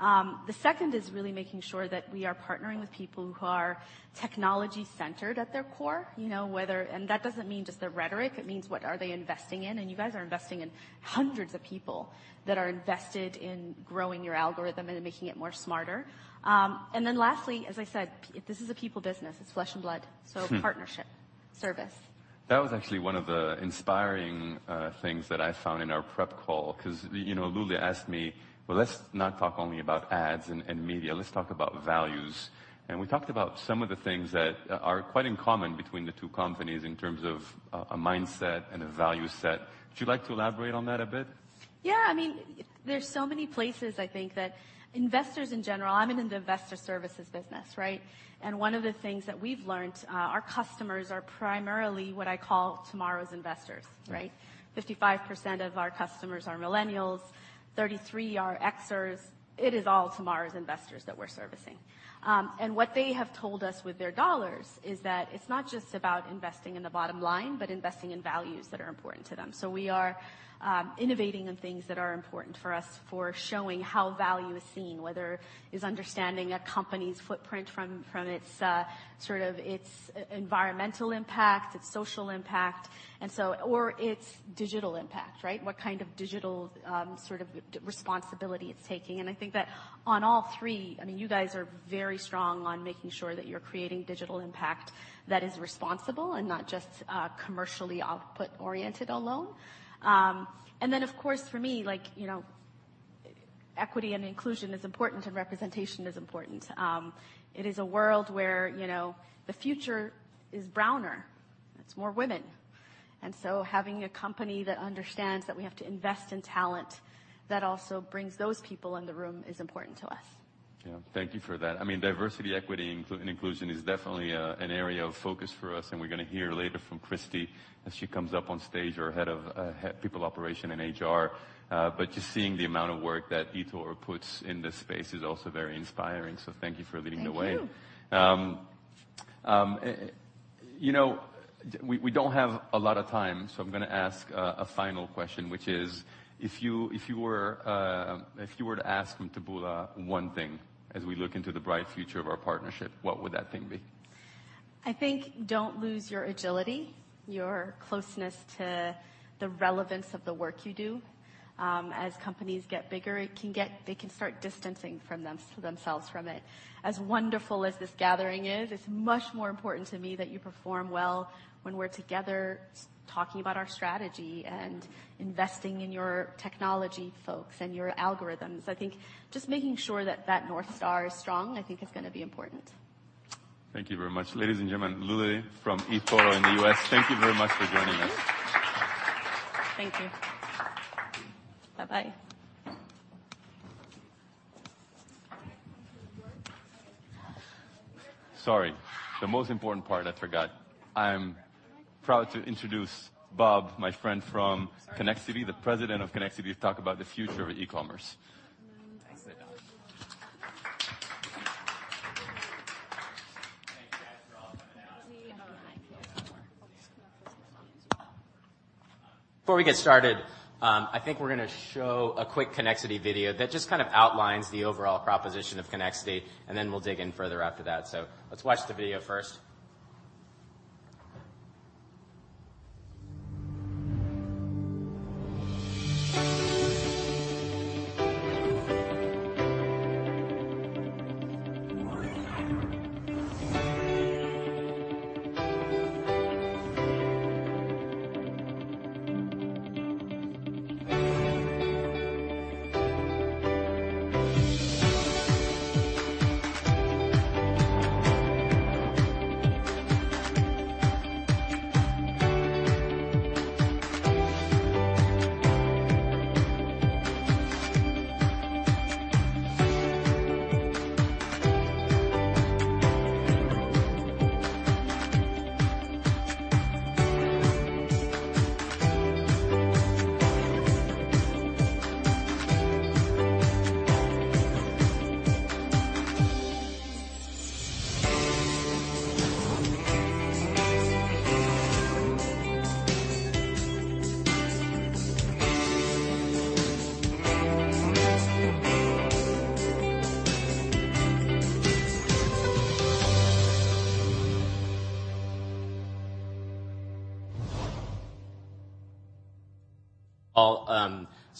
The second is really making sure that we are partnering with people who are technology-centered at their core, you know. That doesn't mean just the rhetoric. It means what are they investing in, and you guys are investing in hundreds of people that are invested in growing your algorithm and making it more smarter. Lastly, as I said, this is a people business. It's flesh and blood. Hmm. Partnership, service. That was actually one of the inspiring things that I found in our prep call, 'cause, you know, Lule asked me, "Well, let's not talk only about ads and media. Let's talk about values." We talked about some of the things that are quite in common between the two companies in terms of a mindset and a value set. Would you like to elaborate on that a bit? Yeah. I mean, there's so many places, I think, that investors in general. I'm in the investor services business, right? One of the things that we've learned, our customers are primarily what I call tomorrow's investors, right? Mm-hmm. 55% of our customers are millennials, 33 are X-ers. It is all tomorrow's investors that we're servicing. What they have told us with their dollars is that it's not just about investing in the bottom line, but investing in values that are important to them. We are innovating in things that are important for us for showing how value is seen, whether it's understanding a company's footprint from its sort of its environmental impact, its social impact, or its digital impact, right? What kind of digital sort of responsibility it's taking. I think that on all three, you guys are very strong on making sure that you're creating digital impact that is responsible and not just commercially output oriented alone. Of course, for me, like, you know, equity and inclusion is important and representation is important. It is a world where, you know, the future is browner. It's more women. Having a company that understands that we have to invest in talent that also brings those people in the room is important to us. Yeah. Thank you for that. I mean, diversity, equity, inclusion is definitely an area of focus for us, and we're gonna hear later from Kristy as she comes up on stage, our Head of People Operations and HR. But just seeing the amount of work that eToro puts in this space is also very inspiring. Thank you for leading the way. Thank you. You know, we don't have a lot of time, so I'm gonna ask a final question, which is if you were to ask Taboola one thing as we look into the bright future of our partnership, what would that thing be? I think, don't lose your agility, your closeness to the relevance of the work you do. As companies get bigger, it can get they can start distancing from themselves from it. As wonderful as this gathering is, it's much more important to me that you perform well when we're together talking about our strategy and investing in your technology folks and your algorithms. I think just making sure that North Star is strong, I think is gonna be important. Thank you very much. Ladies and gentlemen, Lule from eToro in the U.S. Thank you very much for joining us. Thank you. Bye-bye. Sorry. The most important part I forgot. I am proud to introduce Bob, my friend from Connexity, the President of Connexity, to talk about the future of e-commerce. Thanks, Nadav. Thank you, guys, for helping out. Before we get started, I think we're gonna show a quick Connexity video that just kind of outlines the overall proposition of Connexity, and then we'll dig in further after that. Let's watch the video first.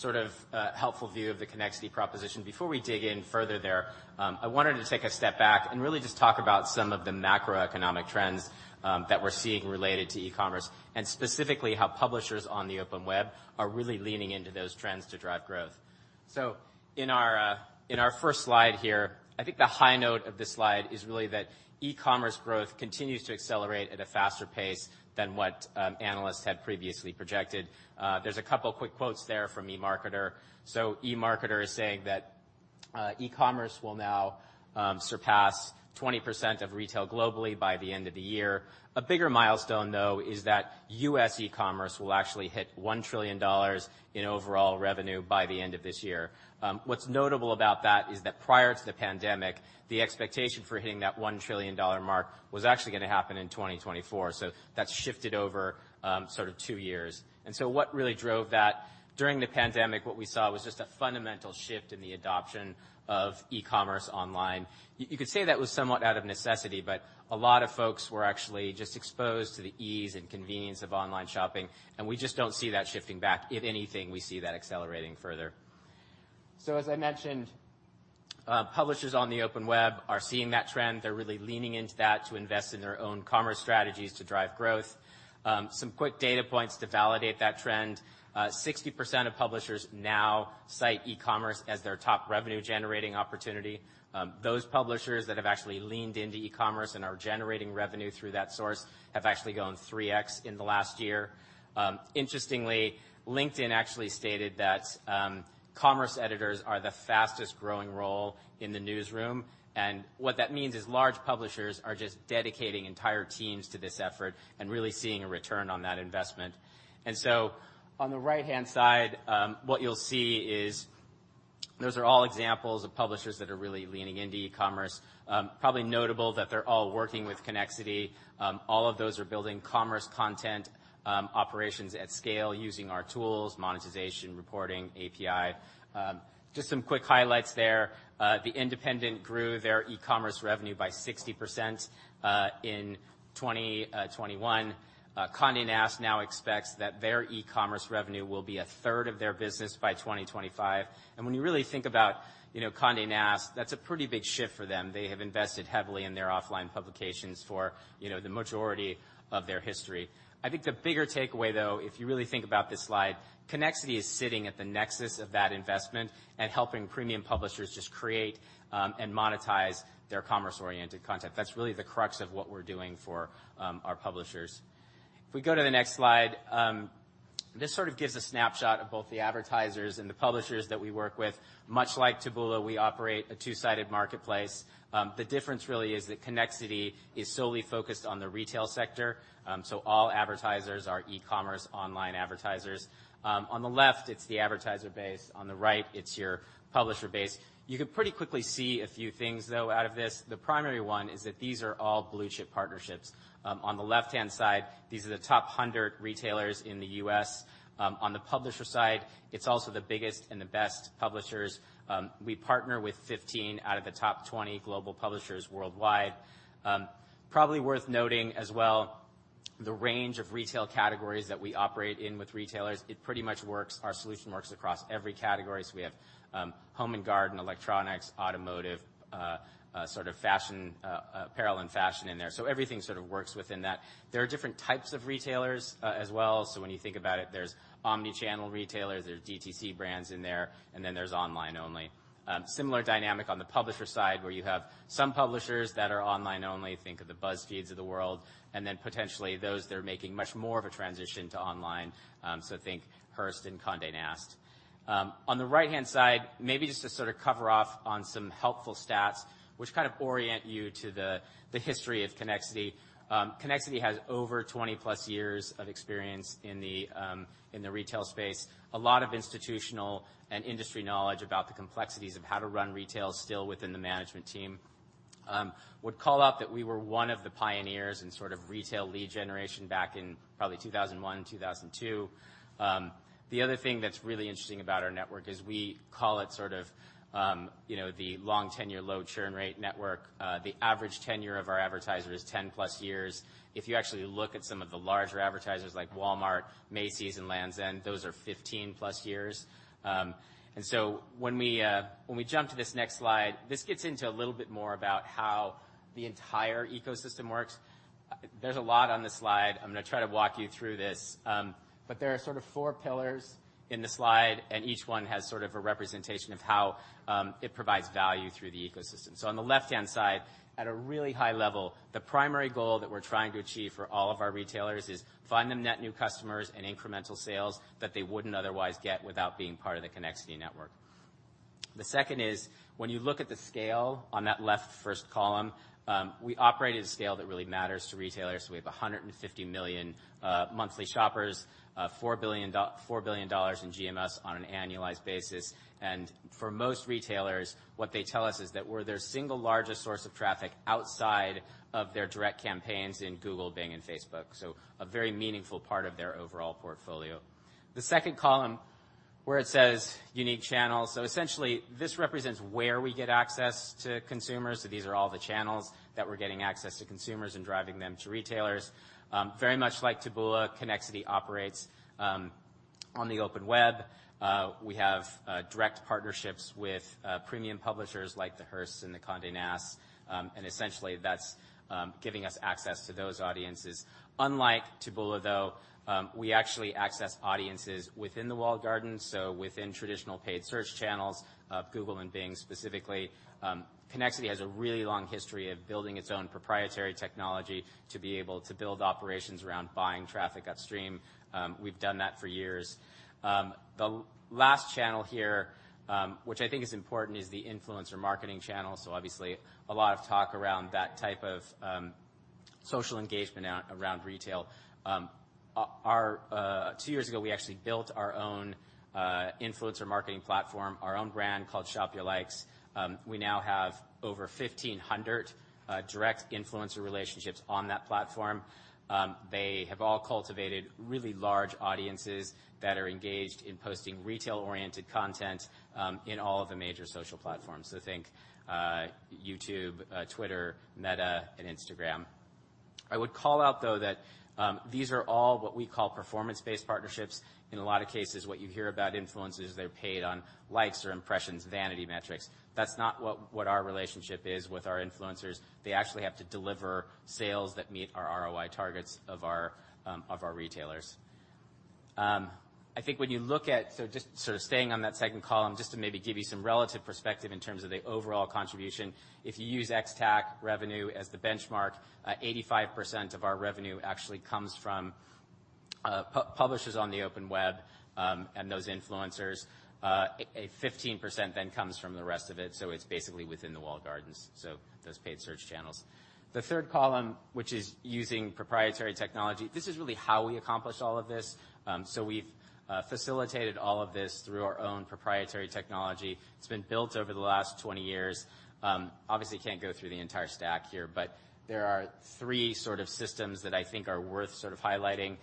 A sort of helpful view of the Connexity proposition. Before we dig in further there, I wanted to take a step back and really just talk about some of the macroeconomic trends that we're seeing related to e-commerce, and specifically how publishers on the open web are really leaning into those trends to drive growth. In our first slide here, I think the high note of this slide is really that e-commerce growth continues to accelerate at a faster pace than what analysts had previously projected. There's a couple quick quotes there from eMarketer. eMarketer is saying that e-commerce will now surpass 20% of retail globally by the end of the year. A bigger milestone, though, is that U.S. e-commerce will actually hit $1 trillion in overall revenue by the end of this year. What's notable about that is that prior to the pandemic, the expectation for hitting that $1 trillion mark was actually gonna happen in 2024. That's shifted over, sort of two years. What really drove that? During the pandemic, what we saw was just a fundamental shift in the adoption of e-commerce online. You could say that was somewhat out of necessity, but a lot of folks were actually just exposed to the ease and convenience of online shopping, and we just don't see that shifting back. If anything, we see that accelerating further. As I mentioned, publishers on the open web are seeing that trend. They're really leaning into that to invest in their own commerce strategies to drive growth. Some quick data points to validate that trend. 60% of publishers now cite e-commerce as their top revenue-generating opportunity. Those publishers that have actually leaned into e-commerce and are generating revenue through that source have actually gone 3x in the last year. Interestingly, LinkedIn actually stated that commerce editors are the fastest growing role in the newsroom. What that means is large publishers are just dedicating entire teams to this effort and really seeing a return on that investment. On the right-hand side, what you'll see is those are all examples of publishers that are really leaning into e-commerce. Probably notable that they're all working with Connexity. All of those are building commerce content, operations at scale using our tools, monetization, reporting, API. Just some quick highlights there. The Independent grew their e-commerce revenue by 60% in 2021. Condé Nast now expects that their e-commerce revenue will be a third of their business by 2025. When you really think about you know Condé Nast, that's a pretty big shift for them. They have invested heavily in their offline publications for you know the majority of their history. I think the bigger takeaway though if you really think about this slide, Connexity is sitting at the nexus of that investment and helping premium publishers just create and monetize their commerce-oriented content. That's really the crux of what we're doing for our publishers. If we go to the next slide, this sort of gives a snapshot of both the advertisers and the publishers that we work with. Much like Taboola, we operate a two-sided marketplace. The difference really is that Connexity is solely focused on the retail sector, so all advertisers are e-commerce online advertisers. On the left, it's the advertiser base. On the right, it's your publisher base. You can pretty quickly see a few things, though, out of this. The primary one is that these are all blue-chip partnerships. On the left-hand side, these are the top 100 retailers in the U.S. On the publisher side, it's also the biggest and the best publishers. We partner with 15 out of the top 20 global publishers worldwide. Probably worth noting as well the range of retail categories that we operate in with retailers. It pretty much works, our solution works across every category. We have home and garden, electronics, automotive, sort of fashion, apparel and fashion in there. Everything sort of works within that. There are different types of retailers as well. When you think about it, there's omni-channel retailers, there's DTC brands in there, and then there's online only. Similar dynamic on the publisher side, where you have some publishers that are online only, think of the BuzzFeeds of the world, and then potentially those that are making much more of a transition to online, so think Hearst and Condé Nast. On the right-hand side, maybe just to sort of cover off on some helpful stats which kind of orient you to the history of Connexity. Connexity has over 20+ years of experience in the retail space. A lot of institutional and industry knowledge about the complexities of how to run retail still within the management team. Would call out that we were one of the pioneers in sort of retail lead generation back in probably 2001, 2002. The other thing that's really interesting about our network is we call it sort of, you know, the long tenure, low churn rate network. The average tenure of our advertisers is 10+ years. If you actually look at some of the larger advertisers like Walmart, Macy's, and Lands' End, those are 15+ years. When we jump to this next slide, this gets into a little bit more about how the entire ecosystem works. There's a lot on this slide. I'm gonna try to walk you through this. There are sort of four pillars in the slide, and each one has sort of a representation of how it provides value through the ecosystem. On the left-hand side, at a really high level, the primary goal that we're trying to achieve for all of our retailers is find them net new customers and incremental sales that they wouldn't otherwise get without being part of the Connexity network. The second is when you look at the scale on that left first column, we operate at a scale that really matters to retailers. We have 150 million monthly shoppers, $4 billion in GMS on an annualized basis. For most retailers, what they tell us is that we're their single largest source of traffic outside of their direct campaigns in Google, Bing, and Facebook. A very meaningful part of their overall portfolio. The second column, where it says unique channels, essentially this represents where we get access to consumers. These are all the channels that we're getting access to consumers and driving them to retailers. Very much like Taboola, Connexity operates on the open web. We have direct partnerships with premium publishers like the Hearst and the Condé Nast, and essentially that's giving us access to those audiences. Unlike Taboola, though, we actually access audiences within the walled garden, within traditional paid search channels of Google and Bing specifically. Connexity has a really long history of building its own proprietary technology to be able to build operations around buying traffic upstream. We've done that for years. The last channel here, which I think is important, is the influencer marketing channel. Obviously, a lot of talk around that type of social engagement around retail. About two years ago, we actually built our own influencer marketing platform, our own brand called ShopYourLikes. We now have over 1,500 direct influencer relationships on that platform. They have all cultivated really large audiences that are engaged in posting retail-oriented content in all of the major social platforms. Think YouTube, Twitter, Meta, and Instagram. I would call out, though, that these are all what we call performance-based partnerships. In a lot of cases, what you hear about influencers, they're paid on likes or impressions, vanity metrics. That's not what our relationship is with our influencers. They actually have to deliver sales that meet our ROI targets of our retailers. I think when you look at just sort of staying on that second column, just to maybe give you some relative perspective in terms of the overall contribution. If you use ex-TAC revenue as the benchmark, 85% of our revenue actually comes from publishers on the open web and those influencers. 15% then comes from the rest of it, so it's basically within the walled gardens, so those paid search channels. The third column, which is using proprietary technology, this is really how we accomplish all of this. We've facilitated all of this through our own proprietary technology. It's been built over the last 20 years. Obviously can't go through the entire stack here, but there are three sort of systems that I think are worth sort of highlighting.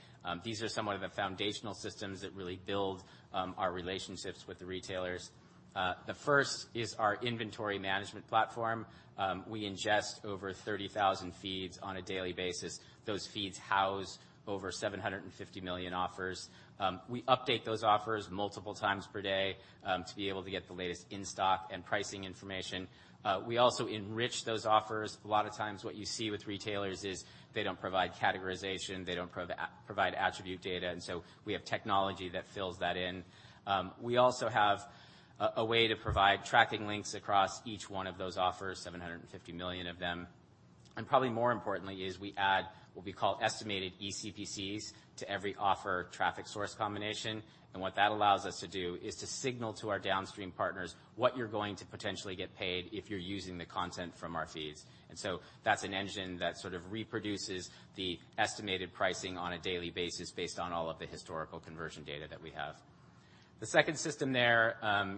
These are some of the foundational systems that really build our relationships with the retailers. The first is our inventory management platform. We ingest over 30,000 feeds on a daily basis. Those feeds house over 750 million offers. We update those offers multiple times per day to be able to get the latest in-stock and pricing information. We also enrich those offers. A lot of times what you see with retailers is they don't provide categorization, they don't provide attribute data, and so we have technology that fills that in. We also have a way to provide tracking links across each one of those offers, 750 million of them. Probably more importantly, we add what we call estimated eCPCs to every offer traffic source combination. What that allows us to do is to signal to our downstream partners what you're going to potentially get paid if you're using the content from our feeds. That's an engine that sort of reproduces the estimated pricing on a daily basis based on all of the historical conversion data that we have. The second system there,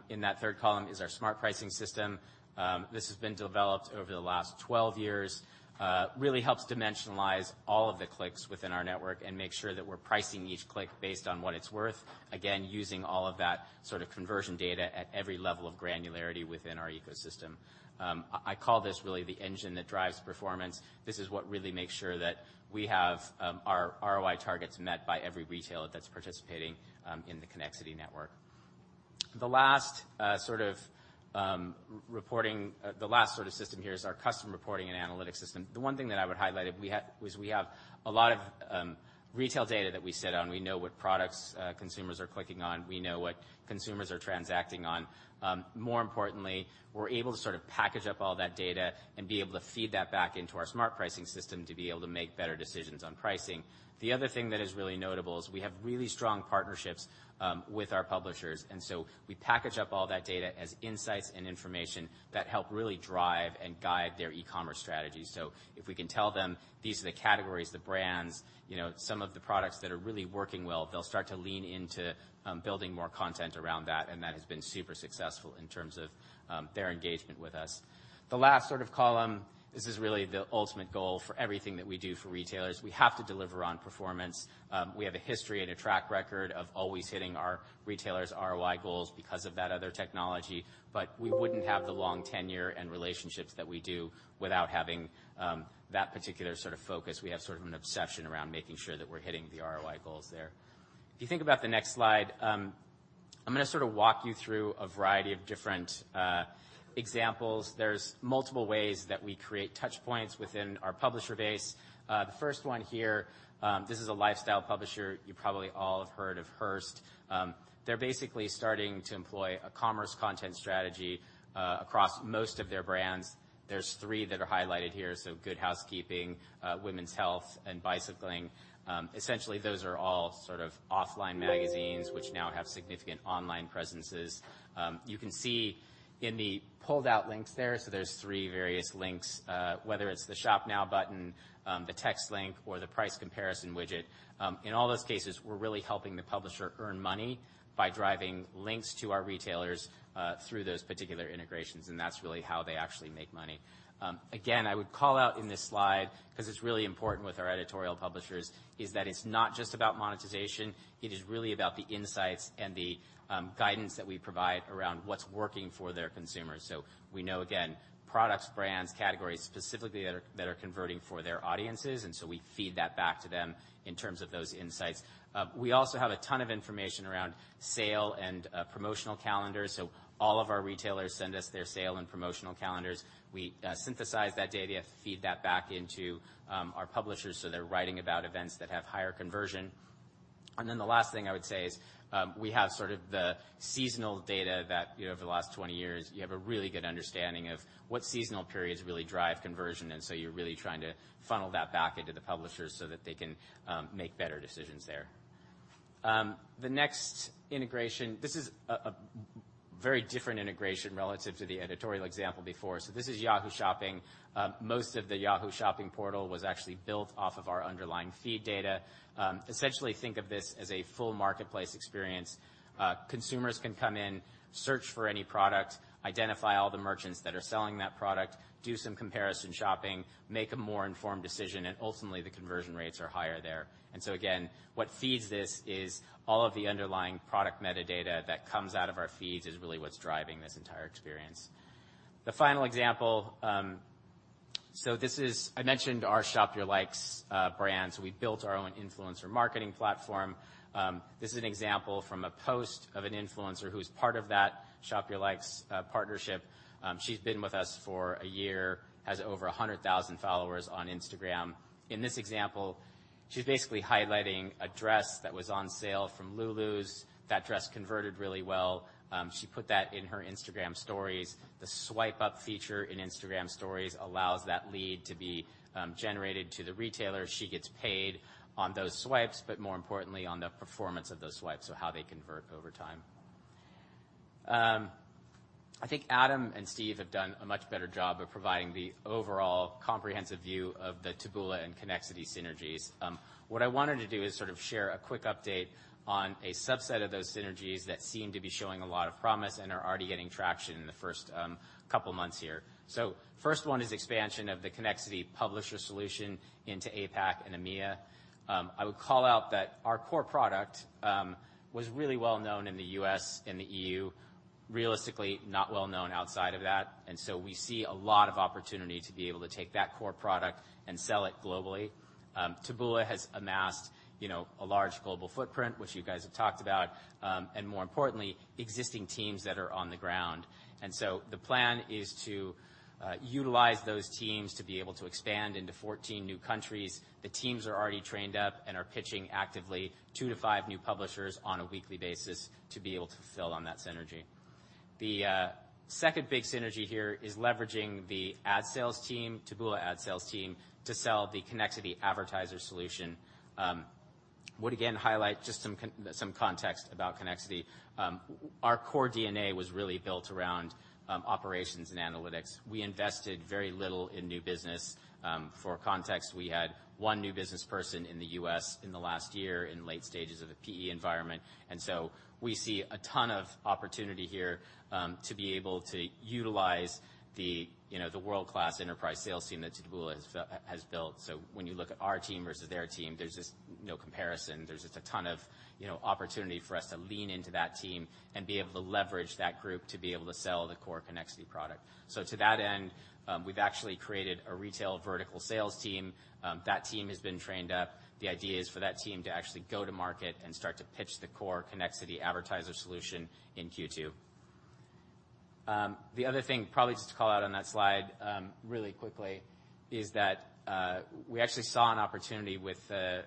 in that third column, is our smart pricing system. This has been developed over the last 12 years, really helps dimensionalize all of the clicks within our network and make sure that we're pricing each click based on what it's worth, again, using all of that sort of conversion data at every level of granularity within our ecosystem. I call this really the engine that drives performance. This is what really makes sure that we have our ROI targets met by every retailer that's participating in the Connexity network. The last sort of system here is our custom reporting and analytics system. The one thing that I would highlight is we have a lot of retail data that we sit on. We know what products consumers are clicking on. We know what consumers are transacting on. More importantly, we're able to sort of package up all that data and be able to feed that back into our smart pricing system to be able to make better decisions on pricing. The other thing that is really notable is we have really strong partnerships with our publishers, and so we package up all that data as insights and information that help really drive and guide their e-commerce strategy. If we can tell them, these are the categories, the brands, you know, some of the products that are really working well, they'll start to lean into building more content around that, and that has been super successful in terms of their engagement with us. The last sort of column, this is really the ultimate goal for everything that we do for retailers. We have to deliver on performance. We have a history and a track record of always hitting our retailers' ROI goals because of that other technology. We wouldn't have the long tenure and relationships that we do without having, that particular sort of focus. We have sort of an obsession around making sure that we're hitting the ROI goals there. If you think about the next slide, I'm gonna sort of walk you through a variety of different examples. There's multiple ways that we create touch points within our publisher base. The first one here, this is a lifestyle publisher. You probably all have heard of Hearst. They're basically starting to employ a commerce content strategy, across most of their brands. There's three that are highlighted here, so Good Housekeeping, Women's Health, and Bicycling. Essentially, those are all sort of offline magazines which now have significant online presences. You can see in the pulled out links there, so there's three various links, whether it's the Shop Now button, the text link, or the price comparison widget. In all those cases, we're really helping the publisher earn money by driving links to our retailers, through those particular integrations, and that's really how they actually make money. Again, I would call out in this slide because it's really important with our editorial publishers, is that it's not just about monetization. It is really about the insights and the, guidance that we provide around what's working for their consumers. We know, again, products, brands, categories specifically that are converting for their audiences, and so we feed that back to them in terms of those insights. We also have a ton of information around sale and promotional calendars, so all of our retailers send us their sale and promotional calendars. We synthesize that data, feed that back into our publishers, so they're writing about events that have higher conversion. The last thing I would say is, we have sort of the seasonal data that, you know, over the last 20 years, you have a really good understanding of what seasonal periods really drive conversion, and so you're really trying to funnel that back into the publishers so that they can make better decisions there. The next integration, this is a very different integration relative to the editorial example before. This is Yahoo Shopping. Most of the Yahoo Shopping portal was actually built off of our underlying feed data. Essentially think of this as a full marketplace experience. Consumers can come in, search for any product, identify all the merchants that are selling that product, do some comparison shopping, make a more informed decision, and ultimately the conversion rates are higher there. What feeds this is all of the underlying product metadata that comes out of our feeds is really what's driving this entire experience. The final example, I mentioned our ShopYourLikes brand. We built our own influencer marketing platform. This is an example from a post of an influencer who's part of that ShopYourLikes partnership. She's been with us for a year, has over 100,000 followers on Instagram. In this example, she's basically highlighting a dress that was on sale from Lulus. That dress converted really well. She put that in her Instagram Stories. The swipe up feature in Instagram Stories allows that lead to be generated to the retailer. She gets paid on those swipes, but more importantly, on the performance of those swipes, so how they convert over time. I think Adam and Steve have done a much better job of providing the overall comprehensive view of the Taboola and Connexity synergies. What I wanted to do is sort of share a quick update on a subset of those synergies that seem to be showing a lot of promise and are already getting traction in the first couple months here. First one is expansion of the Connexity publisher solution into APAC and EMEA. I would call out that our core product was really well known in the U.S. and the EU, realistically not well known outside of that. We see a lot of opportunity to be able to take that core product and sell it globally. Taboola has amassed, you know, a large global footprint, which you guys have talked about, and more importantly, existing teams that are on the ground. The plan is to utilize those teams to be able to expand into 14 new countries. The teams are already trained up and are pitching actively two to five new publishers on a weekly basis to be able to fulfill on that synergy. The second big synergy here is leveraging the ad sales team, Taboola ad sales team to sell the Connexity advertiser solution. Would again highlight just some context about Connexity. Our core DNA was really built around operations and analytics. We invested very little in new business. For context, we had one new business person in the U.S. in the last year in late stages of a PE environment. We see a ton of opportunity here to be able to utilize the you know the world-class enterprise sales team that Taboola has built. When you look at our team versus their team, there's just no comparison. There's just a ton of you know opportunity for us to lean into that team and be able to leverage that group to be able to sell the core Connexity product. To that end, we've actually created a retail vertical sales team. That team has been trained up. The idea is for that team to actually go to market and start to pitch the core Connexity advertiser solution in Q2. The other thing probably just to call out on that slide, really quickly is that, we actually saw an opportunity with the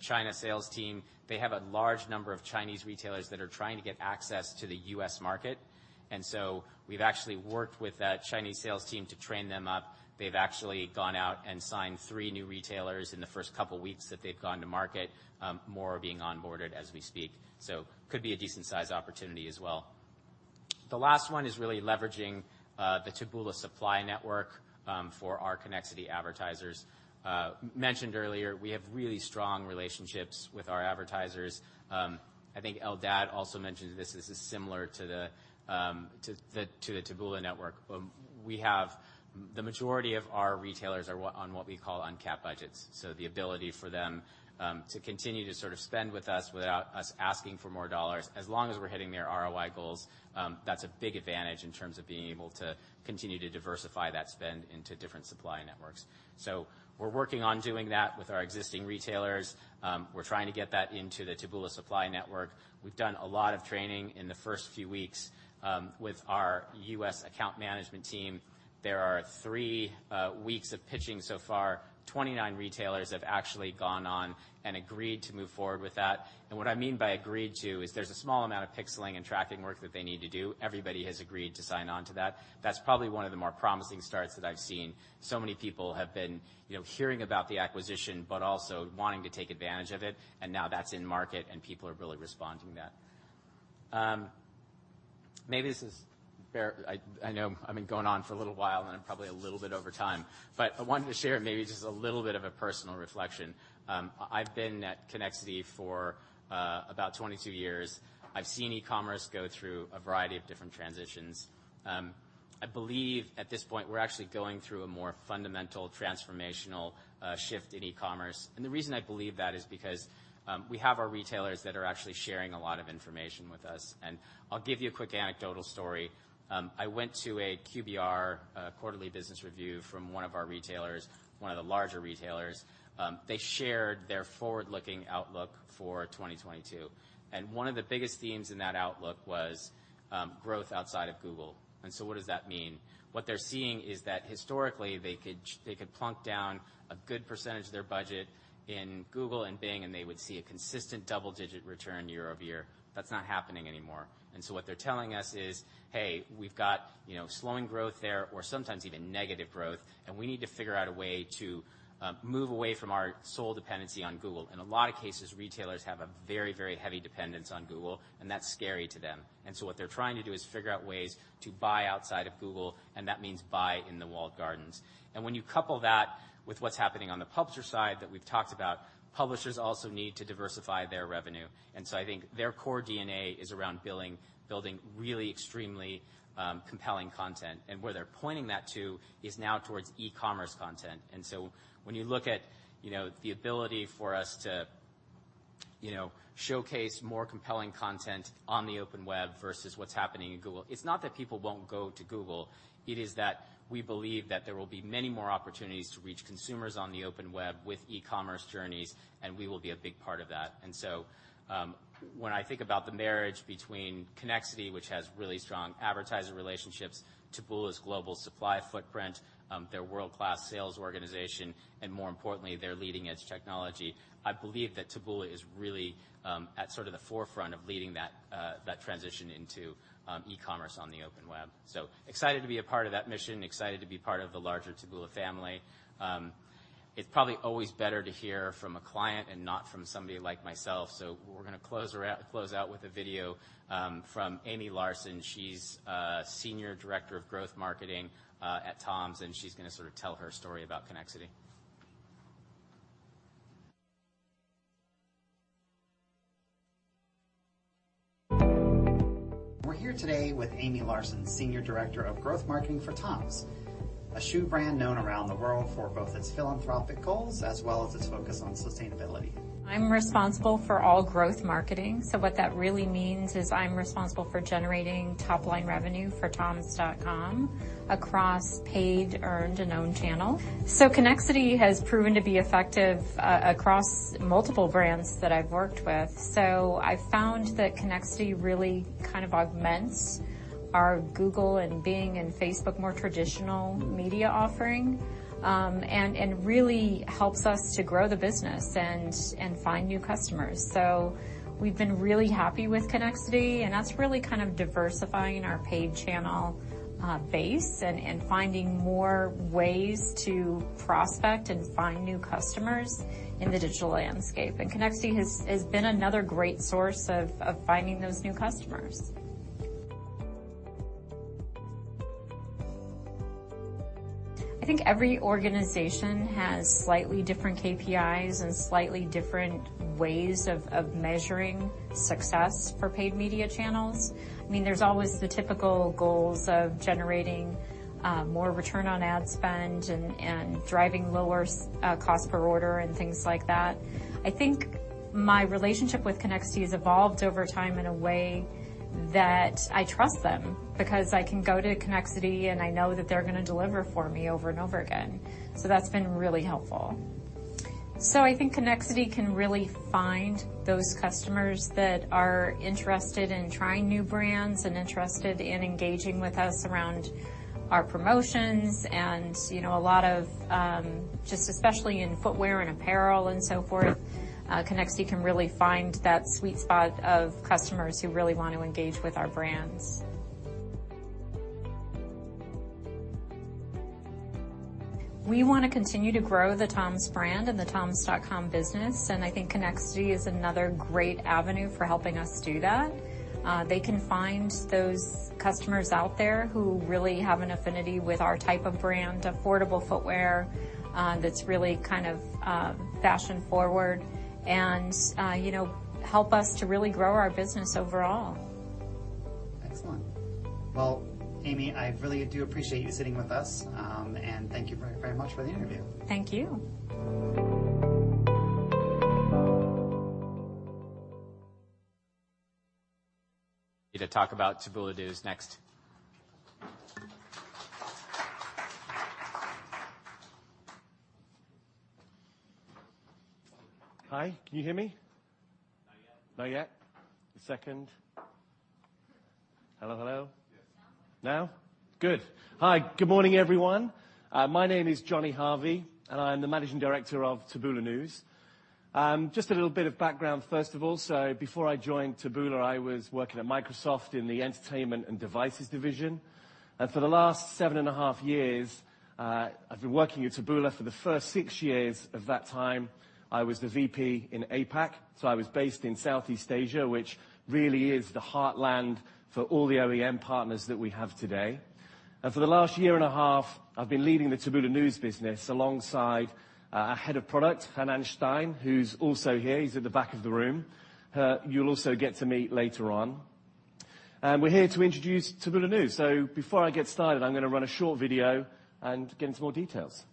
China sales team. They have a large number of Chinese retailers that are trying to get access to the U.S. market, and so we've actually worked with that Chinese sales team to train them up. They've actually gone out and signed three new retailers in the first couple weeks that they've gone to market, more are being onboarded as we speak. Could be a decent size opportunity as well. The last one is really leveraging the Taboola supply network for our Connexity advertisers. Mentioned earlier, we have really strong relationships with our advertisers. I think Eldad also mentioned this. This is similar to the Taboola network. We have the majority of our retailers on what we call uncapped budgets, so the ability for them to continue to sort of spend with us without us asking for more dollars. As long as we're hitting their ROI goals, that's a big advantage in terms of being able to continue to diversify that spend into different supply networks. We're working on doing that with our existing retailers. We're trying to get that into the Taboola supply network. We've done a lot of training in the first few weeks with our U.S. account management team. There are three weeks of pitching so far. 29 retailers have actually gone on and agreed to move forward with that. What I mean by agreed to is there's a small amount of pixeling and tracking work that they need to do. Everybody has agreed to sign on to that. That's probably one of the more promising starts that I've seen. Many people have been, you know, hearing about the acquisition, but also wanting to take advantage of it. Now that's in market, and people are really responding to that. Maybe this is fair. I know I've been going on for a little while, and I'm probably a little bit over time, but I wanted to share maybe just a little bit of a personal reflection. I've been at Connexity for about 22 years. I've seen e-commerce go through a variety of different transitions. I believe at this point we're actually going through a more fundamental transformational shift in e-commerce. The reason I believe that is because we have our retailers that are actually sharing a lot of information with us. I'll give you a quick anecdotal story. I went to a QBR, quarterly business review from one of our retailers, one of the larger retailers. They shared their forward-looking outlook for 2022, and one of the biggest themes in that outlook was growth outside of Google. What does that mean? What they're seeing is that historically they could plunk down a good percentage of their budget in Google and Bing, and they would see a consistent double-digit return year-over-year. That's not happening anymore. What they're telling us is, "Hey, we've got, you know, slowing growth there or sometimes even negative growth, and we need to figure out a way to move away from our sole dependency on Google." In a lot of cases, retailers have a very, very heavy dependence on Google, and that's scary to them. What they're trying to do is figure out ways to buy outside of Google, and that means buy in the walled gardens. When you couple that with what's happening on the publisher side that we've talked about, publishers also need to diversify their revenue. I think their core DNA is around building really extremely compelling content. Where they're pointing that to is now towards e-commerce content. When you look at, you know, the ability for us to, you know, showcase more compelling content on the open web versus what's happening in Google, it's not that people won't go to Google. It is that we believe that there will be many more opportunities to reach consumers on the open web with e-commerce journeys, and we will be a big part of that. When I think about the marriage between Connexity, which has really strong advertiser relationships, Taboola's global supply footprint, their world-class sales organization, and more importantly, their leading-edge technology, I believe that Taboola is really, at sort of the forefront of leading that transition into e-commerce on the open web. Excited to be a part of that mission, excited to be part of the larger Taboola family. It's probably always better to hear from a client and not from somebody like myself. We're gonna close out with a video from Amy Larson. She's Senior Director of Growth Marketing at TOMS, and she's gonna sort of tell her story about Connexity. We're here today with Amy Larson, Senior Director of Growth Marketing for TOMS, a shoe brand known around the world for both its philanthropic goals as well as its focus on sustainability. I'm responsible for all growth marketing. What that really means is I'm responsible for generating top-line revenue for toms.com across paid, earned, and owned channel. Connexity has proven to be effective across multiple brands that I've worked with. I've found that Connexity really kind of augments our Google, and Bing, and Facebook more traditional media offering, and really helps us to grow the business and find new customers. We've been really happy with Connexity, and that's really kind of diversifying our paid channel base and finding more ways to prospect and find new customers in the digital landscape. Connexity has been another great source of finding those new customers. I think every organization has slightly different KPIs and slightly different ways of measuring success for paid media channels. I mean, there's always the typical goals of generating more return on ad spend and driving lower cost per order and things like that. I think my relationship with Connexity has evolved over time in a way that I trust them, because I can go to Connexity and I know that they're gonna deliver for me over and over again. That's been really helpful. I think Connexity can really find those customers that are interested in trying new brands and interested in engaging with us around our promotions and, you know, a lot of, just especially in footwear and apparel and so forth, Connexity can really find that sweet spot of customers who really want to engage with our brands. We wanna continue to grow the TOMS brand and the toms.com business, and I think Connexity is another great avenue for helping us do that. They can find those customers out there who really have an affinity with our type of brand, affordable footwear, that's really kind of, fashion-forward and, you know, help us to really grow our business overall. Excellent. Well, Amy, I really do appreciate you sitting with us. Thank you very, very much for the interview. Thank you. Here to talk about Taboola News next. Hi. Can you hear me? Not yet. Not yet? A second. Hello, hello. Yes. Hi, good morning, everyone. My name is Jonny Harvey, and I'm the Managing Director of Taboola News. Just a little bit of background, first of all. Before I joined Taboola, I was working at Microsoft in the Entertainment and Devices division. For the last 7.5 years, I've been working at Taboola. For the first six years of that time, I was the VP in APAC. I was based in Southeast Asia, which really is the heartland for all the OEM partners that we have today. For the last 1.5 years, I've been leading the Taboola News business alongside our head of product, Hanan Stein, who's also here. He's at the back of the room, who you'll also get to meet later on. We're here to introduce Taboola News. Before I get started, I'm gonna run a short video and get into more details.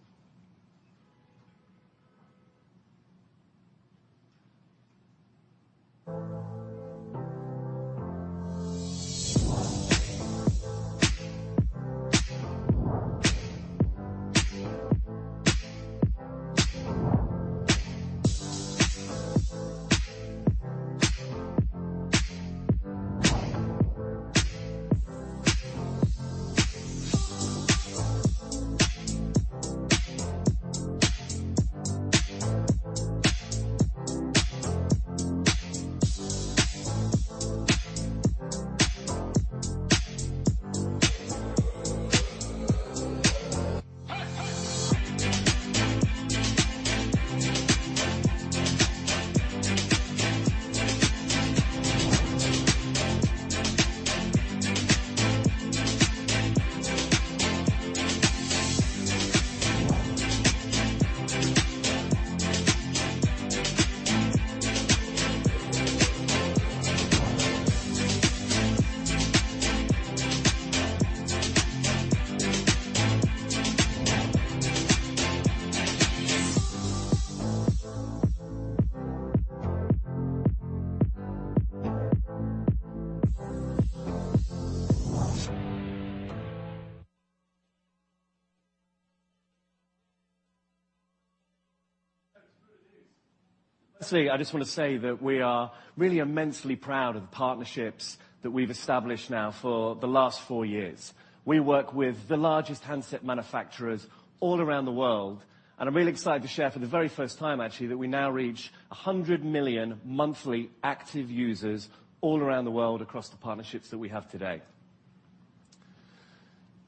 Firstly, I just wanna say that we are really immensely proud of the partnerships that we've established now for the last four years. We work with the largest handset manufacturers all around the world, and I'm really excited to share for the very first time actually, that we now reach 100 million monthly active users all around the world across the partnerships that we have today.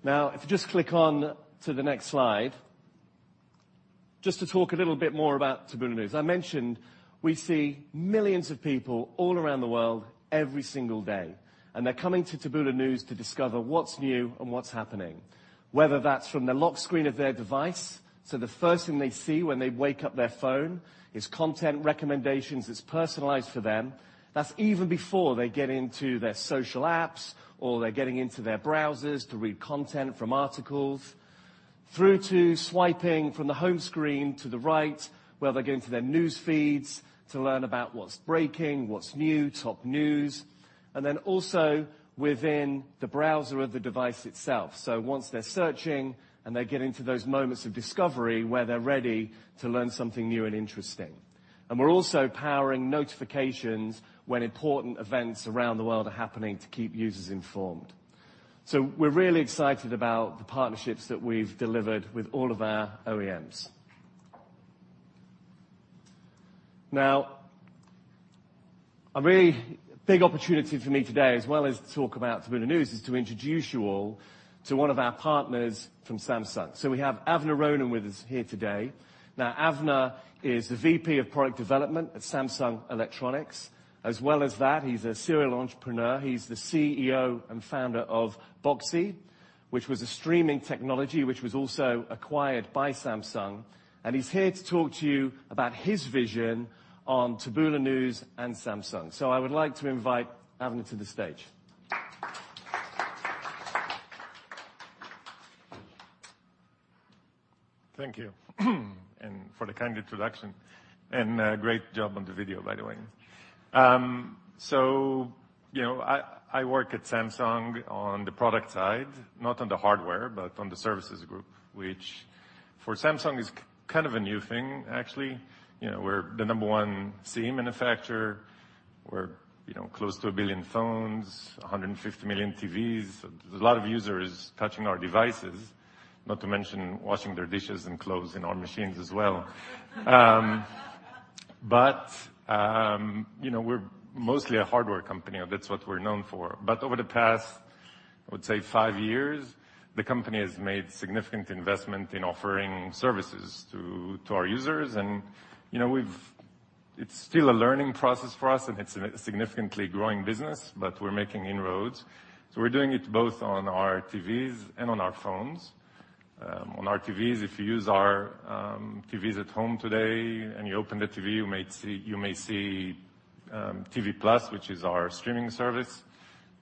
Now, if you just click on to the next slide. Just to talk a little bit more about Taboola News. I mentioned we see millions of people all around the world every single day, and they're coming to Taboola News to discover what's new and what's happening. Whether that's from the lock screen of their device, so the first thing they see when they wake up their phone is content recommendations that's personalized for them. That's even before they get into their social apps, or they're getting into their browsers to read content from articles. Through to swiping from the home screen to the right, where they're going to their news feeds to learn about what's breaking, what's new, top news. Then also within the browser of the device itself. Once they're searching, and they get into those moments of discovery where they're ready to learn something new and interesting. We're also powering notifications when important events around the world are happening to keep users informed. We're really excited about the partnerships that we've delivered with all of our OEMs. Now, a really big opportunity for me today, as well as to talk about Taboola News, is to introduce you all to one of our partners from Samsung. We have Avner Ronen with us here today. Now Avner is the VP of Product Development at Samsung Electronics. As well as that, he's a serial entrepreneur. He's the CEO and Founder of Boxee, which was a streaming technology, which was also acquired by Samsung. He's here to talk to you about his vision on Taboola News and Samsung. I would like to invite Avner to the stage. Thank you for the kind introduction and great job on the video, by the way. So, you know, I work at Samsung on the product side, not on the hardware, but on the services group, which for Samsung is kind of a new thing, actually. You know, we're the number 1 TV manufacturer. You know, close to 1 billion phones, 150 million TVs. There's a lot of users touching our devices, not to mention washing their dishes and clothes in our machines as well. You know, we're mostly a hardware company. That's what we're known for. Over the past, I would say five years, the company has made significant investment in offering services to our users. You know, it's still a learning process for us, and it's a significantly growing business, but we're making inroads. We're doing it both on our TVs and on our phones. On our TVs, if you use our TVs at home today, and you open the TV, you may see TV Plus, which is our streaming service,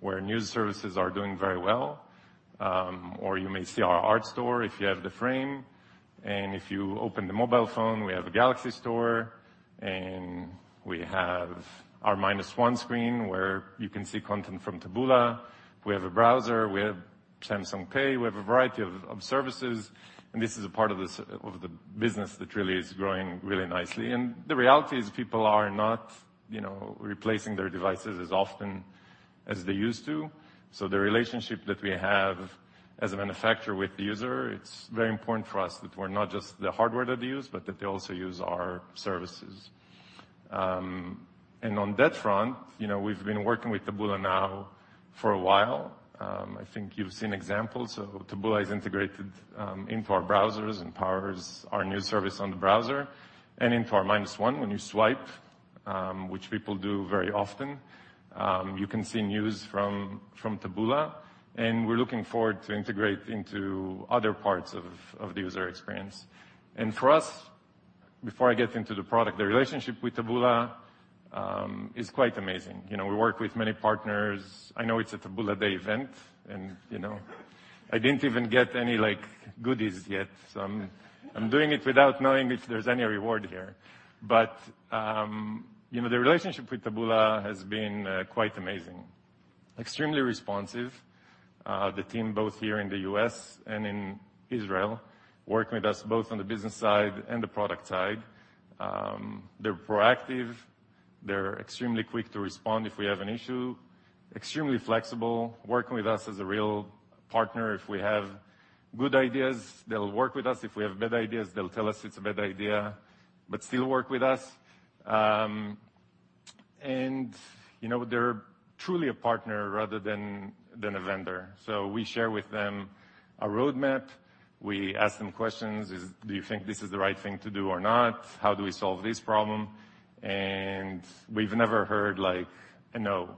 where news services are doing very well. Or you may see our art store if you have the frame. If you open the mobile phone, we have a Galaxy Store, and we have our Minus One screen where you can see content from Taboola. We have a browser, we have Samsung Pay, we have a variety of services. This is a part of the business that really is growing really nicely. The reality is people are not, you know, replacing their devices as often as they used to. The relationship that we have as a manufacturer with the user, it's very important for us that we're not just the hardware that they use, but that they also use our services. On that front, you know, we've been working with Taboola now for a while. I think you've seen examples of Taboola is integrated into our browsers and powers our new service on the browser and into our Minus One. When you swipe, which people do very often, you can see news from Taboola, and we're looking forward to integrate into other parts of the user experience. For us, before I get into the product, the relationship with Taboola is quite amazing. You know, we work with many partners. I know it's a Taboola day event, and, you know, I didn't even get any, like, goodies yet. I'm doing it without knowing if there's any reward here. You know, the relationship with Taboola has been quite amazing. Extremely responsive. The team both here in the U.S. and in Israel work with us both on the business side and the product side. They're proactive. They're extremely quick to respond if we have an issue. Extremely flexible, working with us as a real partner. If we have good ideas, they'll work with us. If we have bad ideas, they'll tell us it's a bad idea, but still work with us. You know, they're truly a partner rather than a vendor. We share with them a roadmap. We ask them questions. Do you think this is the right thing to do or not? How do we solve this problem? We've never heard like a no.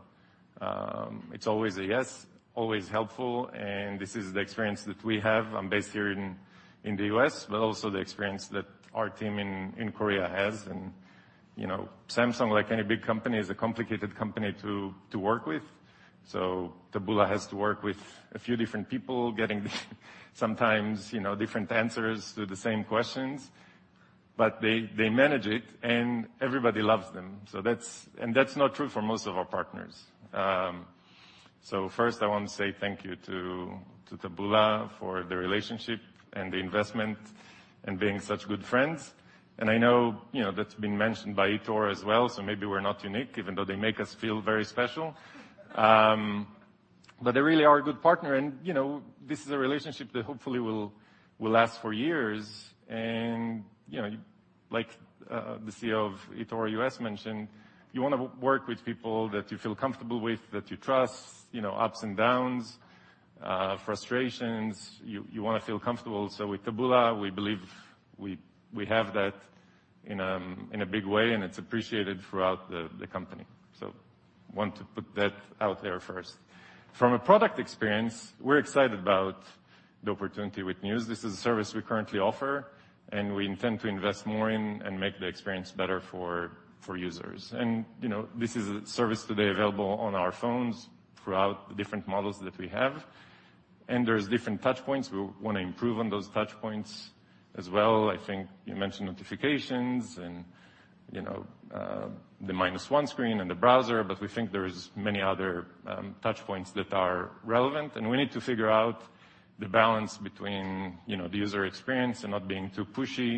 It's always a yes, always helpful, and this is the experience that we have. I'm based here in the U.S., but also the experience that our team in Korea has. You know, Samsung, like any big company, is a complicated company to work with. Taboola has to work with a few different people, getting sometimes, you know, different answers to the same questions. They manage it and everybody loves them. That's not true for most of our partners. First I want to say thank you to Taboola for the relationship and the investment and being such good friends. I know, you know, that's been mentioned by eToro as well, so maybe we're not unique, even though they make us feel very special. They really are a good partner. You know, this is a relationship that hopefully will last for years. You know, like, the CEO of eToro U.S. mentioned, you wanna work with people that you feel comfortable with, that you trust, you know, ups and downs, frustrations. You wanna feel comfortable. With Taboola, we believe we have that in a big way, and it's appreciated throughout the company. Want to put that out there first. From a product experience, we're excited about the opportunity with news. This is a service we currently offer, and we intend to invest more in and make the experience better for users. You know, this is a service today available on our phones throughout the different models that we have. There's different touch points. We wanna improve on those touch points as well. I think you mentioned notifications and, you know, the Minus One screen and the browser, but we think there's many other touch points that are relevant. We need to figure out the balance between, you know, the user experience and not being too pushy.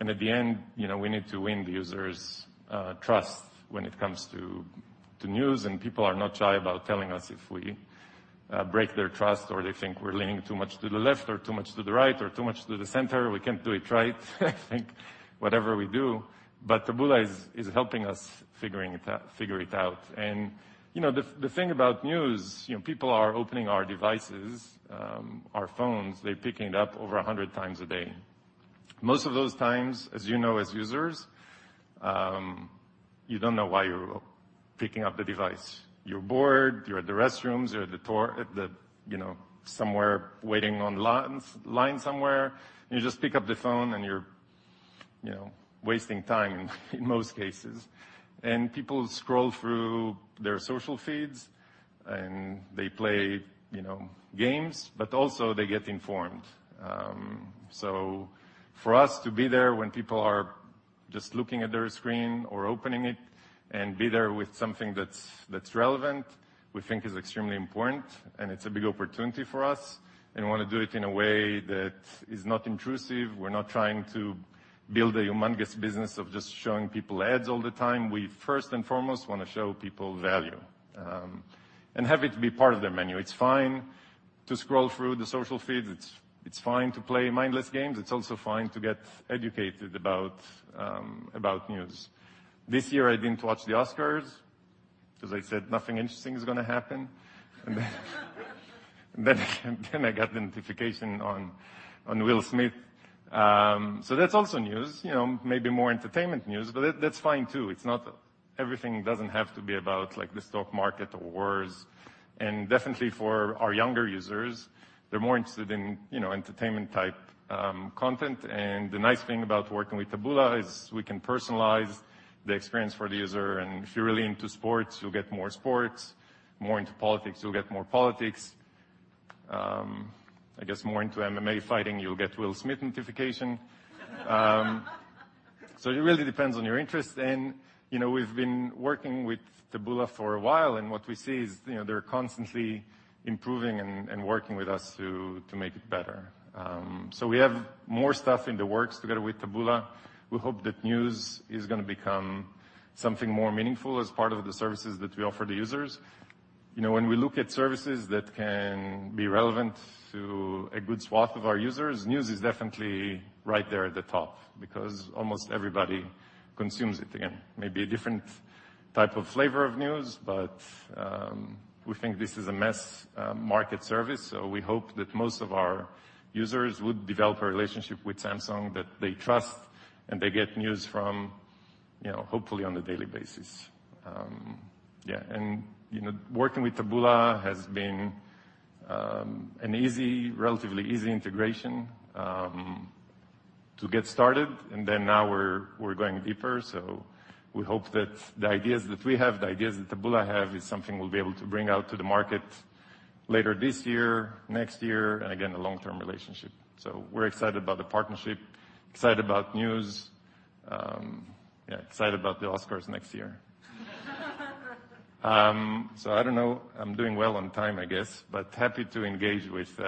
At the end, you know, we need to win the user's trust when it comes to news, and people are not shy about telling us if we break their trust or they think we're leaning too much to the left or too much to the right or too much to the center, we can't do it right, I think, whatever we do. Taboola is helping us figure it out. You know, the thing about news, you know, people are opening our devices, our phones, they're picking it up over 100 times a day. Most of those times, as you know, as users, you don't know why you're picking up the device. You're bored, you're at the restrooms, you're at the, you know, somewhere waiting in line somewhere. You just pick up the phone and you're, you know, wasting time in most cases. People scroll through their social feeds, and they play, you know, games, but also they get informed. For us to be there when people are just looking at their screen or opening it and be there with something that's relevant, we think is extremely important and it's a big opportunity for us. We wanna do it in a way that is not intrusive. We're not trying to build a humongous business of just showing people ads all the time. We first and foremost wanna show people value, and have it be part of their menu. It's fine to scroll through the social feeds. It's fine to play mindless games. It's also fine to get educated about news. This year, I didn't watch the Oscars 'cause I said nothing interesting is gonna happen. I got the notification on Will Smith. So that's also news, you know, maybe more entertainment news, but that's fine too. It's not. Everything doesn't have to be about like the stock market or wars. Definitely for our younger users, they're more interested in, you know, entertainment type content. The nice thing about working with Taboola is we can personalize the experience for the user. If you're really into sports, you'll get more sports. More into politics, you'll get more politics. I guess more into MMA fighting, you'll get Will Smith notification. It really depends on your interest. You know, we've been working with Taboola for a while, and what we see is, you know, they're constantly improving and working with us to make it better. We have more stuff in the works together with Taboola. We hope that news is gonna become something more meaningful as part of the services that we offer the users. You know, when we look at services that can be relevant to a good swath of our users, news is definitely right there at the top because almost everybody consumes it. Again, maybe a different type of flavor of news, but we think this is a mass market service, so we hope that most of our users would develop a relationship with Samsung that they trust and they get news from, you know, hopefully on a daily basis. Yeah. You know, working with Taboola has been an easy, relatively easy integration to get started. Now we're going deeper. We hope that the ideas that we have, the ideas that Taboola have, is something we'll be able to bring out to the market later this year, next year, and again, a long-term relationship. We're excited about the partnership, excited about news, yeah, excited about the Oscars next year. I don't know. I'm doing well on time, I guess, but happy to engage with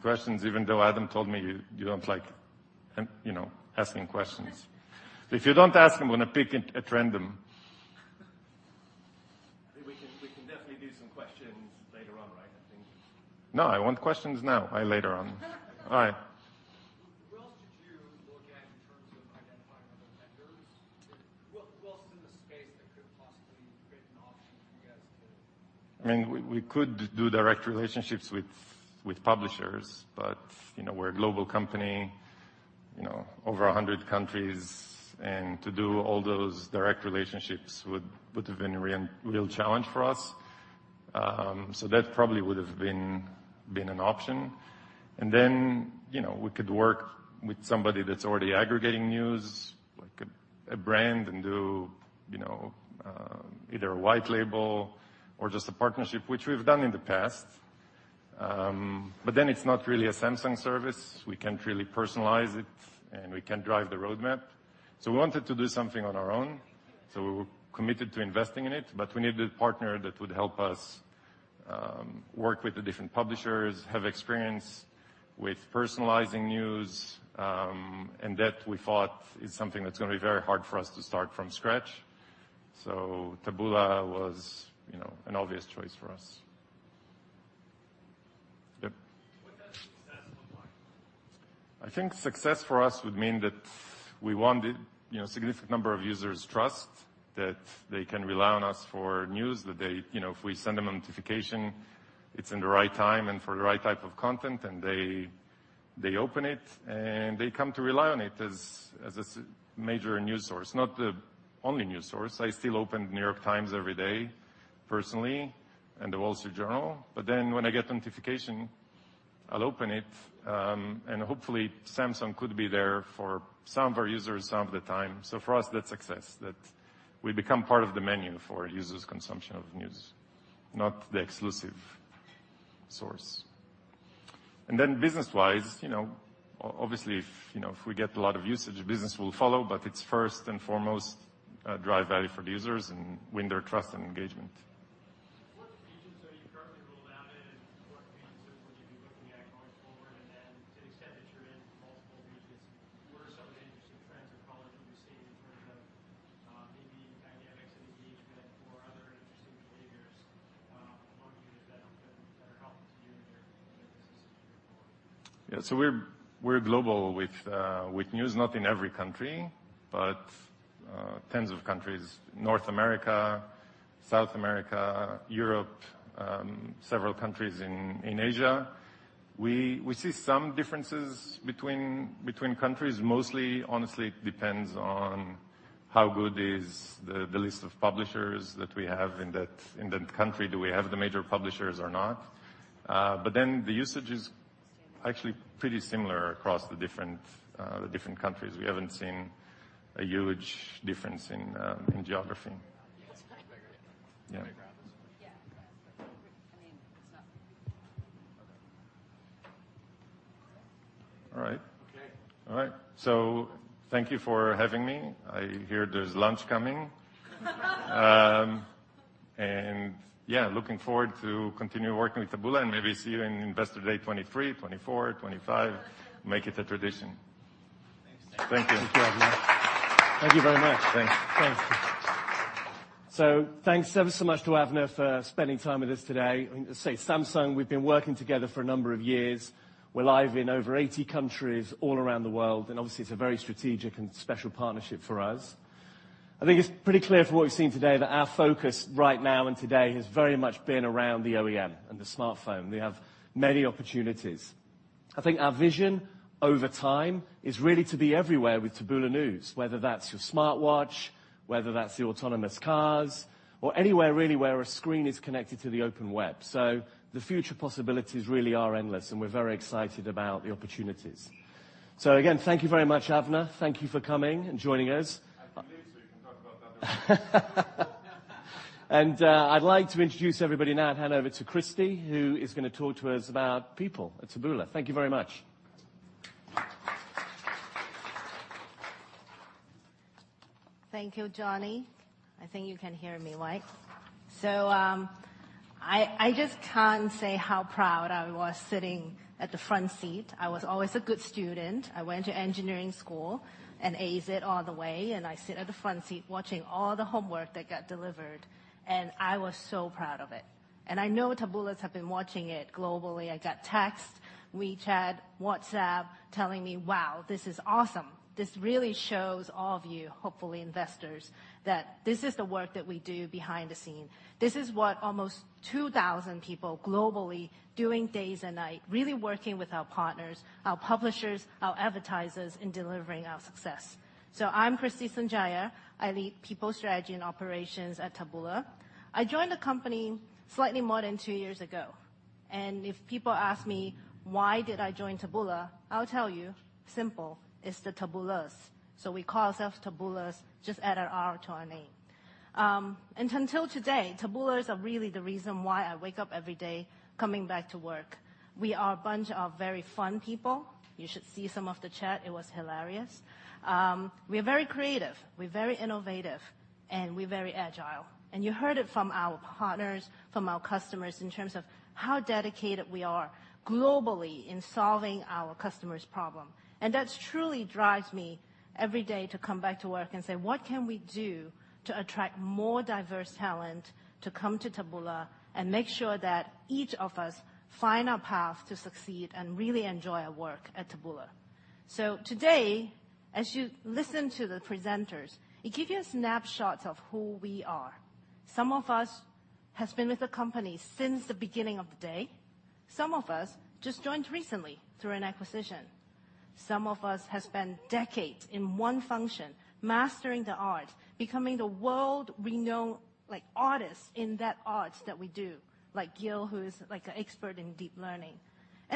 questions, even though Adam told me you don't like, you know, asking questions. If you don't ask, I'm gonna pick at random. I think we can definitely do some questions later on, right? I think. No, I want questions now. Why later on? All right. What else did you look at in terms of identifying other vendors? What else in the space that could possibly create an option for you guys to- I mean, we could do direct relationships with publishers, but you know, we're a global company, you know, over 100 countries. To do all those direct relationships would have been a real challenge for us. So that probably would have been an option. Then, you know, we could work with somebody that's already aggregating news, like a brand, and do you know, either a white label or just a partnership, which we've done in the past. But then it's not really a Samsung service. We can't really personalize it, and we can't drive the roadmap. We wanted to do something on our own, so we were committed to investing in it, but we needed a partner that would help us work with the different publishers, have experience with personalizing news, and that we thought is something that's gonna be very hard for us to start from scratch. Taboola was, you know, an obvious choice for us. Yep. What does success look like? I think success for us would mean that we want the, you know, significant number of users' trust, that they can rely on us for news, that they, you know, if we send them a notification, it's in the right time and for the right type of content, and they open it, and they come to rely on it as a major news source. Not the only news source. I still open The New York Times every day personally, and The Wall Street Journal. Then when I get notification, I'll open it, and hopefully Samsung could be there for some of our users some of the time. For us, that's success, that we become part of the menu for users' consumption of news, not the exclusive source. Business-wise, you know, obviously, if we get a lot of usage, business will follow, but it's first and foremost, drive value for the users and win their trust and engagement. Yeah, so we're global with news. Not in every country, but tens of countries, North America, South America, Europe, several countries in Asia. We see some differences between countries. Mostly, honestly, it depends on how good is the list of publishers that we have in that country. Do we have the major publishers or not? But then the usage is actually pretty similar across the different countries. We haven't seen a huge difference in geography. All right. Okay. All right. Thank you for having me. I hear there's lunch coming. Yeah, looking forward to continue working with Taboola and maybe see you in Investor Day 2023, 2024, 2025. Make it a tradition. Thanks. Thank you. Thank you, Avner. Thank you very much. Thanks. Thanks. Thanks ever so much to Avner for spending time with us today. I mean, today, Samsung, we've been working together for a number of years. We're live in over 80 countries all around the world, and obviously it's a very strategic and special partnership for us. I think it's pretty clear from what we've seen today that our focus right now and today has very much been around the OEM and the smartphone. We have many opportunities. I think our vision over time is really to be everywhere with Taboola News, whether that's your smartwatch, whether that's the autonomous cars, or anywhere really where a screen is connected to the open web. The future possibilities really are endless, and we're very excited about the opportunities. Again, thank you very much, Avner. Thank you for coming and joining us. I believe so. We can talk about that later. I'd like to introduce everybody now to hand over to Kristy, who is gonna talk to us about people at Taboola. Thank you very much. Thank you, Jonny. I think you can hear me right. I just can't say how proud I was sitting at the front seat. I was always a good student. I went to engineering school and aced it all the way, and I sit at the front seat watching all the homework that got delivered, and I was so proud of it. I know Taboolars have been watching it globally. I got text, WeChat, WhatsApp telling me, "Wow, this is awesome." This really shows all of you, hopefully investors, that this is the work that we do behind the scene. This is what almost 2,000 people globally doing days and night, really working with our partners, our publishers, our advertisers in delivering our success. I'm Kristy Sundjaja. I lead people strategy and operations at Taboola. I joined the company slightly more than two years ago, and if people ask me why did I join Taboola, I'll tell you, simple, it's the Taboolars. We call ourselves Taboolars, just add an R to our name. Until today, Taboolars are really the reason why I wake up every day coming back to work. We are a bunch of very fun people. You should see some of the chat. It was hilarious. We are very creative, we're very innovative, and we're very agile. You heard it from our partners, from our customers, in terms of how dedicated we are globally in solving our customers' problem. That's truly drives me every day to come back to work and say, "What can we do to attract more diverse talent to come to Taboola and make sure that each of us find our path to succeed and really enjoy our work at Taboola?" Today, as you listen to the presenters, it give you a snapshot of who we are. Some of us has been with the company since the beginning of the day. Some of us just joined recently through an acquisition. Some of us has spent decades in one function mastering the art, becoming the world renowned, like, artist in that art that we do. Like Gil, who is, like, an expert in deep learning.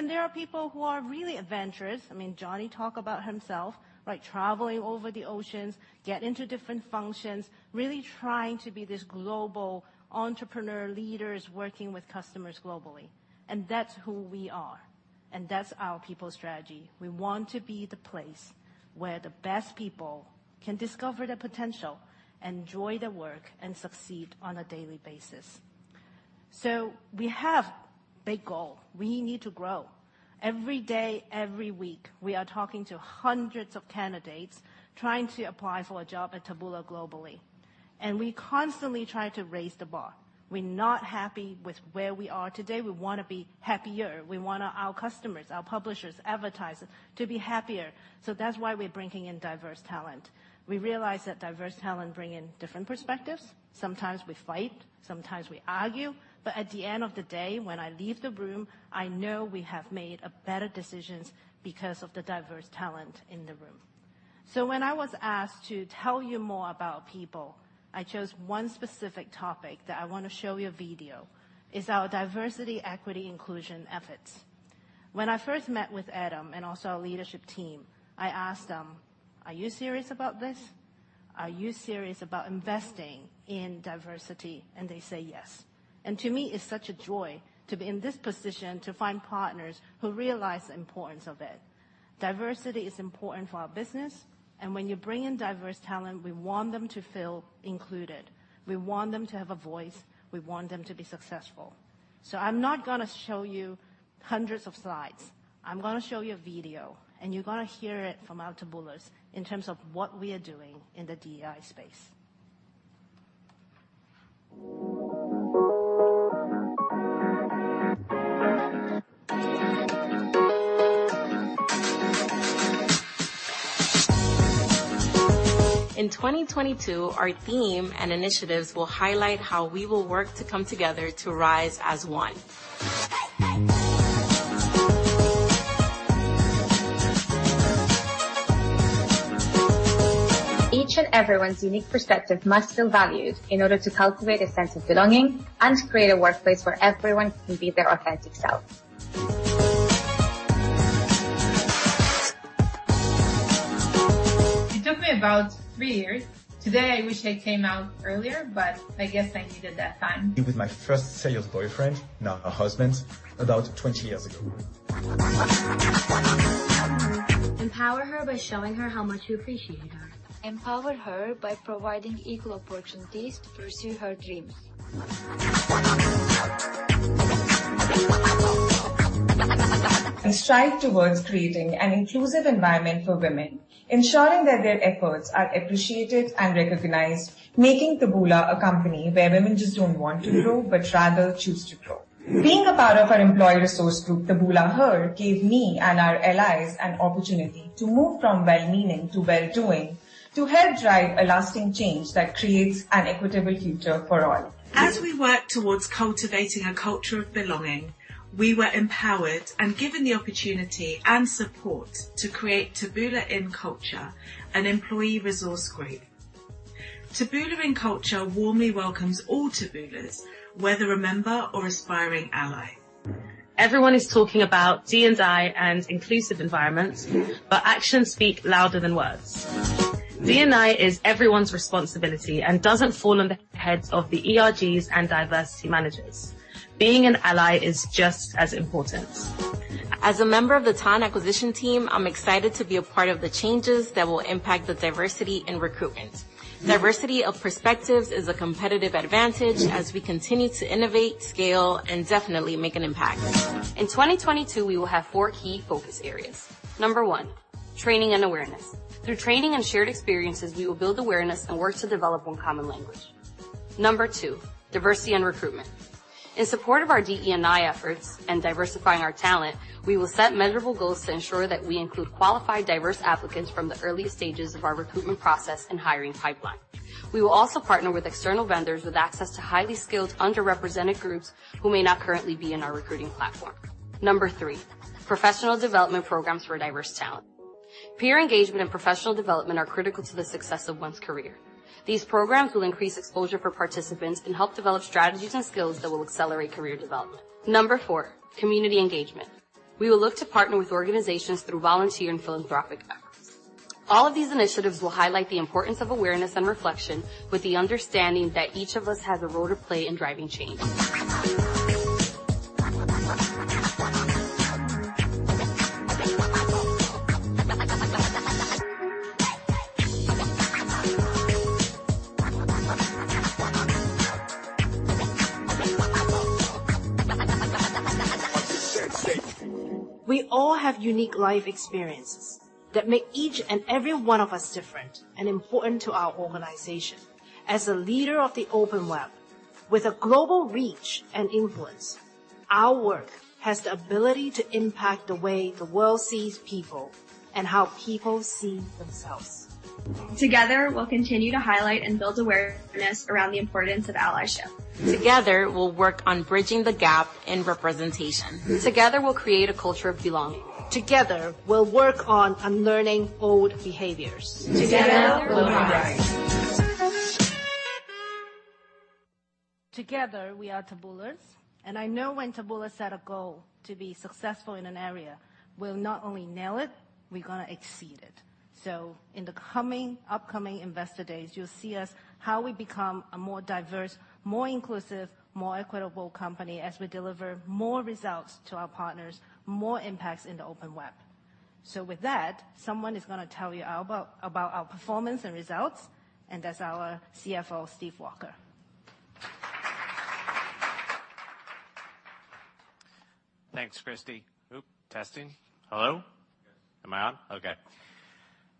There are people who are really adventurous. I mean, Jonny talk about himself, like, traveling over the oceans, get into different functions, really trying to be this global entrepreneur leaders working with customers globally. That's who we are, and that's our people strategy. We want to be the place where the best people can discover their potential, enjoy their work, and succeed on a daily basis. We have big goal. We need to grow. Every day, every week, we are talking to hundreds of candidates trying to apply for a job at Taboola globally. We constantly try to raise the bar. We're not happy with where we are today. We wanna be happier. We want our customers, our publishers, advertisers to be happier. That's why we're bringing in diverse talent. We realize that diverse talent bring in different perspectives. Sometimes we fight, sometimes we argue, but at the end of the day, when I leave the room, I know we have made a better decisions because of the diverse talent in the room. When I was asked to tell you more about people, I chose one specific topic that I wanna show you a video, is our Diversity, Equity, Inclusion efforts. When I first met with Adam and also our leadership team, I asked them, "Are you serious about this? Are you serious about investing in diversity?" They say, "Yes." To me, it's such a joy to be in this position to find partners who realize the importance of it. Diversity is important for our business, and when you bring in diverse talent, we want them to feel included. We want them to have a voice. We want them to be successful. I'm not gonna show you hundreds of slides. I'm gonna show you a video, and you're gonna hear it from our Taboolars in terms of what we are doing in the DEI space. In 2022, our theme and initiatives will highlight how we will work to come together to rise as one. Each and everyone's unique perspective must feel valued in order to cultivate a sense of belonging and to create a workplace where everyone can be their authentic self. It took me about three years. Today, I wish I came out earlier, but I guess I needed that time. It was my first serious boyfriend, now her husband, about 20 years ago. Empower her by showing her how much you appreciate her. Empower her by providing equal opportunities to pursue her dreams. Strive towards creating an inclusive environment for women, ensuring that their efforts are appreciated and recognized, making Taboola a company where women just don't want to grow, but rather choose to grow. Being a part of our employee resource group, TaboolaHER, gave me and our allies an opportunity to move from well-meaning to well-doing, to help drive a lasting change that creates an equitable future for all. As we work towards cultivating a culture of belonging, we were empowered and given the opportunity and support to create TaboolaInCulture, an employee resource group. TaboolaInCulture warmly welcomes all Taboolars, whether a member or aspiring ally. Everyone is talking about D&I and inclusive environments, but actions speak louder than words. D&I is everyone's responsibility and doesn't fall on the heads of the ERGs and diversity managers. Being an ally is just as important. As a member of the Talent Acquisition team, I'm excited to be a part of the changes that will impact the diversity in recruitment. Diversity of perspectives is a competitive advantage as we continue to innovate, scale, and definitely make an impact. In 2022, we will have four key focus areas. Number one, training and awareness. Through training and shared experiences, we will build awareness and work to develop one common language. Number two, diversity and recruitment. In support of our DE&I efforts and diversifying our talent, we will set measurable goals to ensure that we include qualified, diverse applicants from the earliest stages of our recruitment process and hiring pipeline. We will also partner with external vendors with access to highly skilled underrepresented groups who may not currently be in our recruiting platform. Number three, professional development programs for diverse talent. Peer engagement and professional development are critical to the success of one's career. These programs will increase exposure for participants and help develop strategies and skills that will accelerate career development. Number four, community engagement. We will look to partner with organizations through volunteer and philanthropic efforts. All of these initiatives will highlight the importance of awareness and reflection with the understanding that each of us has a role to play in driving change. We all have unique life experiences that make each and every one of us different and important to our organization. As a leader of the open web, with a global reach and influence, our work has the ability to impact the way the world sees people and how people see themselves. Together, we'll continue to highlight and build awareness around the importance of allyship. Together, we'll work on bridging the gap in representation. Together, we'll create a culture of belonging. Together, we'll work on unlearning old behaviors. Together, we'll rise. Together, we are Taboolars, and I know when Taboola set a goal to be successful in an area, we'll not only nail it, we're gonna exceed it. In the upcoming investor days, you'll see us, how we become a more diverse, more inclusive, more equitable company as we deliver more results to our partners, more impacts in the open web. With that, someone is gonna tell you about our performance and results, and that's our CFO, Steve Walker. Thanks, Kristy.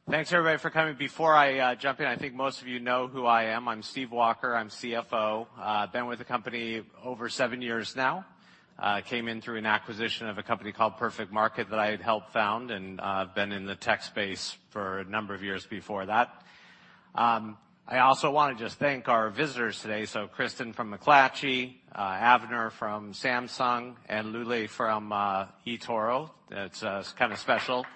Thanks, everybody, for coming. Before I jump in, I think most of you know who I am. I'm Steve Walker, I'm CFO. Been with the company over seven years now. Came in through an acquisition of a company called Perfect Market that I had helped found, and I've been in the tech space for a number of years before that. I also wanna just thank our visitors today, so Kristin from McClatchy, Avner from Samsung, and Lule from eToro. That's kinda special.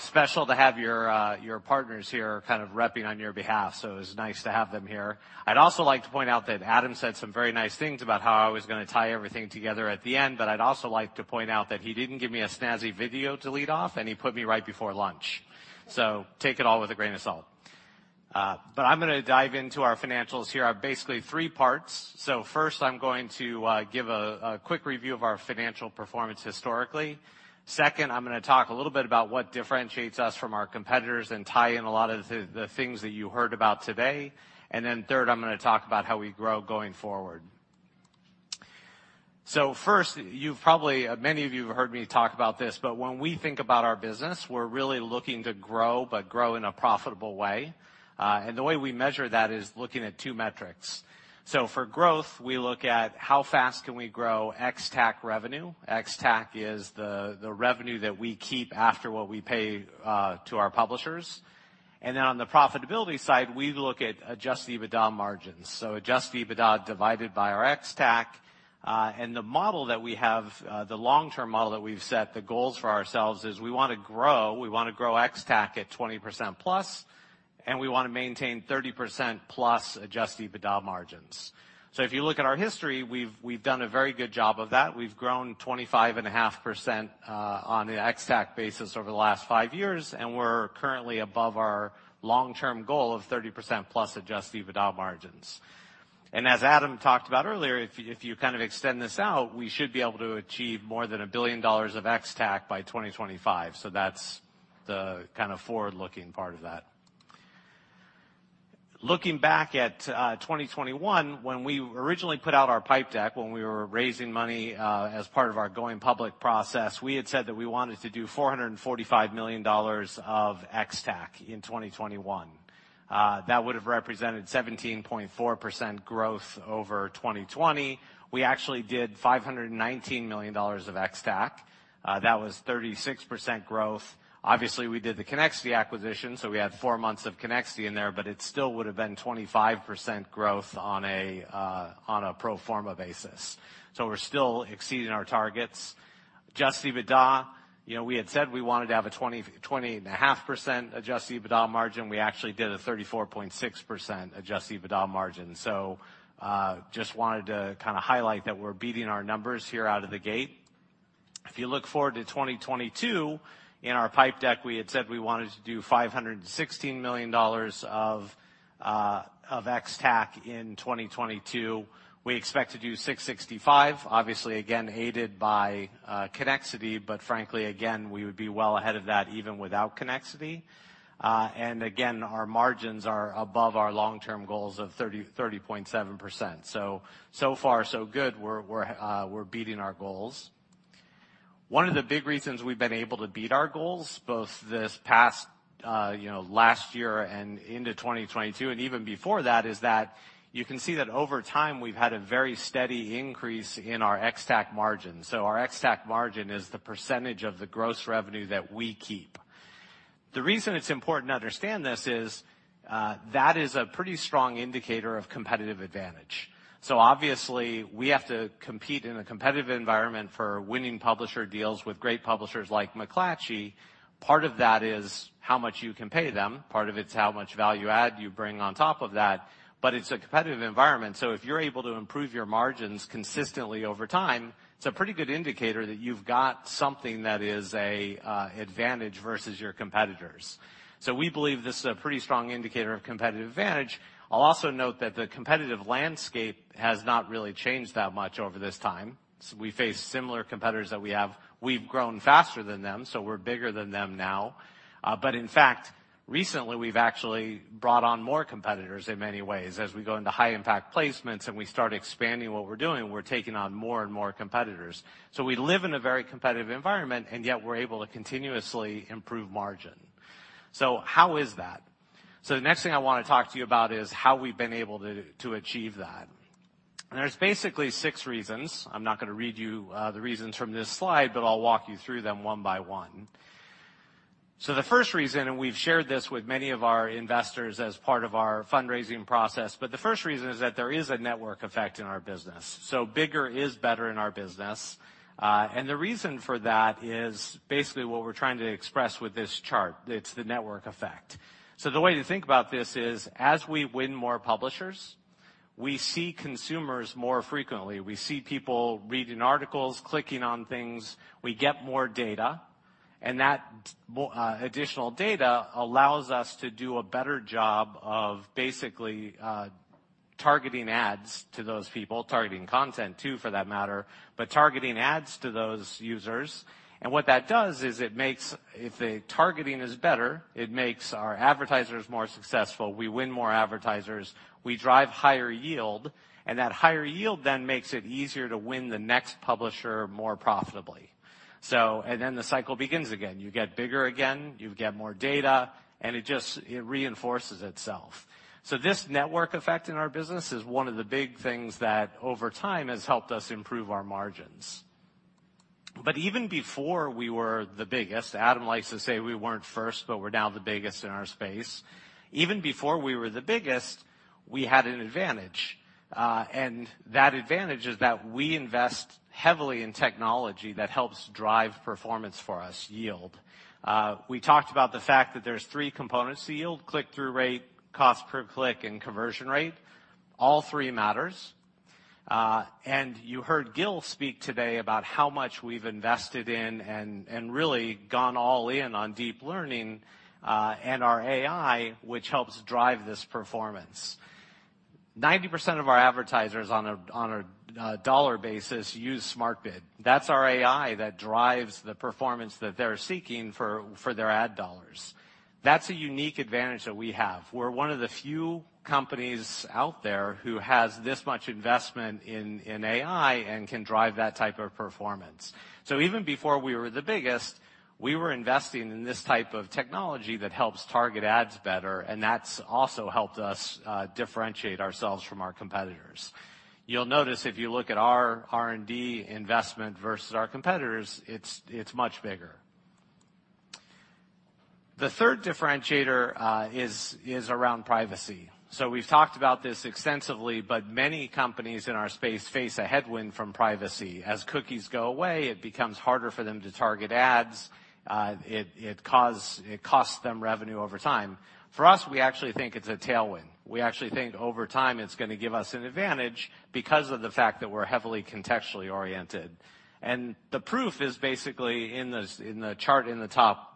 Special to have your partners here kind of repping on your behalf, so it was nice to have them here. I'd also like to point out that Adam said some very nice things about how I was gonna tie everything together at the end, but I'd also like to point out that he didn't give me a snazzy video to lead off, and he put me right before lunch. Take it all with a grain of salt. I'm gonna dive into our financials here, are basically three parts. First, I'm going to give a quick review of our financial performance historically. Second, I'm gonna talk a little bit about what differentiates us from our competitors and tie in a lot of the things that you heard about today. Third, I'm gonna talk about how we grow going forward. First, you've probably, many of you have heard me talk about this, but when we think about our business, we're really looking to grow but grow in a profitable way. The way we measure that is looking at two metrics. For growth, we look at how fast can we grow ex-TAC revenue. Ex-TAC is the revenue that we keep after what we pay to our publishers. Then on the profitability side, we look at adjusted EBITDA margins, so adjusted EBITDA divided by our ex-TAC. The model that we have, the long-term model that we've set, the goals for ourselves is we wanna grow, we wanna grow ex-TAC at 20%+, and we wanna maintain 30%+ adjusted EBITDA margins. If you look at our history, we've done a very good job of that. We've grown 25.5% on an ex-TAC basis over the last five years, and we're currently above our long-term goal of 30%+ adjusted EBITDA margins. As Adam talked about earlier, if you kind of extend this out, we should be able to achieve more than $1 billion of ex-TAC by 2025. That's the kind of forward-looking part of that. Looking back at 2021, when we originally put out our PIPE deck, when we were raising money as part of our going public process, we had said that we wanted to do $445 million of ex-TAC in 2021. That would have represented 17.4% growth over 2020. We actually did $519 million of ex-TAC. That was 36% growth. Obviously, we did the Connexity acquisition, so we had four months of Connexity in there, but it still would've been 25% growth on a pro forma basis. We're still exceeding our targets. Adjusted EBITDA, you know, we had said we wanted to have a 20%-20.5% adjusted EBITDA margin. We actually did a 34.6% adjusted EBITDA margin. Just wanted to kinda highlight that we're beating our numbers here out of the gate. If you look forward to 2022, in our pipe deck, we had said we wanted to do $516 million of ex-TAC in 2022. We expect to do $665, obviously again aided by Connexity, but frankly, again, we would be well ahead of that even without Connexity. Again, our margins are above our long-term goals of 30%-30.7%. So far so good. We're beating our goals. One of the big reasons we've been able to beat our goals both this past, you know, last year and into 2022 and even before that is that you can see that over time, we've had a very steady increase in our ex-TAC margin. Our ex-TAC margin is the percentage of the gross revenue that we keep. The reason it's important to understand this is that is a pretty strong indicator of competitive advantage. Obviously, we have to compete in a competitive environment for winning publisher deals with great publishers like McClatchy. Part of that is how much you can pay them, part of it's how much value add you bring on top of that, but it's a competitive environment. If you're able to improve your margins consistently over time, it's a pretty good indicator that you've got something that is a advantage versus your competitors. We believe this is a pretty strong indicator of competitive advantage. I'll also note that the competitive landscape has not really changed that much over this time. We face similar competitors that we have. We've grown faster than them, so we're bigger than them now. In fact, recently, we've actually brought on more competitors in many ways. As we go into High Impact Placements and we start expanding what we're doing, we're taking on more and more competitors. We live in a very competitive environment, and yet we're able to continuously improve margin. How is that? The next thing I wanna talk to you about is how we've been able to achieve that. There's basically six reasons. I'm not gonna read you, the reasons from this slide, but I'll walk you through them one by one. The first reason, and we've shared this with many of our investors as part of our fundraising process, but the first reason is that there is a network effect in our business. Bigger is better in our business. The reason for that is basically what we're trying to express with this chart. It's the network effect. The way to think about this is, as we win more publishers, we see consumers more frequently. We see people reading articles, clicking on things. We get more data, and that additional data allows us to do a better job of basically targeting ads to those people, targeting content too for that matter, but targeting ads to those users. What that does is it makes. If the targeting is better, it makes our advertisers more successful. We win more advertisers, we drive higher yield, and that higher yield then makes it easier to win the next publisher more profitably. The cycle begins again. You get bigger again, you get more data, and it just reinforces itself. This network effect in our business is one of the big things that over time has helped us improve our margins. Even before we were the biggest, Adam likes to say we weren't first, but we're now the biggest in our space. Even before we were the biggest, we had an advantage. That advantage is that we invest heavily in technology that helps drive performance for us, yield. We talked about the fact that there's three components to yield: click-through rate, cost per click, and conversion rate. All three matters. You heard Gil speak today about how much we've invested in and really gone all in on deep learning and our AI, which helps drive this performance. 90% of our advertisers on a dollar basis use SmartBid. That's our AI that drives the performance that they're seeking for their ad dollars. That's a unique advantage that we have. We're one of the few companies out there who has this much investment in AI and can drive that type of performance. Even before we were the biggest, we were investing in this type of technology that helps target ads better, and that's also helped us differentiate ourselves from our competitors. You'll notice if you look at our R&D investment versus our competitors, it's much bigger. The third differentiator is around privacy. We've talked about this extensively, but many companies in our space face a headwind from privacy. As cookies go away, it becomes harder for them to target ads. It costs them revenue over time. For us, we actually think it's a tailwind. We actually think over time, it's gonna give us an advantage because of the fact that we're heavily contextually oriented. The proof is basically in the chart in the top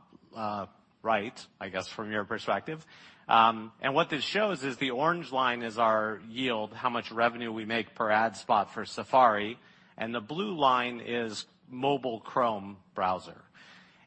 right, I guess, from your perspective. What this shows is the orange line is our yield, how much revenue we make per ad spot for Safari, and the blue line is mobile Chrome browser.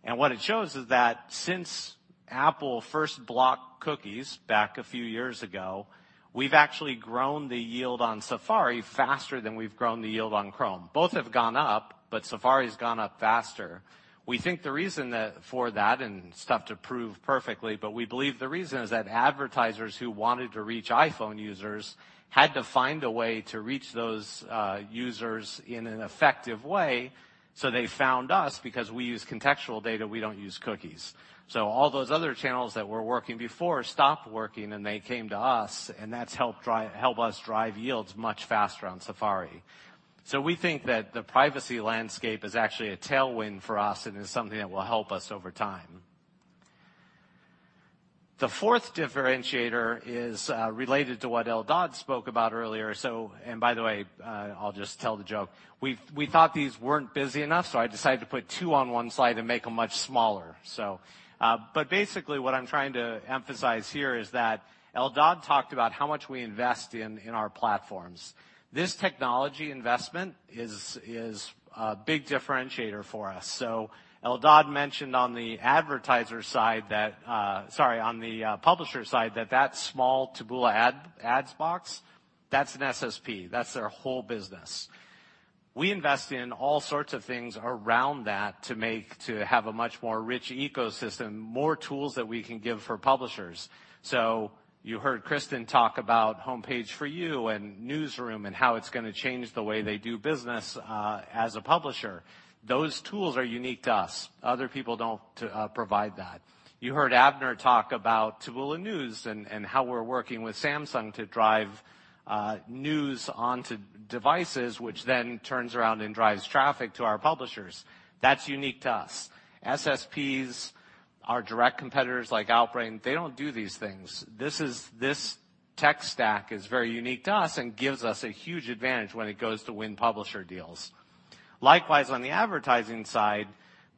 What it shows is that since Apple first blocked cookies back a few years ago, we've actually grown the yield on Safari faster than we've grown the yield on Chrome. Both have gone up, but Safari's gone up faster. We think the reason for that, and it's tough to prove perfectly, but we believe the reason is that advertisers who wanted to reach iPhone users had to find a way to reach those users in an effective way, so they found us because we use contextual data, we don't use cookies. All those other channels that were working before stopped working, and they came to us, and that's helped us drive yields much faster on Safari. We think that the privacy landscape is actually a tailwind for us and is something that will help us over time. The fourth differentiator is related to what Eldad spoke about earlier. By the way, I'll just tell the joke. We thought these weren't busy enough, so I decided to put two on one slide and make them much smaller. But basically, what I'm trying to emphasize here is that Eldad talked about how much we invest in our platforms. This technology investment is a big differentiator for us. Eldad mentioned on the publisher side, that small Taboola ads box, that's an SSP. That's their whole business. We invest in all sorts of things around that to have a much more rich ecosystem, more tools that we can give for publishers. You heard Kristin talk about Homepage For You and Newsroom and how it's gonna change the way they do business as a publisher. Those tools are unique to us. Other people don't provide that. You heard Avner talk about Taboola News and how we're working with Samsung to drive news onto devices, which then turns around and drives traffic to our publishers. That's unique to us. SSPs, our direct competitors like Outbrain, they don't do these things. This tech stack is very unique to us and gives us a huge advantage when it goes to win publisher deals. Likewise, on the advertising side,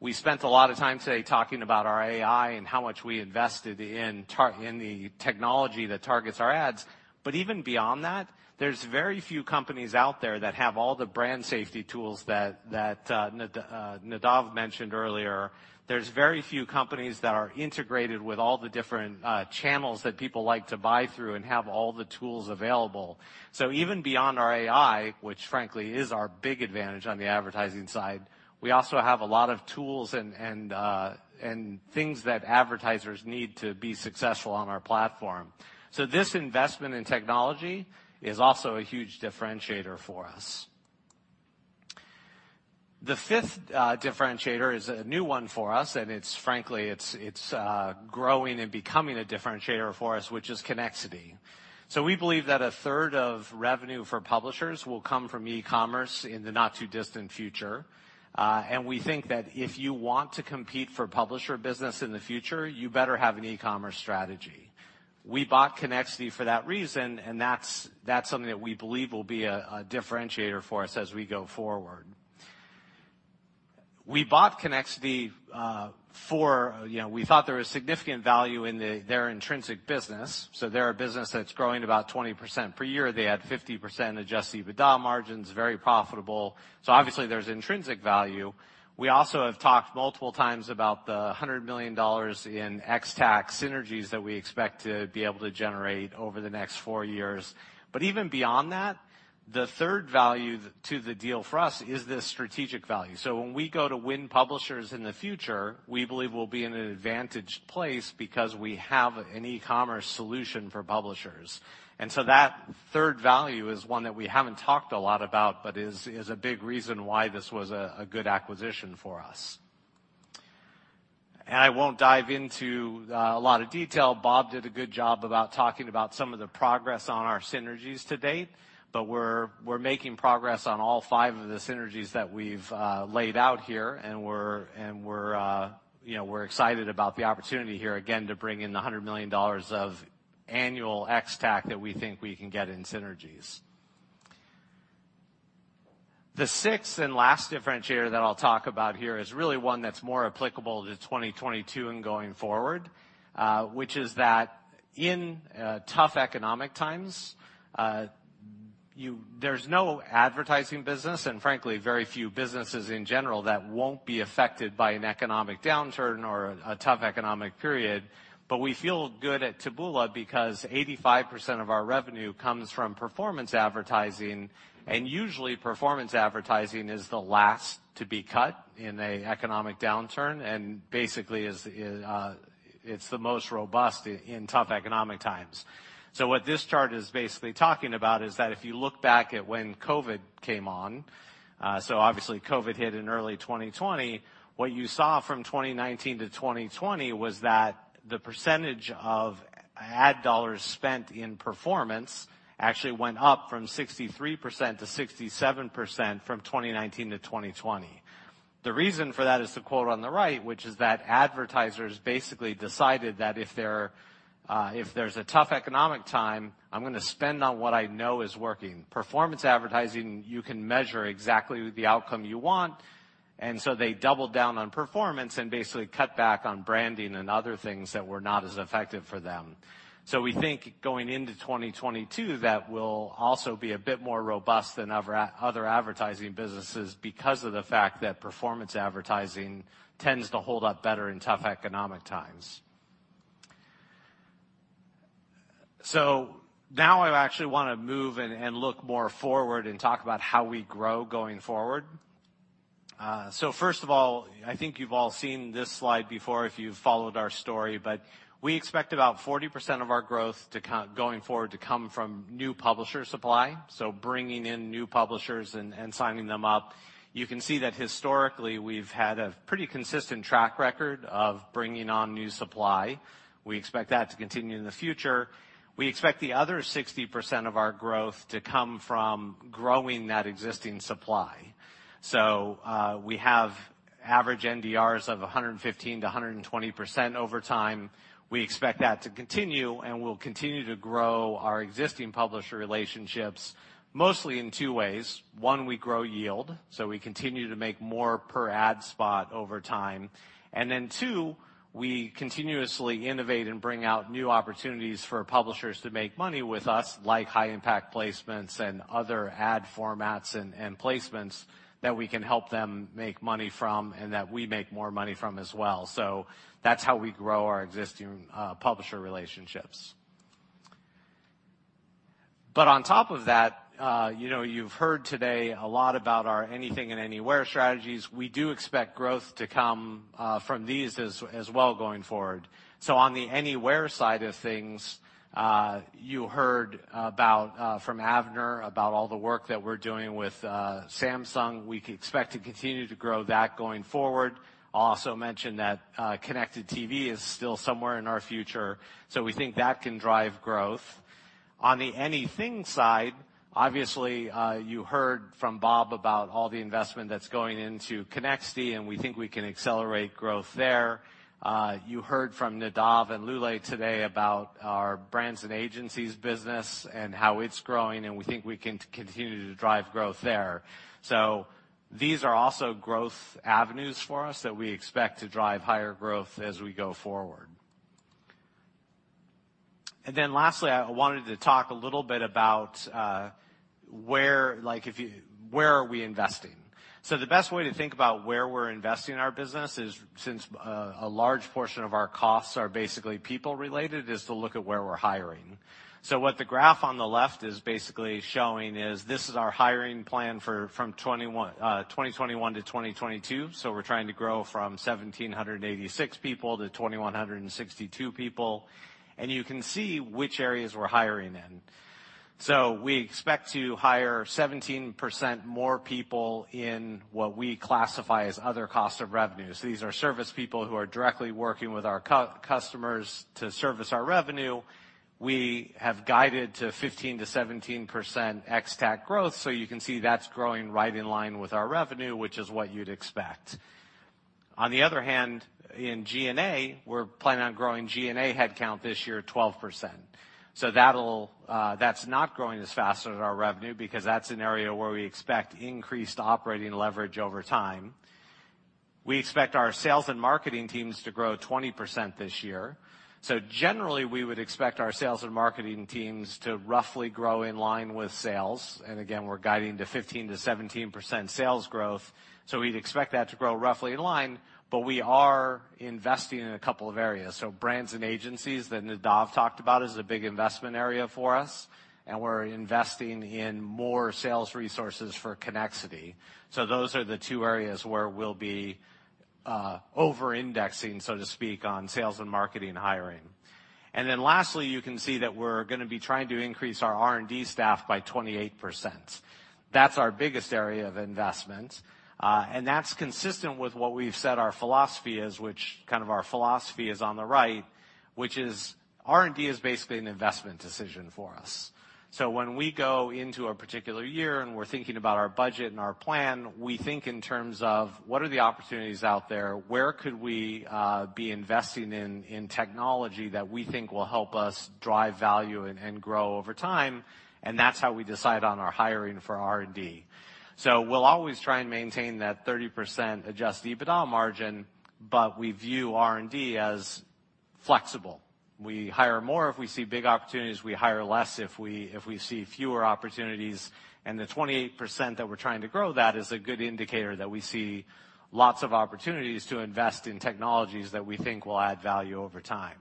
we spent a lot of time today talking about our AI and how much we invested in the technology that targets our ads. Even beyond that, there's very few companies out there that have all the brand safety tools that Nadav mentioned earlier. There's very few companies that are integrated with all the different channels that people like to buy through and have all the tools available. Even beyond our AI, which frankly is our big advantage on the advertising side, we also have a lot of tools and things that advertisers need to be successful on our platform. This investment in technology is also a huge differentiator for us. The fifth differentiator is a new one for us, and it's, frankly, growing and becoming a differentiator for us, which is Connexity. We believe that a third of revenue for publishers will come from e-commerce in the not too distant future. We think that if you want to compete for publisher business in the future, you better have an e-commerce strategy. We bought Connexity for that reason, and that's something that we believe will be a differentiator for us as we go forward. We bought Connexity for, you know, we thought there was significant value in the, their intrinsic business. They're a business that's growing about 20% per year. They had 50% adjusted EBITDA margins, very profitable. Obviously, there's intrinsic value. We also have talked multiple times about the $100 million in ex-TAC synergies that we expect to be able to generate over the next four years. Even beyond that, the third value to the deal for us is the strategic value. When we go to win publishers in the future, we believe we'll be in an advantaged place because we have an e-commerce solution for publishers. That third value is one that we haven't talked a lot about, but is a big reason why this was a good acquisition for us. I won't dive into a lot of detail. Bob did a good job about talking about some of the progress on our synergies to date. We're making progress on all five of the synergies that we've laid out here, and you know, we're excited about the opportunity here again to bring in the $100 million of annual ex-TAC that we think we can get in synergies. The sixth and last differentiator that I'll talk about here is really one that's more applicable to 2022 and going forward, which is that in tough economic times, there's no advertising business and frankly, very few businesses in general that won't be affected by an economic downturn or a tough economic period. We feel good at Taboola because 85% of our revenue comes from performance advertising, and usually, performance advertising is the last to be cut in an economic downturn and basically is, it's the most robust in tough economic times. What this chart is basically talking about is that if you look back at when COVID came on, so obviously COVID hit in early 2020, what you saw from 2019 to 2020 was that the percentage of ad dollars spent in performance actually went up from 63% to 67% from 2019 to 2020. The reason for that is the quote on the right, which is that advertisers basically decided that if there, if there's a tough economic time, I'm gonna spend on what I know is working. Performance advertising, you can measure exactly the outcome you want. They doubled down on performance and basically cut back on branding and other things that were not as effective for them. We think going into 2022, that will also be a bit more robust than other advertising businesses because of the fact that performance advertising tends to hold up better in tough economic times. Now I actually wanna move and look more forward and talk about how we grow going forward. First of all, I think you've all seen this slide before if you've followed our story, but we expect about 40% of our growth going forward to come from new publisher supply, so bringing in new publishers and signing them up. You can see that historically, we've had a pretty consistent track record of bringing on new supply. We expect that to continue in the future. We expect the other 60% of our growth to come from growing that existing supply. We have average NDRs of 115%-120% over time. We expect that to continue, and we'll continue to grow our existing publisher relationships mostly in two ways. One, we grow yield, so we continue to make more per ad spot over time. Two, we continuously innovate and bring out new opportunities for publishers to make money with us, like High Impact Placements and other ad formats and placements that we can help them make money from and that we make more money from as well. That's how we grow our existing publisher relationships. On top of that, you know, you've heard today a lot about our Anything and Anywhere strategies. We do expect growth to come from these as well going forward. On the anywhere side of things, you heard about from Avner about all the work that we're doing with Samsung. We expect to continue to grow that going forward. Also mentioned that connected TV is still somewhere in our future. We think that can drive growth. On the anything side, obviously, you heard from Bob about all the investment that's going into Connexity, and we think we can accelerate growth there. You heard from Nadav and Lule today about our brands and agencies business and how it's growing, and we think we can continue to drive growth there. These are also growth avenues for us that we expect to drive higher growth as we go forward. Lastly, I wanted to talk a little bit about where we are investing? The best way to think about where we're investing our business is since a large portion of our costs are basically people-related, is to look at where we're hiring. What the graph on the left is basically showing is this is our hiring plan for from 2021 to 2022. We're trying to grow from 1,786 people to 2,162 people. You can see which areas we're hiring in. We expect to hire 17% more people in what we classify as other cost of revenues. These are service people who are directly working with our customers to service our revenue. We have guided to 15%-17% ex-TAC growth. You can see that's growing right in line with our revenue, which is what you'd expect. On the other hand, in G&A, we're planning on growing G&A headcount this year 12%. That'll, that's not growing as fast as our revenue because that's an area where we expect increased operating leverage over time. We expect our sales and marketing teams to grow 20% this year. Generally, we would expect our sales and marketing teams to roughly grow in line with sales. Again, we're guiding to 15%-17% sales growth. We'd expect that to grow roughly in line, but we are investing in a couple of areas. Brands and agencies that Nadav talked about is a big investment area for us, and we're investing in more sales resources for Connexity. Those are the two areas where we'll be over-indexing, so to speak, on sales and marketing hiring. Lastly, you can see that we're gonna be trying to increase our R&D staff by 28%. That's our biggest area of investment, and that's consistent with what we've said our philosophy is, which kind of our philosophy is on the right, which is R&D is basically an investment decision for us. When we go into a particular year and we're thinking about our budget and our plan, we think in terms of what are the opportunities out there? Where could we be investing in technology that we think will help us drive value and grow over time? That's how we decide on our hiring for R&D. We'll always try and maintain that 30% adjusted EBITDA margin. We view R&D as flexible. We hire more if we see big opportunities, we hire less if we see fewer opportunities. The 28% that we're trying to grow that is a good indicator that we see lots of opportunities to invest in technologies that we think will add value over time.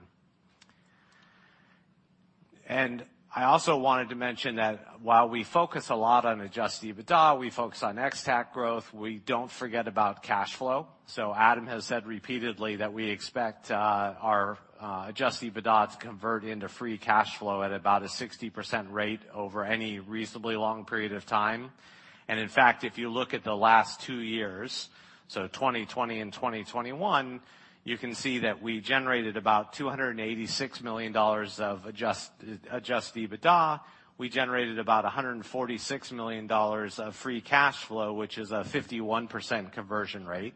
I also wanted to mention that while we focus a lot on adjusted EBITDA, we focus on ex-TAC growth, we don't forget about cash flow. Adam has said repeatedly that we expect our adjusted EBITDA to convert into free cash flow at about a 60% rate over any reasonably long period of time. In fact, if you look at the last two years, so 2020 and 2021, you can see that we generated about $286 million of adjusted EBITDA. We generated about $146 million of free cash flow, which is a 51% conversion rate.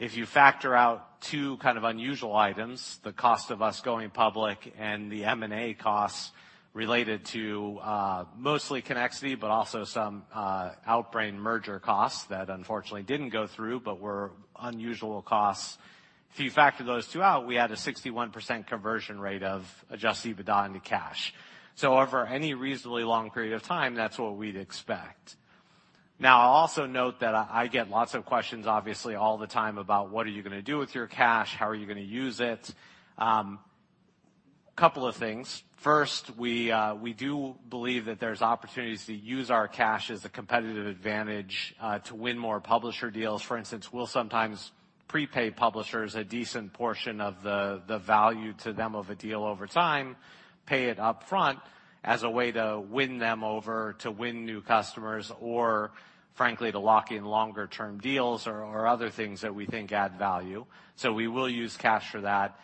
If you factor out two kind of unusual items, the cost of us going public and the M&A costs related to, mostly Connexity, but also some, Outbrain merger costs that unfortunately didn't go through but were unusual costs. If you factor those two out, we had a 61% conversion rate of adjusted EBITDA into cash. Over any reasonably long period of time, that's what we'd expect. Now, I'll also note that I get lots of questions, obviously, all the time about what are you gonna do with your cash? How are you gonna use it? Couple of things. First, we do believe that there's opportunities to use our cash as a competitive advantage, to win more publisher deals. For instance, we'll sometimes prepay publishers a decent portion of the value to them of a deal over time, pay it up front as a way to win them over, to win new customers, or frankly, to lock in longer-term deals or other things that we think add value. We will use cash for that.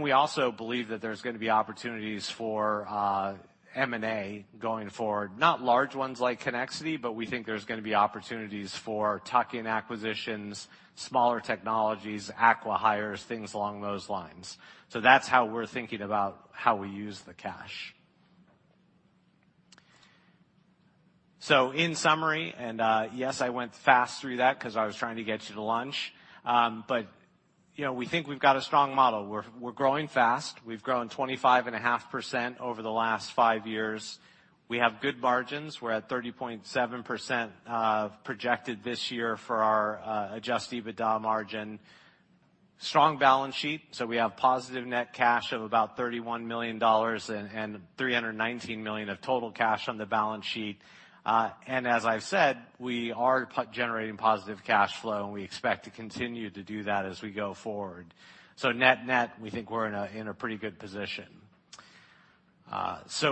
We also believe that there's gonna be opportunities for M&A going forward. Not large ones like Connexity, but we think there's gonna be opportunities for tuck-in acquisitions, smaller technologies, acqui-hires, things along those lines. That's how we're thinking about how we use the cash. In summary, and, yes, I went fast through that 'cause I was trying to get you to lunch. You know, we think we've got a strong model. We're growing fast. We've grown 25.5% over the last five years. We have good margins. We're at 30.7%, projected this year for our adjusted EBITDA margin. Strong balance sheet. We have positive net cash of about $31 million and $319 million of total cash on the balance sheet. As I've said, we are generating positive cash flow, and we expect to continue to do that as we go forward. Net-net, we think we're in a pretty good position.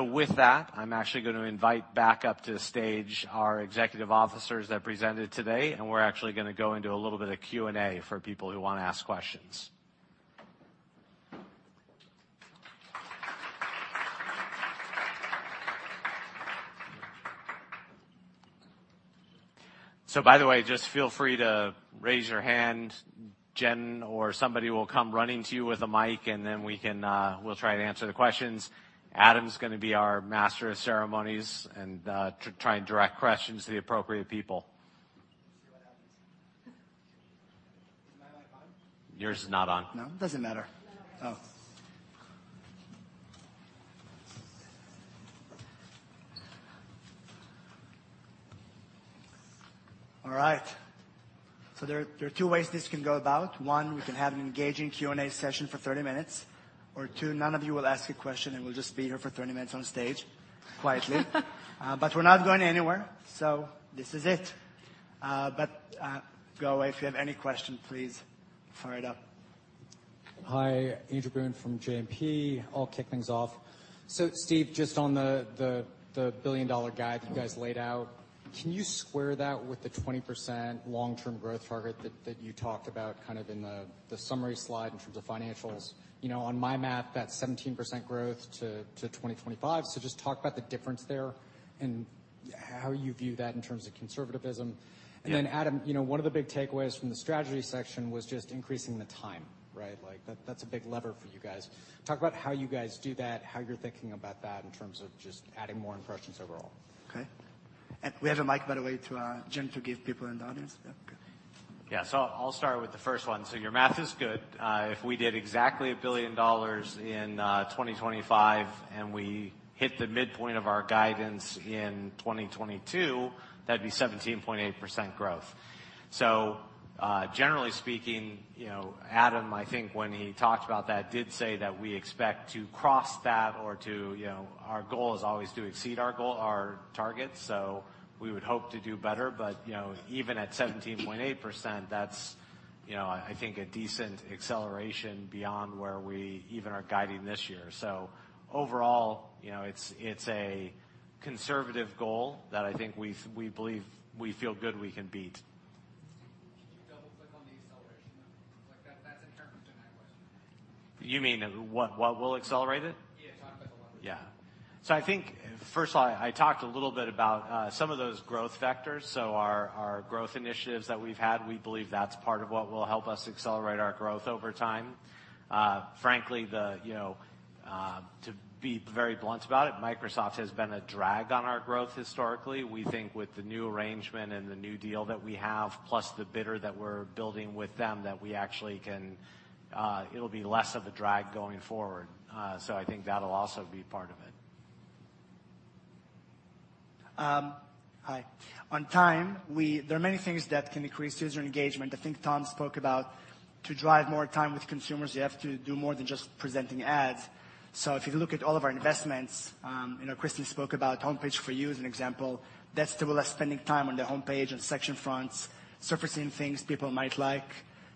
With that, I'm actually gonna invite back up to the stage our executive officers that presented today, and we're actually gonna go into a little bit of Q&A for people who wanna ask questions. By the way, just feel free to raise your hand. Jenn or somebody will come running to you with a mic, and then we can, we'll try to answer the questions. Adam's gonna be our master of ceremonies and to try and direct questions to the appropriate people. Yours is not on. No, it doesn't matter. Oh. All right. There are two ways this can go about. One, we can have an engaging Q&A session for 30 minutes, or two, none of you will ask a question, and we'll just be here for 30 minutes on stage quietly. But we're not going anywhere, so this is it. But go ahead. If you have any question, please fire away. Hi, Andrew Boone from JMP. I'll kick things off. Steve, just on the billion-dollar guide that you guys laid out, can you square that with the 20% long-term growth target that you talked about kind of in the summary slide in terms of financials? You know, on my math, that's 17% growth to 2025. Just talk about the difference there and how you view that in terms of conservatism. Yeah. Adam, you know, one of the big takeaways from the strategy section was just increasing the time, right? Like, that's a big lever for you guys. Talk about how you guys do that, how you're thinking about that in terms of just adding more impressions overall. Okay. We have a mic, by the way, to Jen to give people in the audience. Yeah, okay. Yeah. I'll start with the first one. Your math is good. If we did exactly $1 billion in 2025 and we hit the midpoint of our guidance in 2022, that'd be 17.8% growth. Generally speaking, you know, Adam, I think when he talked about that, did say that we expect to cross that or to. You know, our goal is always to exceed our goal, our targets. We would hope to do better. But, you know, even at 17.8%, that's, you know, I think a decent acceleration beyond where we even are guiding this year. Overall, you know, it's a conservative goal that I think we believe we feel good we can beat. Can you double-click on the acceleration of, like, that? That's inherently been my question. You mean what will accelerate it? Yeah. Talk about the leverage. I think, first of all, I talked a little bit about some of those growth vectors. Our growth initiatives that we've had, we believe that's part of what will help us accelerate our growth over time. Frankly, you know, to be very blunt about it, Microsoft has been a drag on our growth historically. We think with the new arrangement and the new deal that we have, plus the bidder that we're building with them, that we actually can, it'll be less of a drag going forward. I think that'll also be part of it. Hi. On time, there are many things that can increase user engagement. I think Tom spoke about to drive more time with consumers, you have to do more than just presenting ads. If you look at all of our investments, you know, Kristin spoke about Homepage For You as an example. That's Taboola spending time on the homepage and section fronts, surfacing things people might like.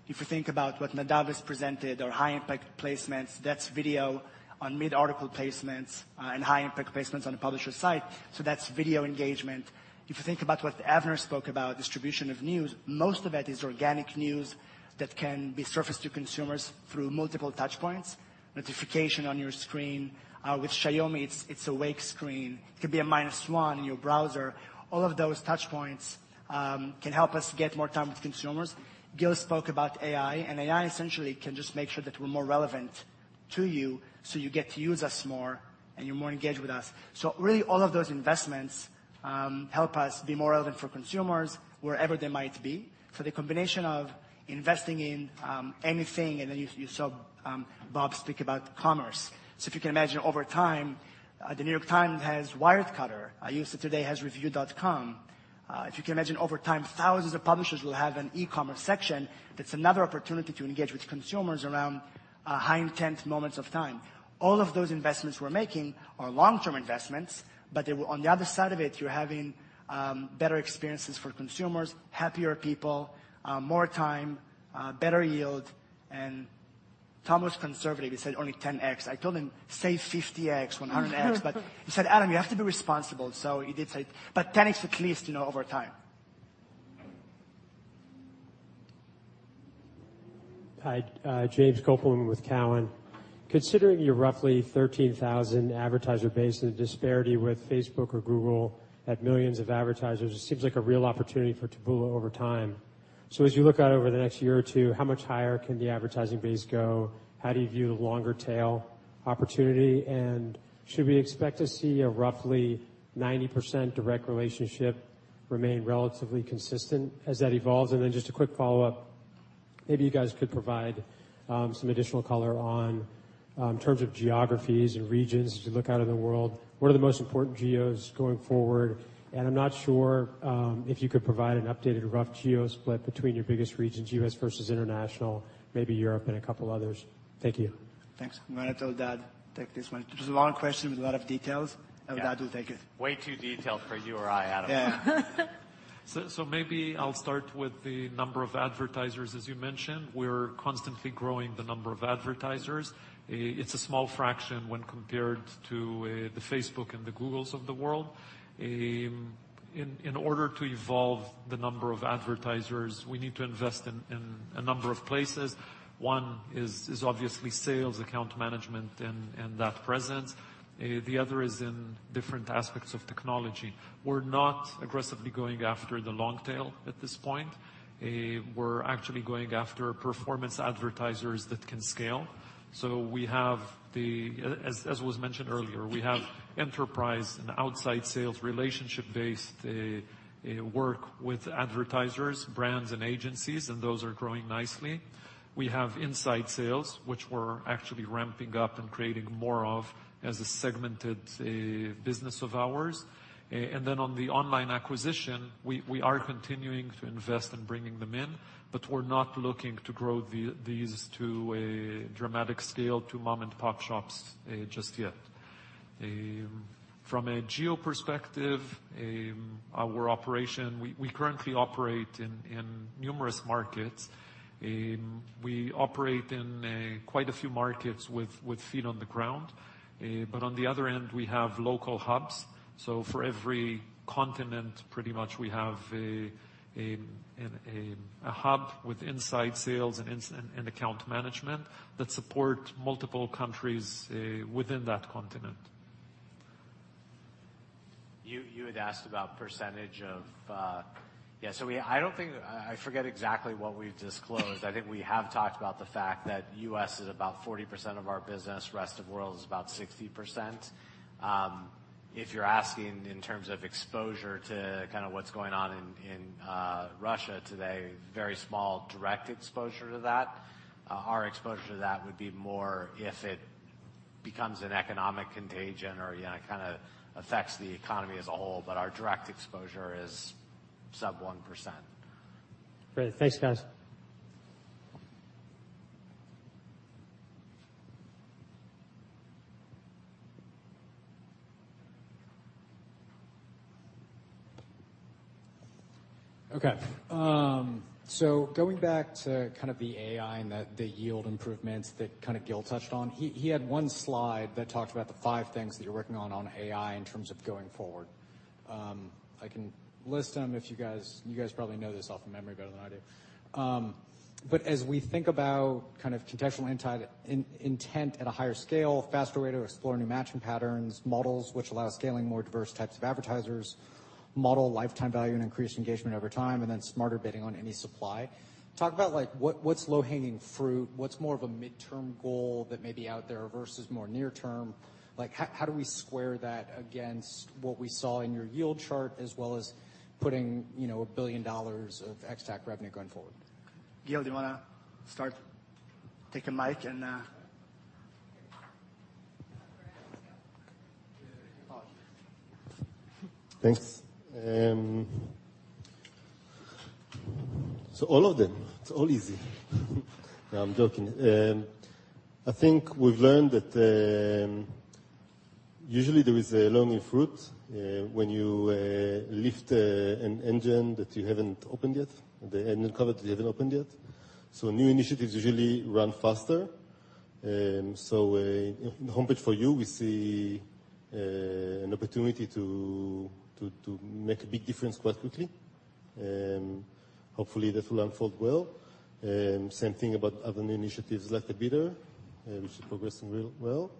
If you think about what Nadav has presented, our High Impact Placements, that's video on mid-article placements, and High Impact Placements on a publisher's site. That's video engagement. If you think about what Avner spoke about, distribution of news, most of that is organic news that can be surfaced to consumers through multiple touch points, notification on your screen. With Xiaomi, it's awake screen. It could be a Minus One in your browser. All of those touch points can help us get more time with consumers. Gil spoke about AI, and AI essentially can just make sure that we're more relevant to you, so you get to use us more and you're more engaged with us. Really, all of those investments help us be more relevant for consumers wherever they might be. The combination of investing in anything, and then you saw Bob speak about commerce. If you can imagine over time, The New York Times has Wirecutter. I used it today has Reviews.com. If you can imagine over time, thousands of publishers will have an e-commerce section. That's another opportunity to engage with consumers around high intent moments of time. All of those investments we're making are long-term investments, but on the other side of it, you're having better experiences for consumers, happier people, more time, better yield. Tom was conservative. He said only 10x. I told him, say 50x, 100x. He said, Adam, you have to be responsible. He did say, but 10x at least, you know, over time. Hi. James Kopelman with Cowen. Considering your roughly 13,000 advertiser base and the disparity with Facebook or Google at millions of advertisers, it seems like a real opportunity for Taboola over time. As you look out over the next year or two, how much higher can the advertising base go? How do you view the longer tail opportunity? Should we expect to see a roughly 90% direct relationship remain relatively consistent as that evolves? Just a quick follow-up, maybe you guys could provide some additional color on in terms of geographies and regions as you look out in the world, what are the most important geos going forward? I'm not sure if you could provide an updated rough geo split between your biggest regions, U.S. versus international, maybe Europe and a couple others. Thank you. Thanks. I'm gonna let Eldad take this one. It was a long question with a lot of details, and Eldad will take it. Yeah. Way too detailed for you or I, Adam. Yeah. Maybe I'll start with the number of advertisers. As you mentioned, we're constantly growing the number of advertisers. It's a small fraction when compared to the Facebook and the Googles of the world. In order to evolve the number of advertisers, we need to invest in a number of places. One is obviously sales, account management, and that presence. The other is in different aspects of technology. We're not aggressively going after the long tail at this point. We're actually going after performance advertisers that can scale. As was mentioned earlier, we have enterprise and outside sales relationship based work with advertisers, brands and agencies, and those are growing nicely. We have inside sales, which we're actually ramping up and creating more of as a segmented business of ours. On the online acquisition, we are continuing to invest in bringing them in, but we're not looking to grow these to a dramatic scale to mom and pop shops just yet. From a geo perspective, our operation, we currently operate in numerous markets. We operate in quite a few markets with feet on the ground. On the other end, we have local hubs. For every continent, pretty much we have a hub with inside sales and account management that support multiple countries within that continent. You had asked about percentage of. I don't think I forget exactly what we've disclosed. I think we have talked about the fact that U.S. is about 40% of our business. Rest of world is about 60%. If you're asking in terms of exposure to kinda what's going on in Russia today, very small direct exposure to that. Our exposure to that would be more if it becomes an economic contagion or, you know, kinda affects the economy as a whole. But our direct exposure is sub 1%. Great. Thanks, guys. Going back to kind of the AI and the yield improvements that kind of Gil touched on, he had one slide that talked about the five things that you're working on AI in terms of going forward. I can list them if you guys probably know this off the memory better than I do. As we think about kind of contextual and intent at a higher scale, faster way to explore new matching patterns, models which allow scaling more diverse types of advertisers, model lifetime value and increased engagement over time, and then smarter bidding on any supply. Talk about, like, what's low-hanging fruit, what's more of a midterm goal that may be out there versus more near-term. Like, how do we square that against what we saw in your yield chart as well as putting, you know, $1 billion of ex-TAC revenue going forward? Gil, do you wanna start? Take a mic and. Thanks. So all of them. It's all easy. No, I'm joking. I think we've learned that usually there is a low-hanging fruit when you lift an engine that you haven't opened yet, the engine cover that you haven't opened yet. New initiatives usually run faster. Homepage For You, we see an opportunity to make a big difference quite quickly. Hopefully that will unfold well. Same thing about other new initiatives like the bidder, which is progressing real well.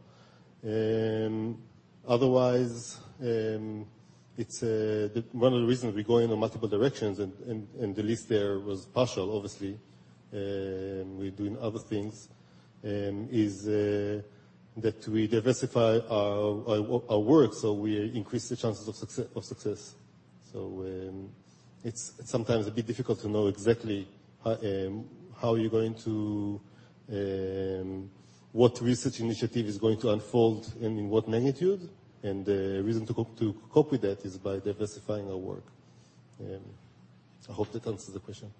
Otherwise, it's one of the reasons we're going in multiple directions and the list there was partial, obviously, we're doing other things is that we diversify our work, so we increase the chances of success. It's sometimes a bit difficult to know exactly what research initiative is going to unfold and in what magnitude. The reason to cope with that is by diversifying our work. I hope that answers the question.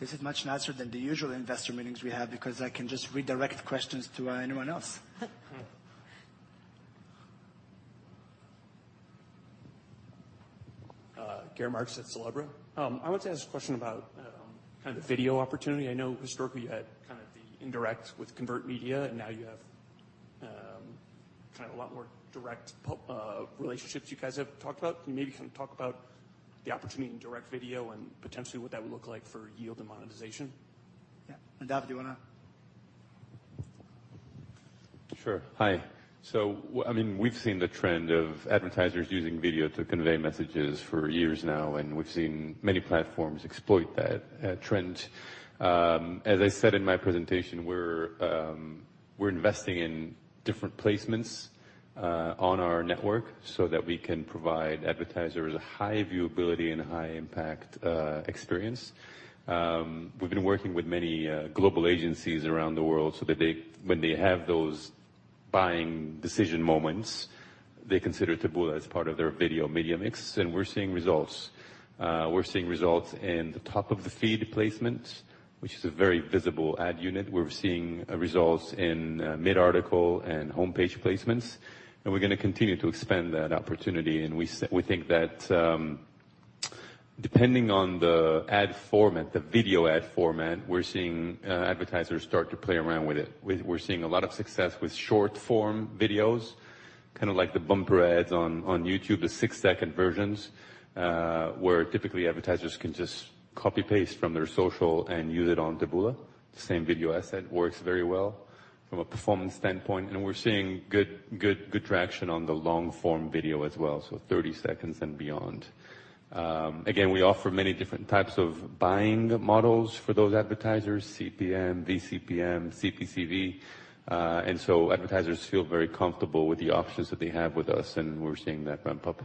This is much nicer than the usual investor meetings we have because I can just redirect questions to anyone else. Gary Marks at [Celebra. I want to ask a question about kind of the video opportunity. I know historically you had kind of the indirect with ConvertMedia, and now you have kind of a lot more direct pub relationships you guys have talked about. Can you maybe kind of talk about the opportunity in direct video and potentially what that would look like for yield and monetization? Yeah. Nadav, do you wanna? Sure. Hi. I mean, we've seen the trend of advertisers using video to convey messages for years now, and we've seen many platforms exploit that trend. As I said in my presentation, we're investing in different placements on our network so that we can provide advertisers a high viewability and high impact experience. We've been working with many global agencies around the world so that they, when they have those buying decision moments, they consider Taboola as part of their video media mix, and we're seeing results. We're seeing results in the top of the feed placement, which is a very visible ad unit. We're seeing results in mid-article and homepage placements, and we're gonna continue to expand that opportunity. We think that, depending on the ad format, the video ad format, we're seeing advertisers start to play around with it. We're seeing a lot of success with short form videos, kinda like the bumper ads on YouTube, the 6-second versions, where typically advertisers can just copy-paste from their social and use it on Taboola. The same video asset works very well from a performance standpoint, and we're seeing good traction on the long form video as well, so 30 seconds and beyond. Again, we offer many different types of buying models for those advertisers, CPM, VCPM, CPCV, and so advertisers feel very comfortable with the options that they have with us, and we're seeing that ramp up.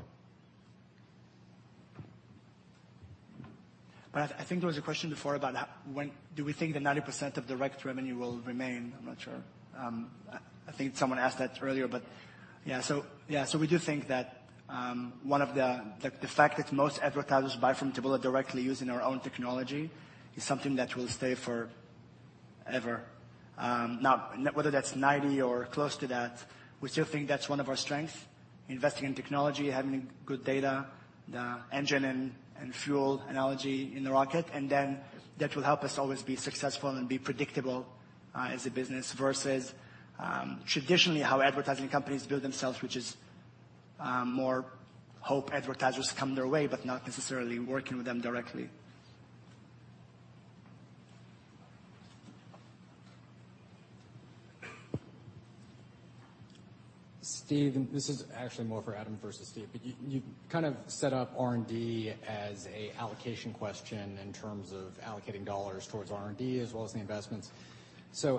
I think there was a question before about when do we think that 90% of direct revenue will remain? I'm not sure. I think someone asked that earlier, but yeah. We do think that one of the fact that most advertisers buy from Taboola directly using our own technology is something that will stay forever. Now whether that's 90 or close to that, we still think that's one of our strength. Investing in technology, having good data, the engine and fuel analogy in the rocket, and then that will help us always be successful and be predictable as a business versus traditionally how advertising companies build themselves, which is more hoping advertisers come their way but not necessarily working with them directly. Steve, this is actually more for Adam versus Steve, but you kind of set up R&D as an allocation question in terms of allocating dollars towards R&D as well as the investments.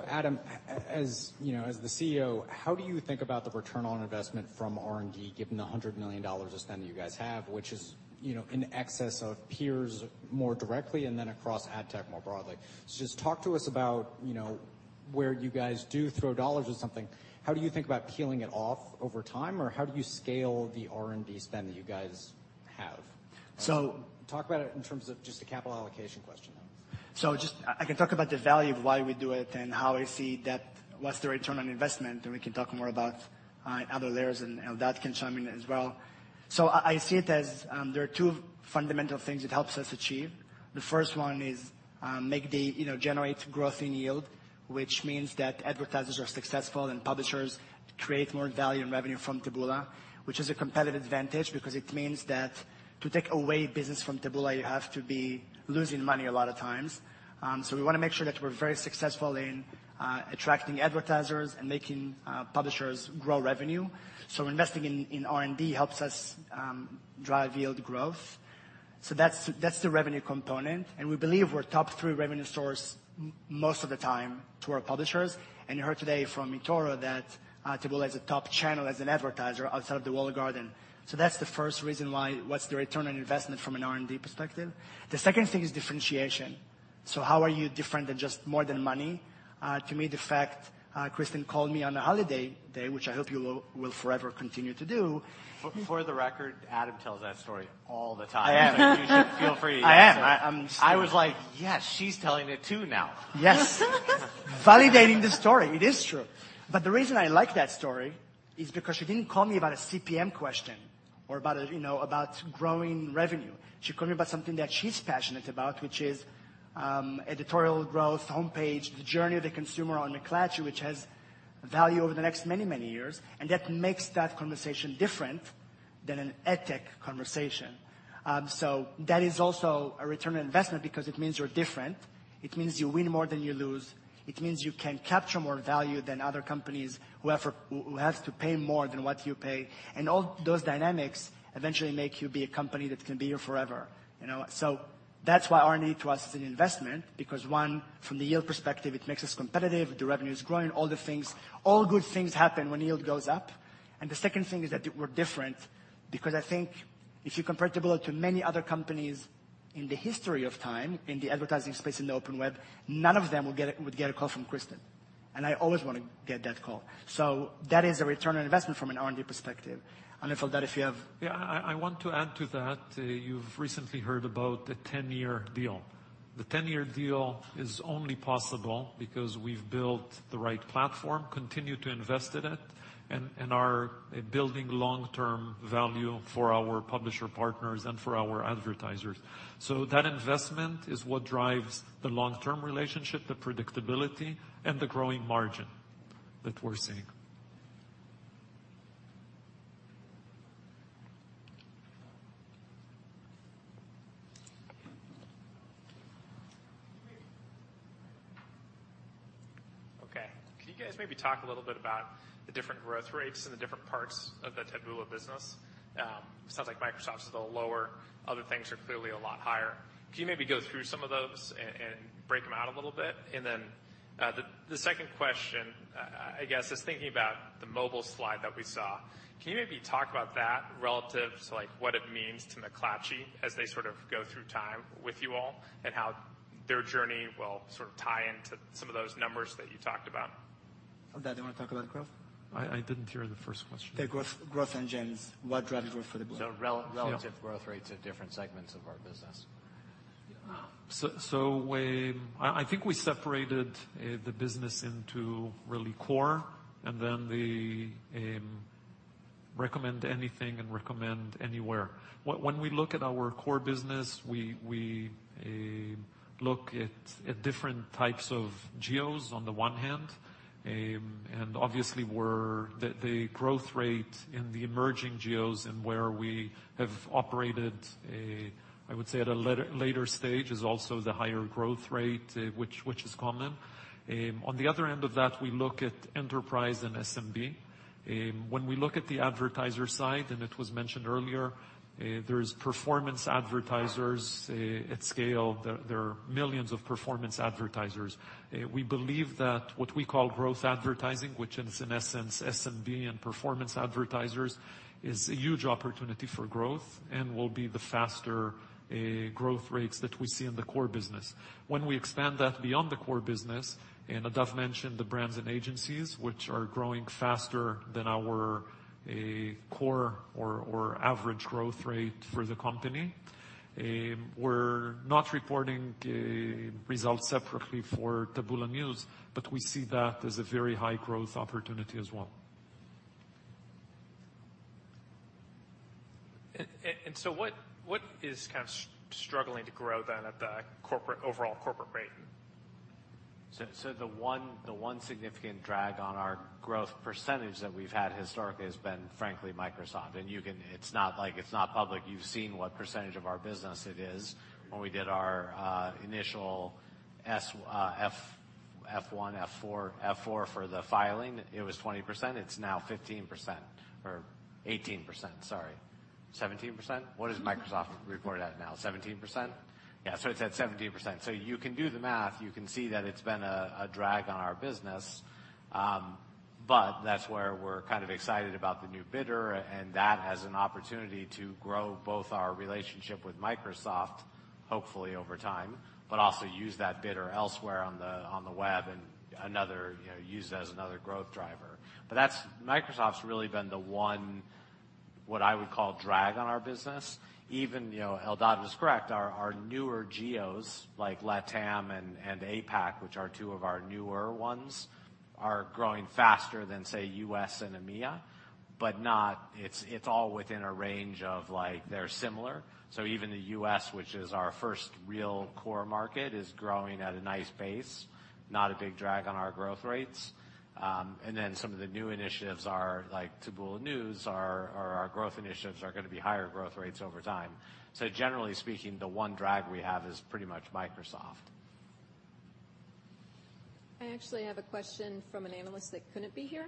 Adam, as you know, as the CEO, how do you think about the return on investment from R&D, given the $100 million of spend that you guys have, which is, you know, in excess of peers more directly and then across ad tech more broadly? Just talk to us about, you know, where you guys do throw dollars at something. How do you think about peeling it off over time, or how do you scale the R&D spend that you guys have? Talk about it in terms of just a capital allocation question. I can talk about the value of why we do it and how I see that, what's the return on investment, and we can talk more about other layers and that can chime in as well. I see it as there are two fundamental things it helps us achieve. The first one is, you know, generate growth in yield, which means that advertisers are successful and publishers create more value and revenue from Taboola. Which is a competitive advantage because it means that to take away business from Taboola, you have to be losing money a lot of times. We wanna make sure that we're very successful in attracting advertisers and making publishers grow revenue. Investing in R&D helps us drive yield growth. That's the revenue component, and we believe we're top three revenue source most of the time to our publishers. You heard today from eToro that Taboola is a top channel as an advertiser outside of the walled garden. That's the first reason why, what's the return on investment from an R&D perspective. The second thing is differentiation. How are you different than just more than money? To me, the fact Kristin called me on a holiday day, which I hope you will forever continue to do. For the record, Adam tells that story all the time. I am. You should feel free. I am. I was like, "Yes, she's telling it too now. Yes. Validating the story. It is true. The reason I like that story is because she didn't call me about a CPM question or about a, you know, about growing revenue. She called me about something that she's passionate about, which is editorial growth, homepage, the journey of the consumer on McClatchy, which has value over the next many, many years, and that makes that conversation different than an ad tech conversation. That is also a return on investment because it means you're different, it means you win more than you lose, it means you can capture more value than other companies who has to pay more than what you pay. All those dynamics eventually make you be a company that can be here forever, you know? That's why R&D to us is an investment. Because one, from the yield perspective, it makes us competitive. The revenue is growing, all the things. All good things happen when yield goes up. The second thing is that we're different because I think if you compare Taboola to many other companies in the history of time in the advertising space in the open web, none of them would get a call from Kristin. I always wanna get that call. That is a return on investment from an R&D perspective. I feel that if you have- Yeah. I want to add to that. You've recently heard about the 10-year deal. The 10-year deal is only possible because we've built the right platform, continue to invest in it, and are building long-term value for our publisher partners and for our advertisers. That investment is what drives the long-term relationship, the predictability, and the growing margin that we're seeing. Okay. Can you guys maybe talk a little bit about the different growth rates in the different parts of the Taboola business? It sounds like Microsoft's a little lower, other things are clearly a lot higher. Can you maybe go through some of those and break them out a little bit? The second question, I guess, is thinking about the mobile slide that we saw. Can you maybe talk about that relative to like what it means to McClatchy as they sort of go through time with you all, and how their journey will sort of tie into some of those numbers that you talked about? Eldad, you wanna talk about growth? I didn't hear the first question. The growth engines, what drives growth for the board. Relative growth rates of different segments of our business. I think we separated the business into really core and then the recommend anything and recommend anywhere. When we look at our core business, we look at different types of geos on the one hand. Obviously we're seeing the growth rate in the emerging geos and where we have operated, I would say at a later stage is also the higher growth rate, which is common. On the other end of that, we look at enterprise and SMB. When we look at the advertiser side, it was mentioned earlier, there's performance advertisers at scale. There are millions of performance advertisers. We believe that what we call growth advertising, which is in essence SMB and performance advertisers, is a huge opportunity for growth and will be the faster growth rates that we see in the core business. When we expand that beyond the core business, and Nadav mentioned the brands and agencies which are growing faster than our core or average growth rate for the company. We're not reporting results separately for Taboola News, but we see that as a very high growth opportunity as well. What is kind of struggling to grow then at the corporate, overall corporate rate? The one significant drag on our growth percentage that we've had historically has been frankly, Microsoft. You can. It's not like it's not public. You've seen what percentage of our business it is. When we did our initial F1, F4 for the filing, it was 20%. It's now 15% or 18%, sorry. 17%? What does Microsoft report at now? 17%? Yeah, so it's at 17%. You can do the math. You can see that it's been a drag on our business. But that's where we're kind of excited about the new bidder, and that has an opportunity to grow both our relationship with Microsoft, hopefully over time, but also use that bidder elsewhere. On the web and another, you know, use it as another growth driver. That's Microsoft's really been the one, what I would call drag on our business. Even, you know, Eldad is correct, our newer geos like LATAM and APAC, which are two of our newer ones, are growing faster than say U.S. and EMEA, but not. It's all within a range of like they're similar. Even the U.S., which is our first real core market, is growing at a nice pace, not a big drag on our growth rates. Some of the new initiatives like Taboola News are our growth initiatives gonna be higher growth rates over time. Generally speaking, the one drag we have is pretty much Microsoft. I actually have a question from an analyst that couldn't be here.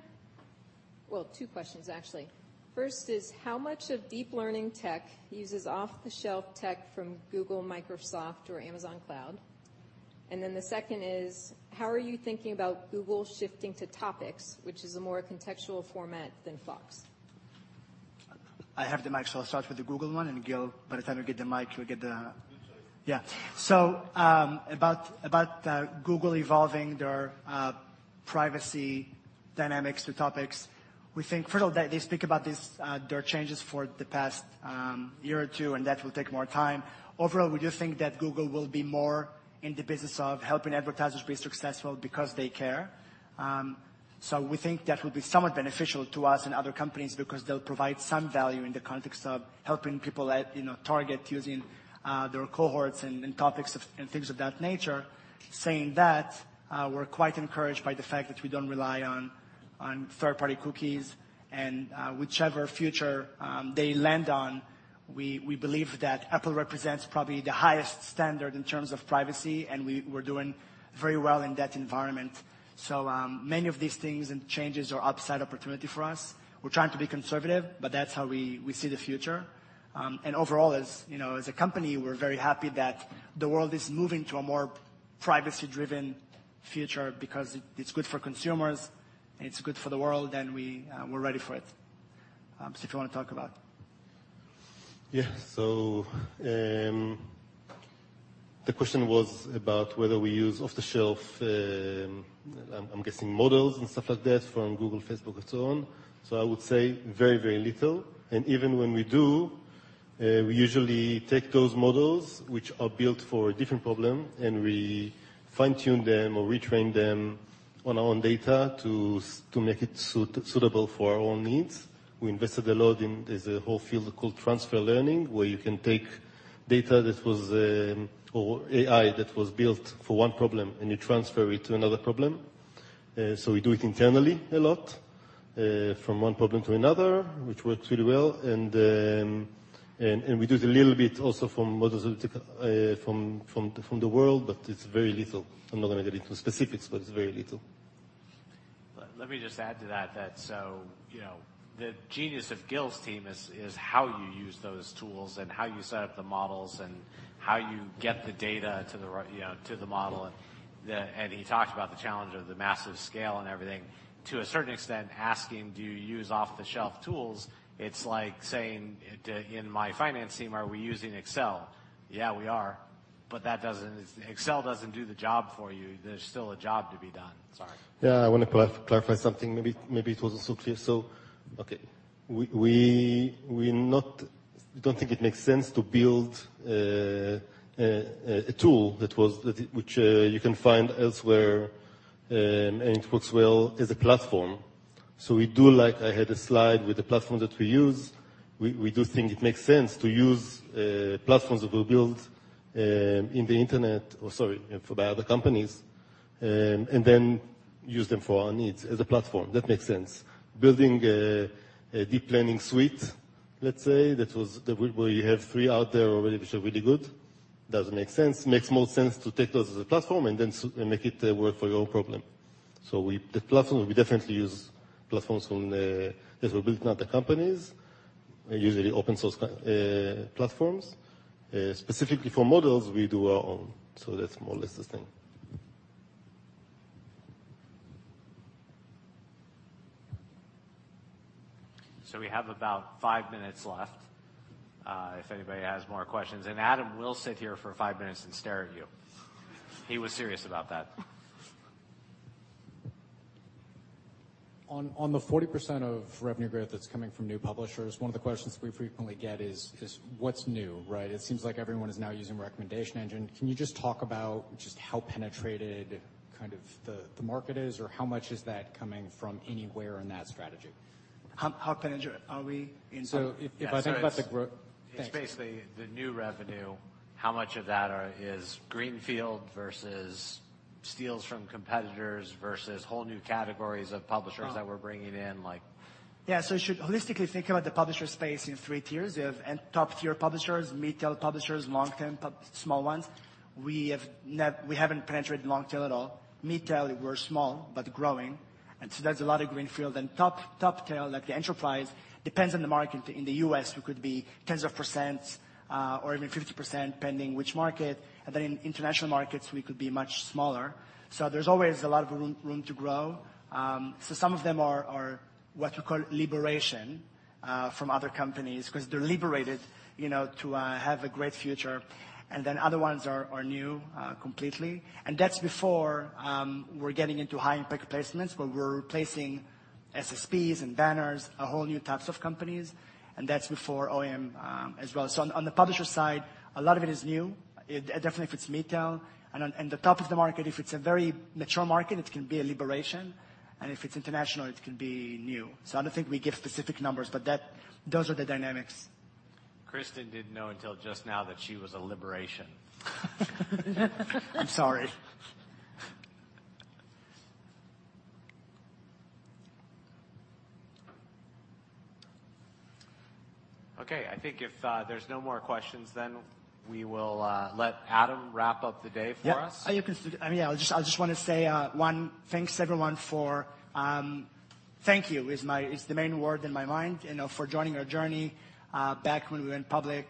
Well, two questions actually. First is, how much of deep learning tech uses off-the-shelf tech from Google, Microsoft, or Amazon Cloud? Then the second is, how are you thinking about Google shifting to topics which is a more contextual format than FLoC? I have the mic, so I'll start with the Google one, and Gil, by the time you get the mic, you'll get the. Yeah. Yeah. About Google evolving their privacy dynamics to topics, we think first of all they speak about this, their changes for the past year or two, and that will take more time. Overall, we do think that Google will be more in the business of helping advertisers be successful because they care. We think that will be somewhat beneficial to us and other companies because they'll provide some value in the context of helping people, you know, target using their cohorts and topics and things of that nature. Saying that, we're quite encouraged by the fact that we don't rely on third-party cookies and whichever future they land on, we believe that Apple represents probably the highest standard in terms of privacy, and we're doing very well in that environment. Many of these things and changes are upside opportunity for us. We're trying to be conservative, but that's how we see the future. Overall, as you know, as a company, we're very happy that the world is moving to a more privacy-driven future because it's good for consumers, and it's good for the world, and we're ready for it. If you wanna talk about. Yeah. The question was about whether we use off-the-shelf, I'm guessing models and stuff like that from Google, Facebook, and so on. I would say very, very little. Even when we do, we usually take those models which are built for a different problem, and we fine-tune them or retrain them on our own data to make it suitable for our own needs. We invested a lot in. There's a whole field called transfer learning, where you can take data that was or AI that was built for one problem, and you transfer it to another problem. We do it internally a lot, from one problem to another, which works really well. We do it a little bit also from models from the world, but it's very little. I'm not gonna get into specifics, but it's very little. Let me just add to that, so, you know, the genius of Gil's team is how you use those tools and how you set up the models and how you get the data to the, you know, to the model. He talked about the challenge of the massive scale and everything. To a certain extent, asking do you use off-the-shelf tools, it's like saying in my finance team, are we using Excel? Yeah, we are, but that doesn't. Excel doesn't do the job for you. There's still a job to be done. Sorry. I want to clarify something. Maybe it wasn't so clear. Okay. We don't think it makes sense to build a tool that you can find elsewhere and it works well as a platform. We do. Like, I had a slide with the platform that we use. We do think it makes sense to use platforms that were built by other companies and then use them for our needs as a platform. That makes sense. Building a deep learning suite, let's say, that we have three out there already, which are really good, doesn't make sense. Makes more sense to take those as a platform and then make it work for your problem. The platform, we definitely use platforms from that were built by other companies, usually open source platforms. Specifically for models, we do our own, that's more or less the thing. We have about five minutes left, if anybody has more questions. Adam will sit here for five minutes and stare at you. He was serious about that. On the 40% of revenue growth that's coming from new publishers, one of the questions we frequently get is what's new, right? It seems like everyone is now using recommendation engine. Can you just talk about just how penetrated kind of the market is, or how much is that coming from anywhere in that strategy? How can I answer it? Are we in- If I think about the growth Thanks. It's basically the new revenue, how much of that is greenfield versus steals from competitors versus whole new categories of publishers. Oh. That we're bringing in, like. Yeah. You should holistically think about the publisher space in three tiers. You have top tier publishers, mid-tier publishers, long tail publishers, small ones. We haven't penetrated long tail at all. Mid-tail, we're small, but growing, and so there's a lot of greenfield. Top tail, like the enterprise, depends on the market. In the U.S., we could be tens of percents, or even 50%, depending which market. Then in international markets, we could be much smaller. There's always a lot of room to grow. Some of them are what we call liberation from other companies 'cause they're liberated, you know, to have a great future. Then other ones are new completely. That's before we're getting into High Impact Placements where we're replacing SSPs and banners, a whole new types of companies, and that's before OEM, as well. On the publisher side, a lot of it is new, definitely if it's mid-tier. On in the top of the market, if it's a very mature market, it can be a liberation, and if it's international, it can be new. I don't think we give specific numbers, but that, those are the dynamics. Kristin didn't know until just now that she was a liberation. I'm sorry. Okay. I think if there's no more questions, then we will let Adam wrap up the day for us. I'll just wanna say thanks everyone for joining our journey back when we went public. Thank you is the main word in my mind, you know, for joining our journey back when we went public.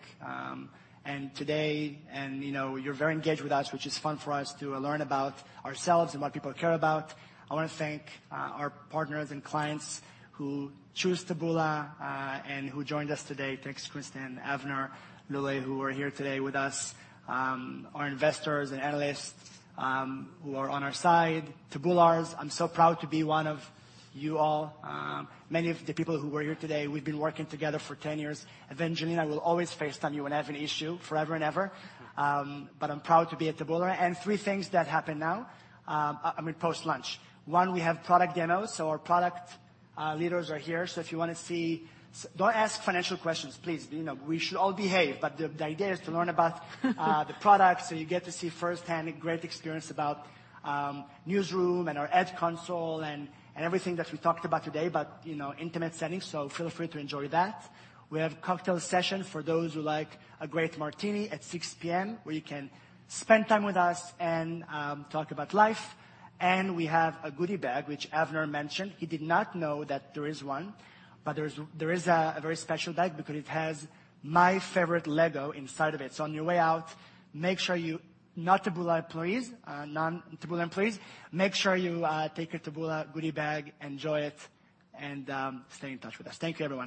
Today, you know, you're very engaged with us, which is fun for us to learn about ourselves and what people care about. I wanna thank our partners and clients who choose Taboola and who joined us today. Thanks Kristin, Avner, Lule, who are here today with us. Our investors and analysts who are on our side. Taboolars, I'm so proud to be one of you all. Many of the people who are here today, we've been working together for 10 years. Evangeline, I will always FaceTime you when I have an issue, forever and ever. I'm proud to be at Taboola. Three things that happen now, I mean, post-lunch. One, we have product demos, so our product leaders are here. If you wanna see, don't ask financial questions, please. You know, we should all behave. The idea is to learn about the product, so you get to see firsthand a great experience about Newsroom and our ad console and everything that we talked about today. You know, intimate setting, so feel free to enjoy that. We have cocktail session for those who like a great martini at 6:00 P.M., where you can spend time with us and talk about life. We have a goodie bag, which Avner mentioned. He did not know that there is one, but there is a very special bag because it has my favorite LEGO inside of it. On your way out, make sure you, not Taboola employees, non-Taboola employees, take a Taboola goodie bag, enjoy it, and stay in touch with us. Thank you, everyone.